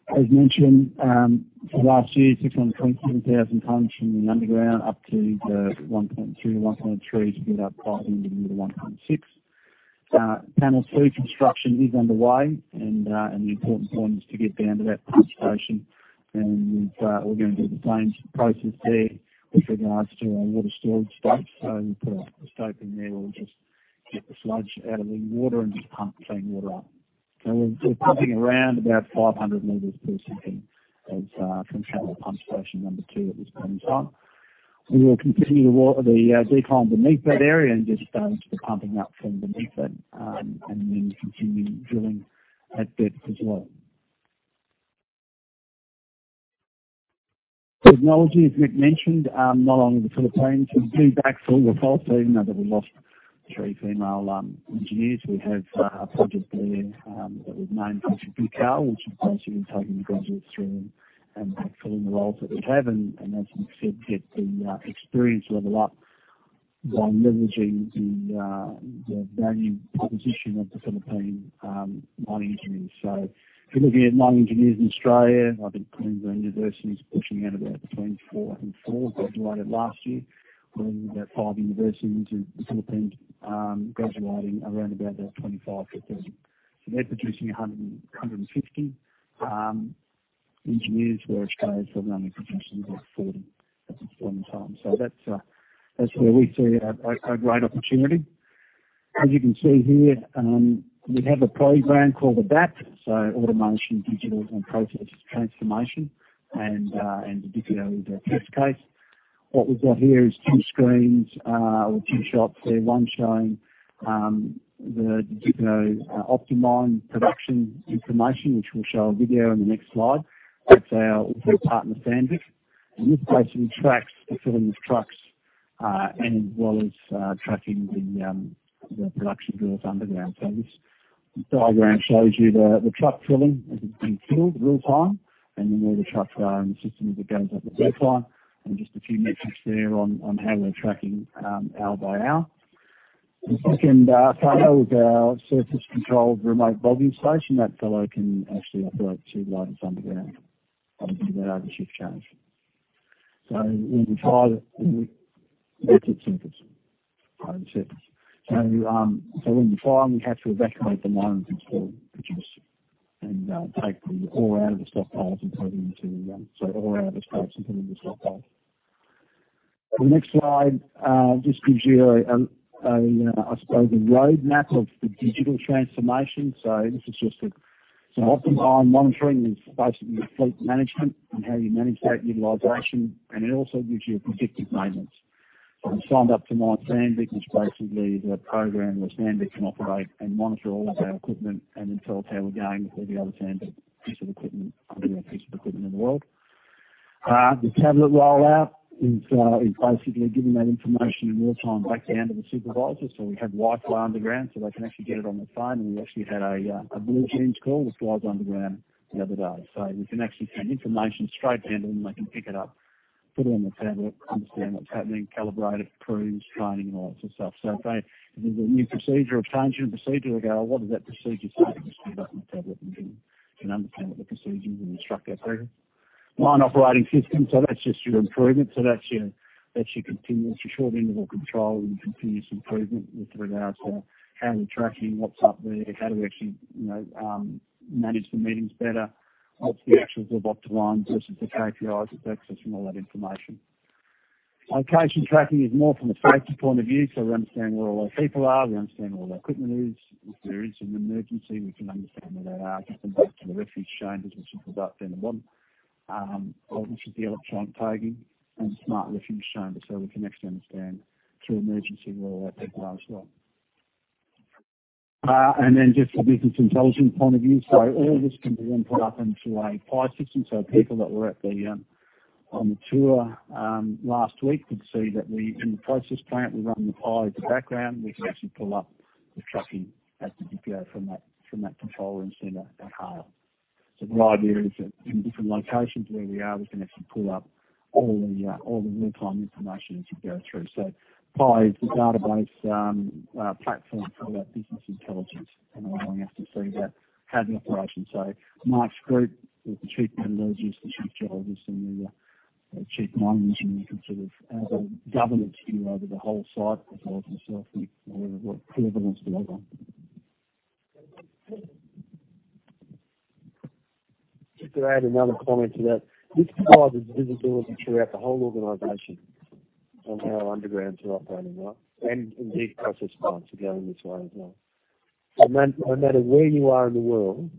As mentioned, for last year, 627,000 tons from the underground up to the 1.2, 1.3 to get up by the end of the year to 1.6. Panel C construction is underway and the important point is to get down to that pump station and we're going to do the same process there with regards to our water storage stope. We put a stope in there. We'll just get the sludge out of the water and just pump clean water up. We're pumping around about 500 liters per second as control pump station number 2 at this point in time. We will continue the decline beneath that area and get down to the pumping out from beneath it, and then continue drilling at depth as well. Technology, as Mick mentioned, not only in the Philippines. We've been backfill the policy now that we've lost three female engineers. We have a project there that we've named Project Bicar, which is basically taking the graduates through and backfilling the roles that we have and, as Mick said, get the experience level up by leveraging the value proposition of the Philippine mining engineers. If you're looking at mine engineers in Australia, I think Queensland University is pushing out about between four and four graduated last year. Putting about five universities in the Philippines, graduating around about 25 per person. They're producing 150 engineers, where Australia is only producing about 40 at this point in time. That's where we see a great opportunity. As you can see here, we have a program called ADaPT, so automation, digital, and process transformation, and the Didipio is our test case. What we've got here is two screens, or two shots there, one showing the Didipio optimized production information, which we'll show a video in the next slide. That's our equipment partner, Sandvik. This basically tracks the filling of trucks, as well as tracking the production drills underground. This diagram shows you the truck filling, as it's being filled real-time, and then where the trucks are in the system as it goes up the decline, and just a few metrics there on how we're tracking hour by hour. The second photo is our surface controlled remote bogging station. That fellow can actually operate two loaders underground, obviously without a shift change. In the trial, we had to evacuate the mine to full produce and take the ore out of the stopes and put it into the stopes. The next slide just gives you, I suppose, a roadmap of the digital transformation. This is just some optimized monitoring. It's basically fleet management and how you manage that utilization, and it also gives you a predictive maintenance. We've signed up to My Sandvik, which basically is a program where Sandvik can operate and monitor all of our equipment and then tell us how we're going with every other Sandvik piece of equipment, probably every piece of equipment in the world. The tablet rollout is basically giving that information in real time back down to the supervisors. We have Wi-Fi underground, so they can actually get it on their phone, and we actually had a BlueJeans call with guys underground the other day. We can actually send information straight down to them, and they can pick it up, put it on their tablet, understand what's happening, calibrate it, improve training and all that sort of stuff. If there's a new procedure or change in procedure, they go, "Well, what does that procedure say?" They just pick up their tablet and can understand what the procedure is and instruct that through. Mine operating system, so that's just your improvement. That's your short interval control and continuous improvement with regards to how we're tracking what's up there, how do we actually manage the meetings better, what's the actuals of offline versus the KPIs, it's accessing all that information. Location tracking is more from a safety point of view, so we understand where all our people are, we understand where all our equipment is. If there is an emergency, we can understand where they are. If they go to the refuge chambers, which we'll talk about down the bottom. Obviously, the electronic tagging and smart refuge chamber, so we can actually understand through emergency where all our people are as well. Just a business intelligence point of view. All this can be then put up into a PI system, so people that were on the tour last week could see that in the process plant, we run the PI in the background. We can actually pull up the trucking at the Didipio from that control room center at Haile. The idea is that in different locations where we are, we can actually pull up all the real-time information as we go through. PI is the database platform for all our business intelligence and allowing us to see that cadence operation. Mike's group, with the chief metallurgist, the chief geologist, and the chief mine engineer can sort of have a governance view over the whole site as opposed to yourself and whatever clearance they want. Just to add another comment to that, this provides us visibility throughout the whole organization on how underground's operating, right? Indeed, process plants are going this way as well. No matter where you are in the world,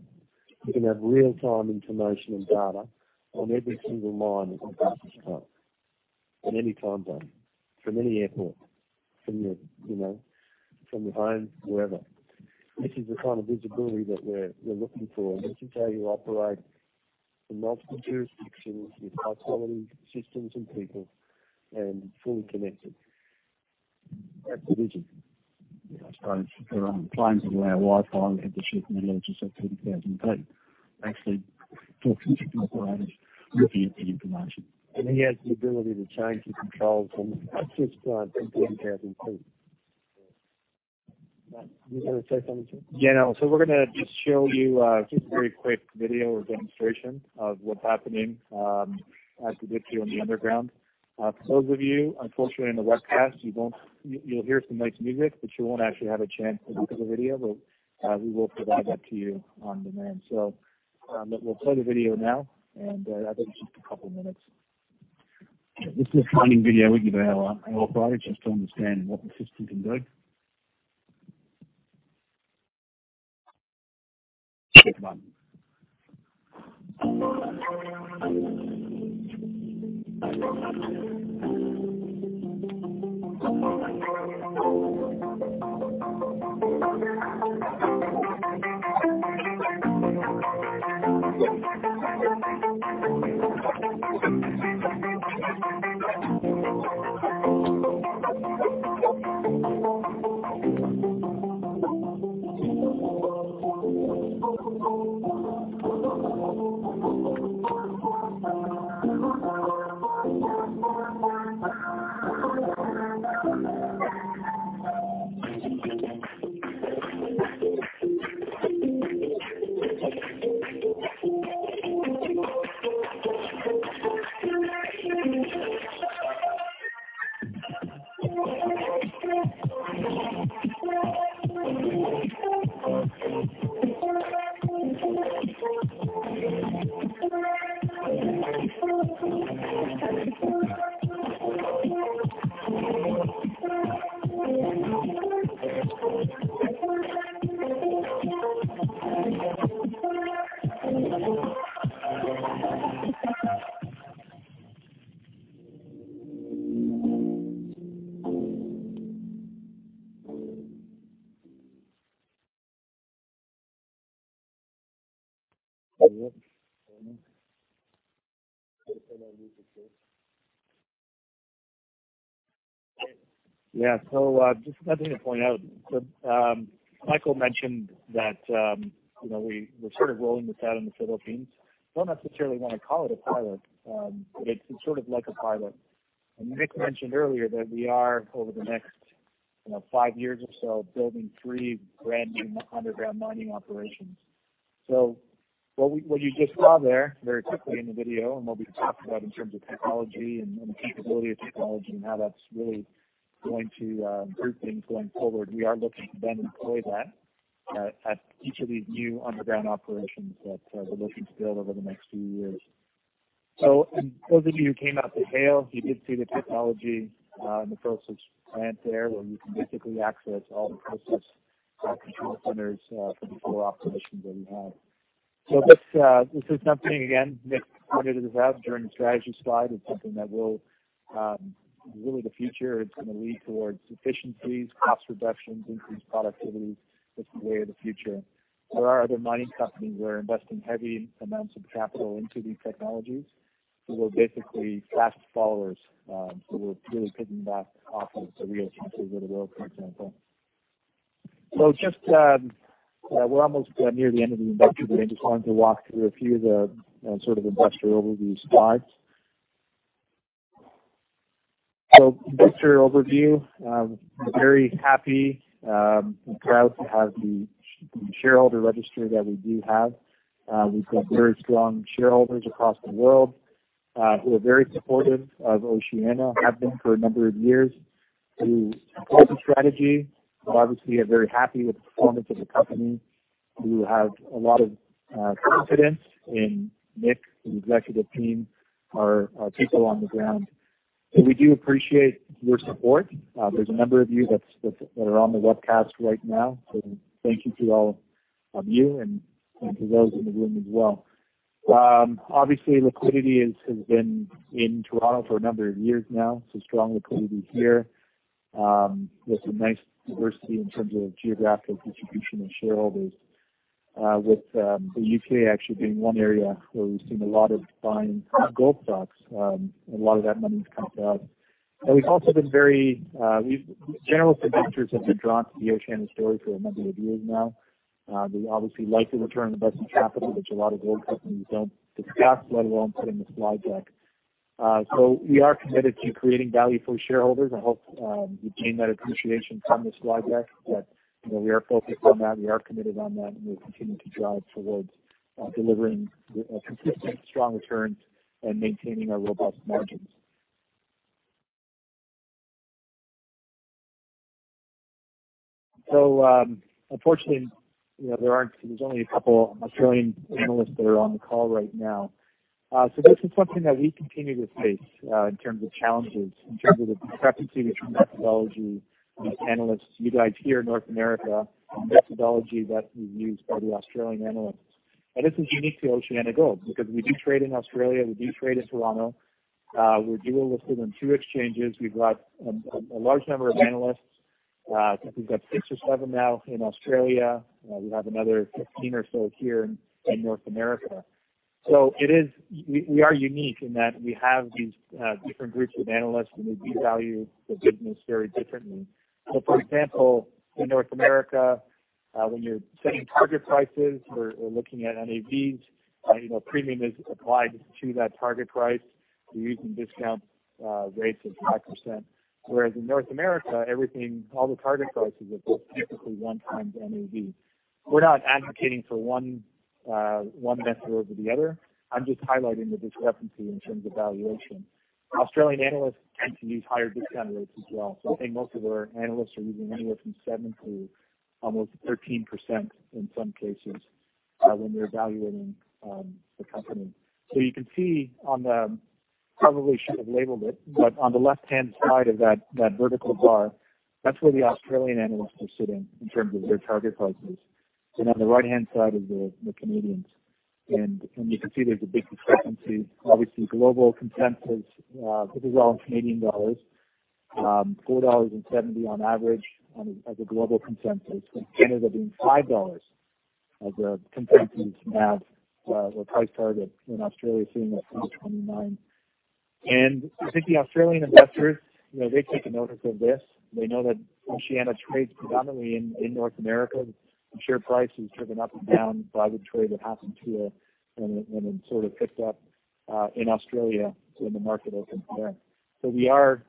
you can have real-time information and data on every single mine and process plant in any time zone, from any airport, from your home, wherever. This is the kind of visibility that we're looking for, and this is how you operate in multiple jurisdictions with high quality systems and people and fully connected. That's the vision. I suppose for planes that allow Wi-Fi, we have the chief metallurgist at 10,000 feet actually talking to the operators, looking at the information. He has the ability to change the controls on the process plant from 10,000 feet. Matt, you were going to say something, too? Yeah. We're gonna just show you just a very quick video or demonstration of what's happening at the Didipio in the underground. For those of you, unfortunately, on the webcast, you'll hear some nice music, but you won't actually have a chance to look at the video. We will provide that to you on demand. We'll play the video now, and I think it's just a couple of minutes. This is a training video we give our operators just to understand what the system can do. Hit play. Yeah. Just another thing to point out, Michael mentioned that we're sort of rolling this out in the Philippines. Don't necessarily want to call it a pilot, but it's sort of like a pilot. Mick mentioned earlier that we are, over the next five years or so, building three brand new underground mining operations. What you just saw there very quickly in the video and what we talked about in terms of technology and the capability of technology and how that's really going to improve things going forward, we are looking to then employ that at each of these new underground operations that we're looking to build over the next few years. Those of you who came out to Haile, you did see the technology in the process plant there, where you can basically access all the process control centers for the four operations that we have. This is something, again, Mick pointed this out during the strategy slide. It's something that will really the future, it's going to lead towards efficiencies, cost reductions, increased productivity. That's the way of the future. There are other mining companies who are investing heavy amounts of capital into these technologies, so we're basically fast followers. We're really piggybacking off of the real champions of the world, for example. Just, we're almost near the end of the investor, but I just wanted to walk through a few of the sort of investor overview slides. Investor overview. We're very happy and proud to have the shareholder registry that we do have. We've got very strong shareholders across the world, who are very supportive of Oceana, have been for a number of years, who support the strategy but obviously are very happy with the performance of the company, who have a lot of confidence in Mick and the executive team, our people on the ground. We do appreciate your support. There's a number of you that are on the webcast right now. Thank you to all of you and to those in the room as well. Obviously, liquidity has been in Toronto for a number of years now, so strong liquidity here, with some nice diversity in terms of geographic distribution of shareholders, with the U.K. actually being one area where we've seen a lot of buying gold stocks. A lot of that money's come south. We've also been very general investors have been drawn to the Oceana story for a number of years now. They obviously like the return on invested capital, which a lot of gold companies don't discuss, let alone put in the slide deck. We are committed to creating value for shareholders. I hope you gain that appreciation from the slide deck, that we are focused on that, we are committed on that, and we'll continue to drive towards delivering consistent, strong returns and maintaining our robust margins. Unfortunately, there's only a couple Australian analysts that are on the call right now. This is something that we continue to face in terms of challenges, in terms of the discrepancy between methodology of analysts, you guys here in North America, and methodology that is used by the Australian analysts. This is unique to OceanaGold because we do trade in Australia, we do trade in Toronto, we're dual listed on two exchanges. We've got a large number of analysts. I think we've got six or seven now in Australia. We have another 15 or so here in North America. We are unique in that we have these different groups of analysts, and they value the business very differently. For example, in North America, when you're setting target prices or looking at NAVs, premium is applied to that target price. We're using discount rates of 5%, whereas in North America, everything, all the target prices are just typically one times NAV. We're not advocating for one method over the other. I'm just highlighting the discrepancy in terms of valuation. Australian analysts tend to use higher discount rates as well. I think most of our analysts are using anywhere from 7% to almost 13% in some cases when they're evaluating the company. You can see on the, probably should have labeled it, but on the left-hand side of that vertical bar, that's where the Australian analysts are sitting in terms of their target prices. On the right-hand side is the Canadians. You can see there's a big discrepancy. Obviously, global consensus, this is all in Canadian dollars, 4.70 dollars on average as a global consensus, with Canada being 5 dollars as a consensus NAV or price target, and Australia sitting at CAD 2.29. I think the Australian investors, they've taken notice of this. They know that Oceana trades predominantly in North America, and share price has driven up and down by the trade that happens here when it sort of picks up in Australia when the market opens there. We are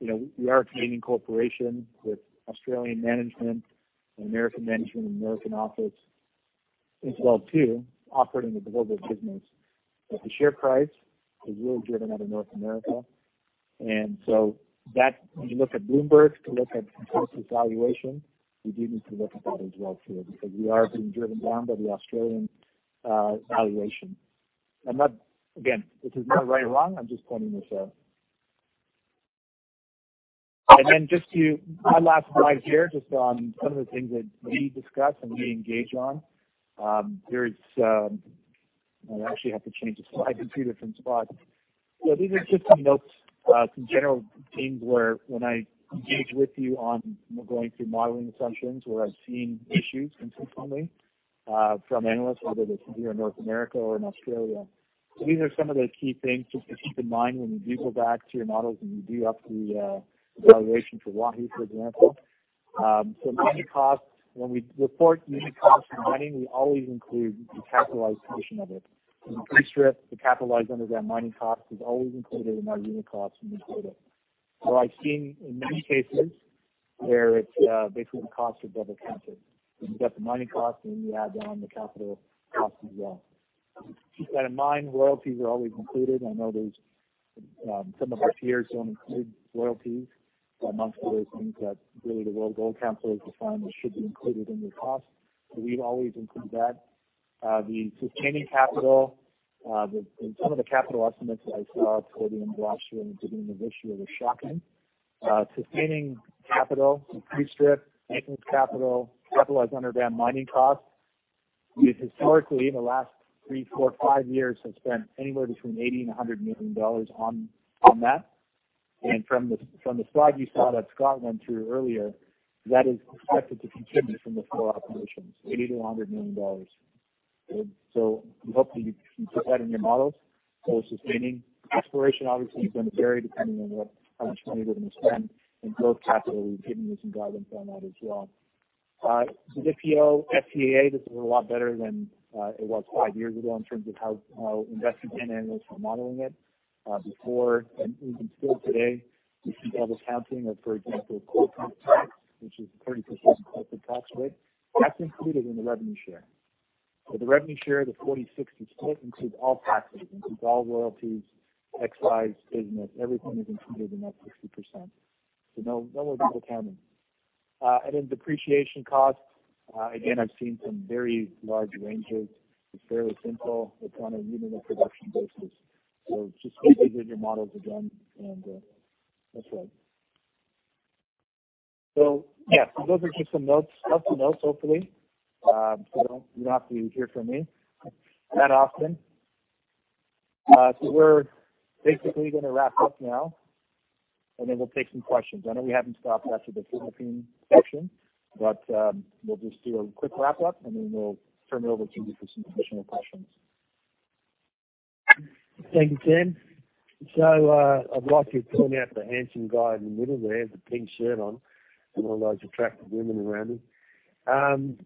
we are a Canadian corporation with Australian management and American management and American office as well too, operating a global business. The share price is really driven out of North America. When you look at Bloomberg to look at valuation, you do need to look at that as well too, because we are being driven down by the Australian valuation. Again, this is not right or wrong, I'm just pointing this out. Just to my last slide here, just on some of the things that we discuss and we engage on. I actually have to change the slide in two different spots. These are just some notes, some general themes where when I engage with you on going through modeling assumptions, where I've seen issues consistently from analysts, whether it's here in North America or in Australia. So these are some of the key things just to keep in mind when you do go back to your models and you do up the valuation for Waihi, for example. Unit costs, when we report unit costs for mining, we always include the capitalized portion of it. Pre-strip, the capitalized underground mining cost is always included in our unit costs when we quote it. What I've seen in many cases where it's basically the costs are double counted. You've got the mining cost, and then you add on the capital cost as well. Keep that in mind, royalties are always included. I know some of our peers don't include royalties amongst those things that really the World Gold Council has defined that should be included in your cost. We've always included that. The sustaining capital, some of the capital estimates that I saw toward the end of last year and the beginning of this year were shocking. Sustaining capital, so pre-strip, maintenance capital, capitalized underground mining costs. We've historically, in the last three, four, five years, have spent anywhere between $80-$100 million on that. From the slide you saw that Scott went through earlier, that is expected to continue from the four operations, $80-$100 million. We hope that you put that in your models for sustaining. Exploration obviously is going to vary depending on how much money we're going to spend. Growth capital, we've given you some guidance on that as well. Didipio, FTAA, this is a lot better than it was five years ago in terms of how invested in analysts were modeling it. Before, and even still today, we see double counting of, for example, corporate tax, which is a 30% corporate tax rate. That's included in the revenue share. The revenue share, the 40.60 split includes all taxes, includes all royalties, excise, business, everything is included in that 60%. No double counting. Then depreciation costs, again, I've seen some very large ranges. It's fairly simple. It's on a unit of production basis. Just revisit your models again, and that's that. Yeah, those are just some notes. Helpful notes, hopefully. You don't have to hear from me that often. We're basically going to wrap up now, and then we'll take some questions. I know we haven't stopped after the Philippine section, but we'll just do a quick wrap up, and then we'll turn it over to you for some additional questions. Thank you, Tim. I'd like to point out the handsome guy in the middle there with the pink shirt on and all those attractive women around him.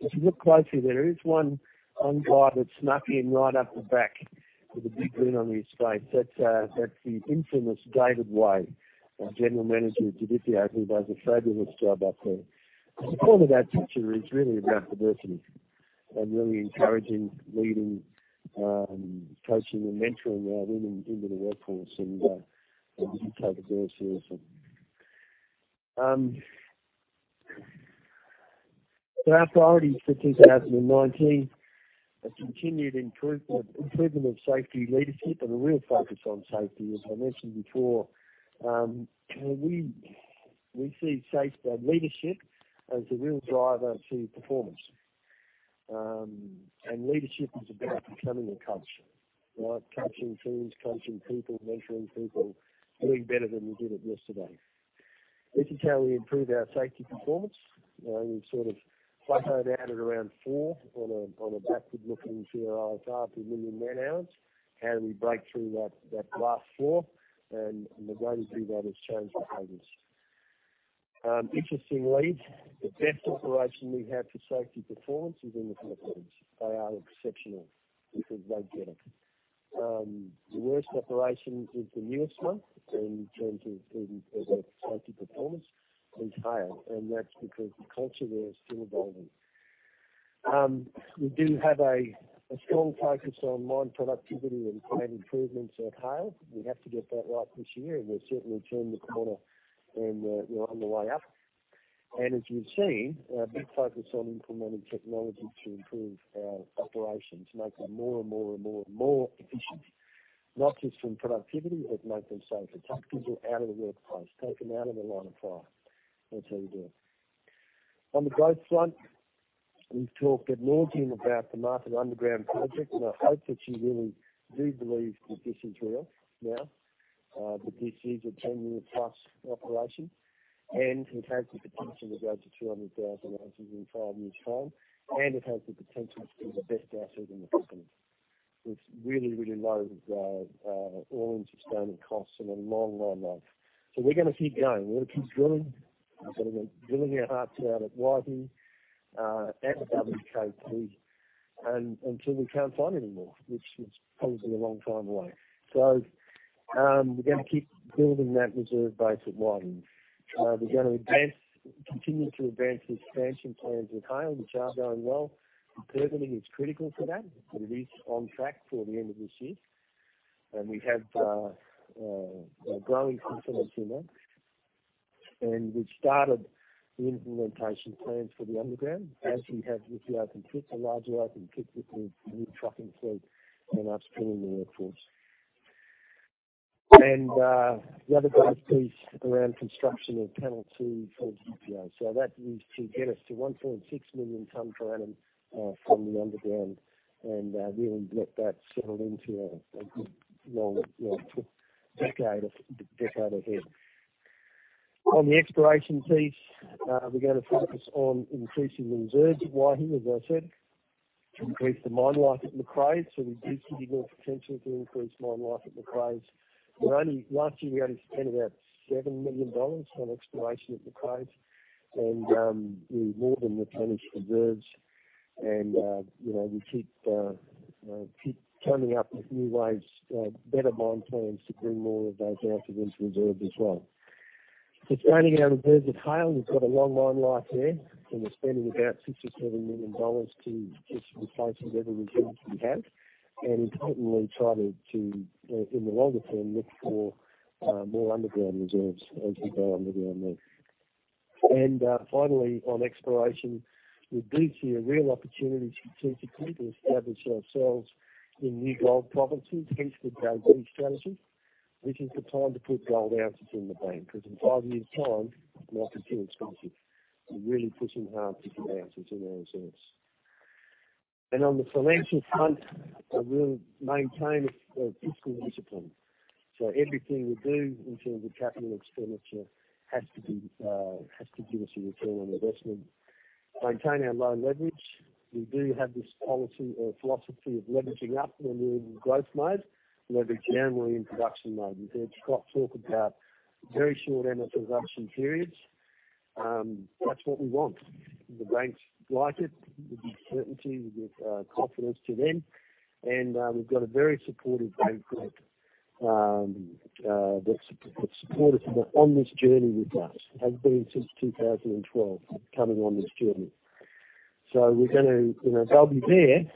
If you look closely, there is one guy that snuck in right up the back with a big grin on his face. That's the infamous David Wade, our general manager at Didipio, who does a fabulous job up there. The support of our picture is really about diversity and really encouraging leading, coaching, and mentoring our women into the workforce and we take it very seriously. Our priorities for 2019, a continued improvement of safety leadership and a real focus on safety, as I mentioned before. We see safety leadership as a real driver to performance. Leadership is about becoming a culture, right? Coaching teams, coaching people, mentoring people, doing better than we did it yesterday. This is how we improve our safety performance. We've sort of plateaued out at around four on a backward-looking TRIR per million man-hours. How do we break through that last four? The way to do that is change behaviors. Interestingly, the best operation we have for safety performance is in the Philippines. They are exceptional because they get it. The worst operation is the newest one in terms of safety performance is Haile, and that's because the culture there is still evolving. We do have a strong focus on mine productivity and planned improvements at Haile. We have to get that right this year, and we've certainly turned the corner, and we're on the way up. As you've seen, a big focus on implementing technology to improve our operations, make them more and more efficient. Not just in productivity, but make them safe. Take people out of the workplace, take them out of the line of fire. That's how you do it. On the growth front, we've talked at length about the Martha underground project, and I hope that you really do believe that this is real now, that this is a 10-year plus operation, and it has the potential to go to 200,000 ounces in five years' time, and it has the potential to be the best asset in the business with really low all-in sustaining costs and a long life. We're going to keep going. We're going to keep drilling our hearts out at Waihi, at WKP until we can't find anymore, which is probably a long time away. We're going to keep building that reserve base at Waihi. We're going to continue to advance the expansion plans at Haile, which are going well. Personally, it's critical to that. It is on track for the end of this year. And we have growing confidence in that. We've started the implementation plans for the underground, as we have with the open pit, a larger open pit with the new trucking fleet and upskilling the workforce. The other base piece around construction of panel two for Didipio. So that is to get us to 1.6 million ton per annum from the underground and really let that settle into a good, long decade of gold. On the exploration piece, we're going to focus on increasing the reserves at Waihi, as I said. To increase the mine life at Macraes. So we do see more potential to increase mine life at Macraes. Last year, we only spent about $7 million on exploration at Macraes, and we more than replenish reserves, and we keep coming up with new ways, better mine plans to bring more of those ounces into reserve as well. Expanding our reserves at Haile, we've got a long mine life there, and we're spending about $67 million to just replace whatever reserves we have. And importantly, try to, in the longer term, look for more underground reserves as we go underground there. Finally, on exploration, we do see a real opportunity to continue to establish ourselves in new gold provinces, hence the go big strategy, which is the time to put gold ounces in the bank, because in five years' time, like I said, it's going to be really pushing hard to get ounces in our reserves. On the financial front, we'll maintain a fiscal discipline. Everything we do in terms of capital expenditure has to give us a return on investment. Maintain our low leverage. We do have this policy or philosophy of leveraging up when we're in growth mode, leverage down when we're in production mode. You heard Scott talk about very short ample production periods. That's what we want. The banks like it. We give certainty. We give confidence to them. And we've got a very supportive bank group that's supported us on this journey with us, have been since 2012, coming on this journey. So they'll be there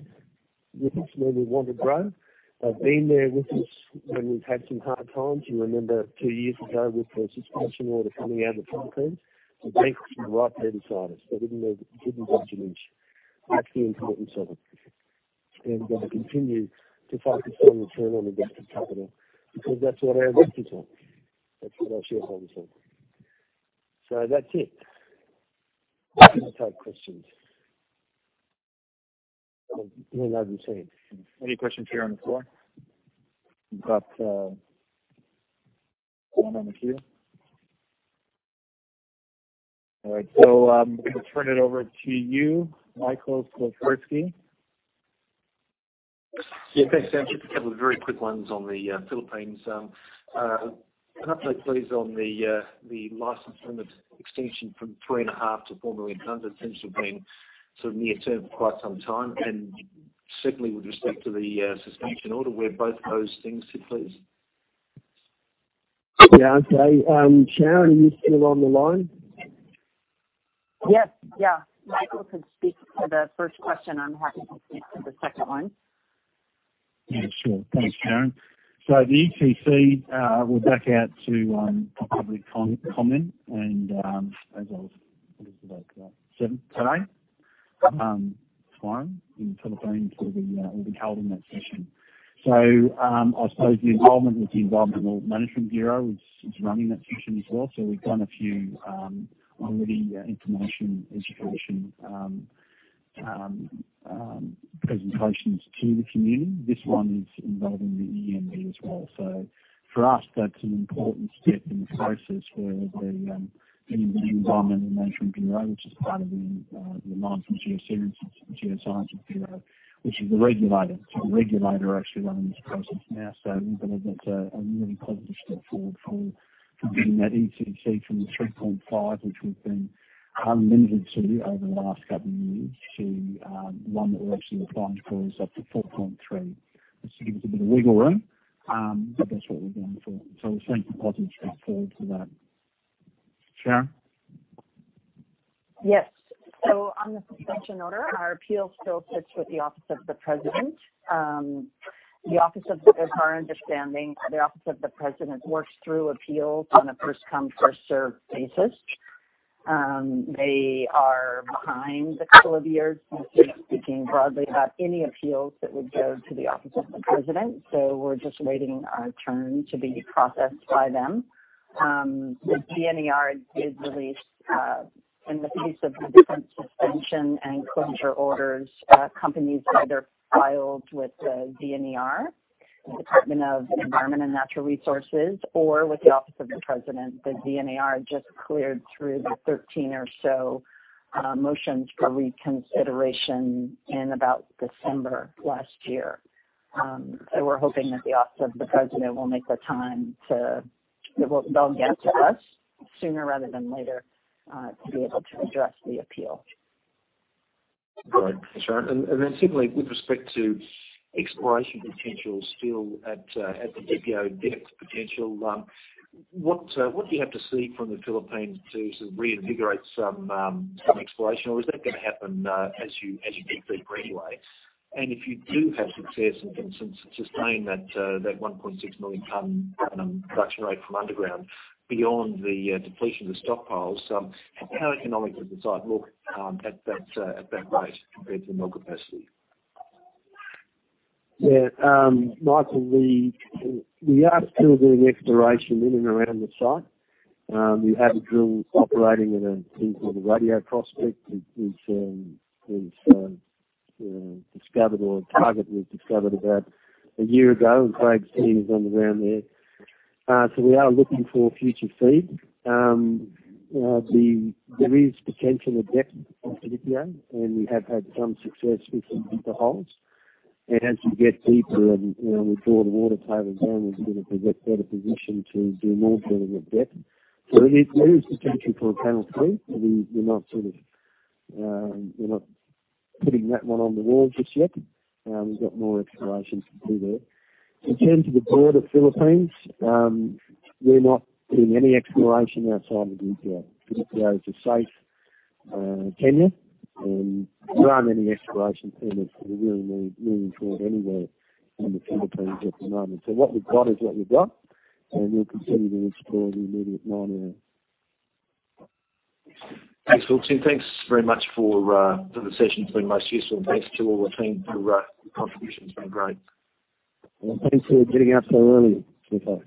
with us when we want to grow. They've been there with us when we've had some hard times. You remember two years ago with the suspension order coming out of the Philippines, the banks were right there beside us. They didn't budge an inch. That's the importance of it. We're going to continue to focus on return on invested capital, because that's what our investors want. That's what our shareholders want. That's it. I'll take questions. Over to you, James. Any questions here on the floor? We've got one on the queue. All right. I'm going to turn it over to you, Michael Slawski. Yeah, thanks, James. Just a couple of very quick ones on the Philippines. Can I please on the license limit extension from three and a half to four million tons, that seems to have been near term for quite some time, and certainly with respect to the suspension order, where both those things sit, please? Yeah, okay. Sharon, are you still on the line? Michael can speak for the first question. I'm happy to speak to the second one. Thanks, Sharon. The ECC will back out to public comment, and as I was, what is today? Seventh, today? It's fine. In the Philippines, we'll be held in that session. I suppose the involvement with the Environmental Management Bureau, which is running that session as well. We've done a few already information, education presentations to the community. This one is involving the EMB as well. For us, that's an important step in the process for the Environmental Management Bureau, which is part of the Mines and Geosciences Bureau, which is the regulator. The regulator actually running this process now. We believe that's a really positive step forward for getting that ECC from the 3.5, which we've been limited to over the last couple of years, to one that we're actually applying for is up to 4.3, which will give us a bit of wiggle room. That's what we're going for. We're seeing some positive steps forward for that. Sharon? Yes, On the suspension order, our appeal still sits with the Office of the President. To our understanding, the Office of the President works through appeals on a first come, first served basis. They are behind a couple of years, just speaking broadly, about any appeals that would go to the Office of the President. We're just waiting our turn to be processed by them. The DENR did release, in the case of the different suspension and closure orders, companies either filed with the DENR, the Department of Environment and Natural Resources, or with the Office of the President. The DENR just cleared through the 13 or so motions for reconsideration in about December last year. We're hoping that the Office of the President will make the time to, they'll get to us sooner rather than later, to be able to address the appeal. Great. Sure. then simply with respect to exploration potential still at the Didipio depth potential, what do you have to see from the Philippines to sort of reinvigorate some exploration, or is that going to happen as you dig deeper anyway? And if you do have success in sustaining that 1.6 million ton production rate from underground beyond the depletion of the stockpiles, how economical does the site look at that rate compared to mill capacity? Michael, we are still doing exploration in and around the site. We have drills operating at a thing called the Radio Prospect, which was discovered, or target was discovered about a year ago, and Craig's team is on the ground there. So we are looking for future feed. There is potential at depth at Didipio, and we have had some success with some deeper holes. And as you get deeper and withdraw the water table down, we're going to be in a better position to do more drilling at depth. So there is potential for a panel 3, but we're not putting that one on the wall just yet. We've got more exploration to do there. In terms of the broader Philippines, we're not doing any exploration outside of Didipio. Didipio is a safe tenure, and there aren't any exploration teams that are really moving forward anywhere in the Philippines at the moment. So what we've got is what we've got, and we'll continue to explore the immediate mine area. Thanks. Well, team, thanks very much for the session. It's been most useful, and thanks to all the team for your contributions. Been great. Well, thanks for getting up so early, Michael.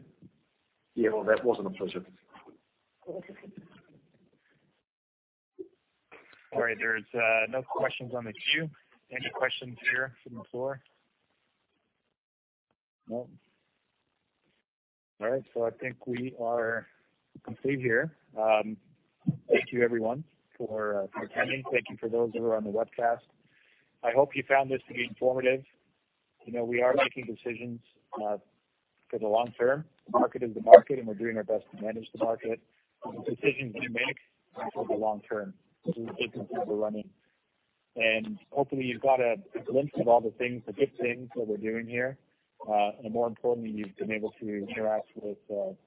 Yeah, well, that wasn't a pleasure. All right. There's no questions on the queue. Any questions here from the floor? No. All right, so I think we are complete here. Thank you everyone for attending. Thank you for those who are on the webcast. I hope you found this to be informative. We are making decisions for the long term. The market is the market, and we're doing our best to manage the market. The decisions we make are for the long term as we take the things we're running. Hopefully you've got a glimpse of all the things, the good things that we're doing here. More importantly, you've been able to interact with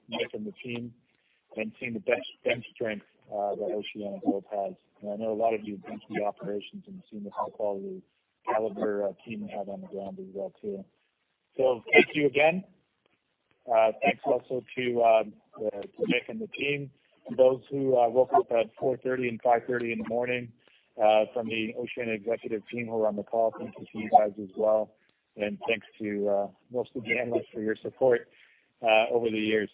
Mike and the team and seen the bench strength that OceanaGold has. I know a lot of you have been to the operations and seen the high-quality caliber team we have on the ground as well too. Thank you again. Thanks also to Mick and the team. Those who woke up at 4:30 A.M. and 5:30 A.M. in the morning from the OceanaGold executive team who were on the call, thank you to you guys as well. Thanks to most of the analysts for your support over the years.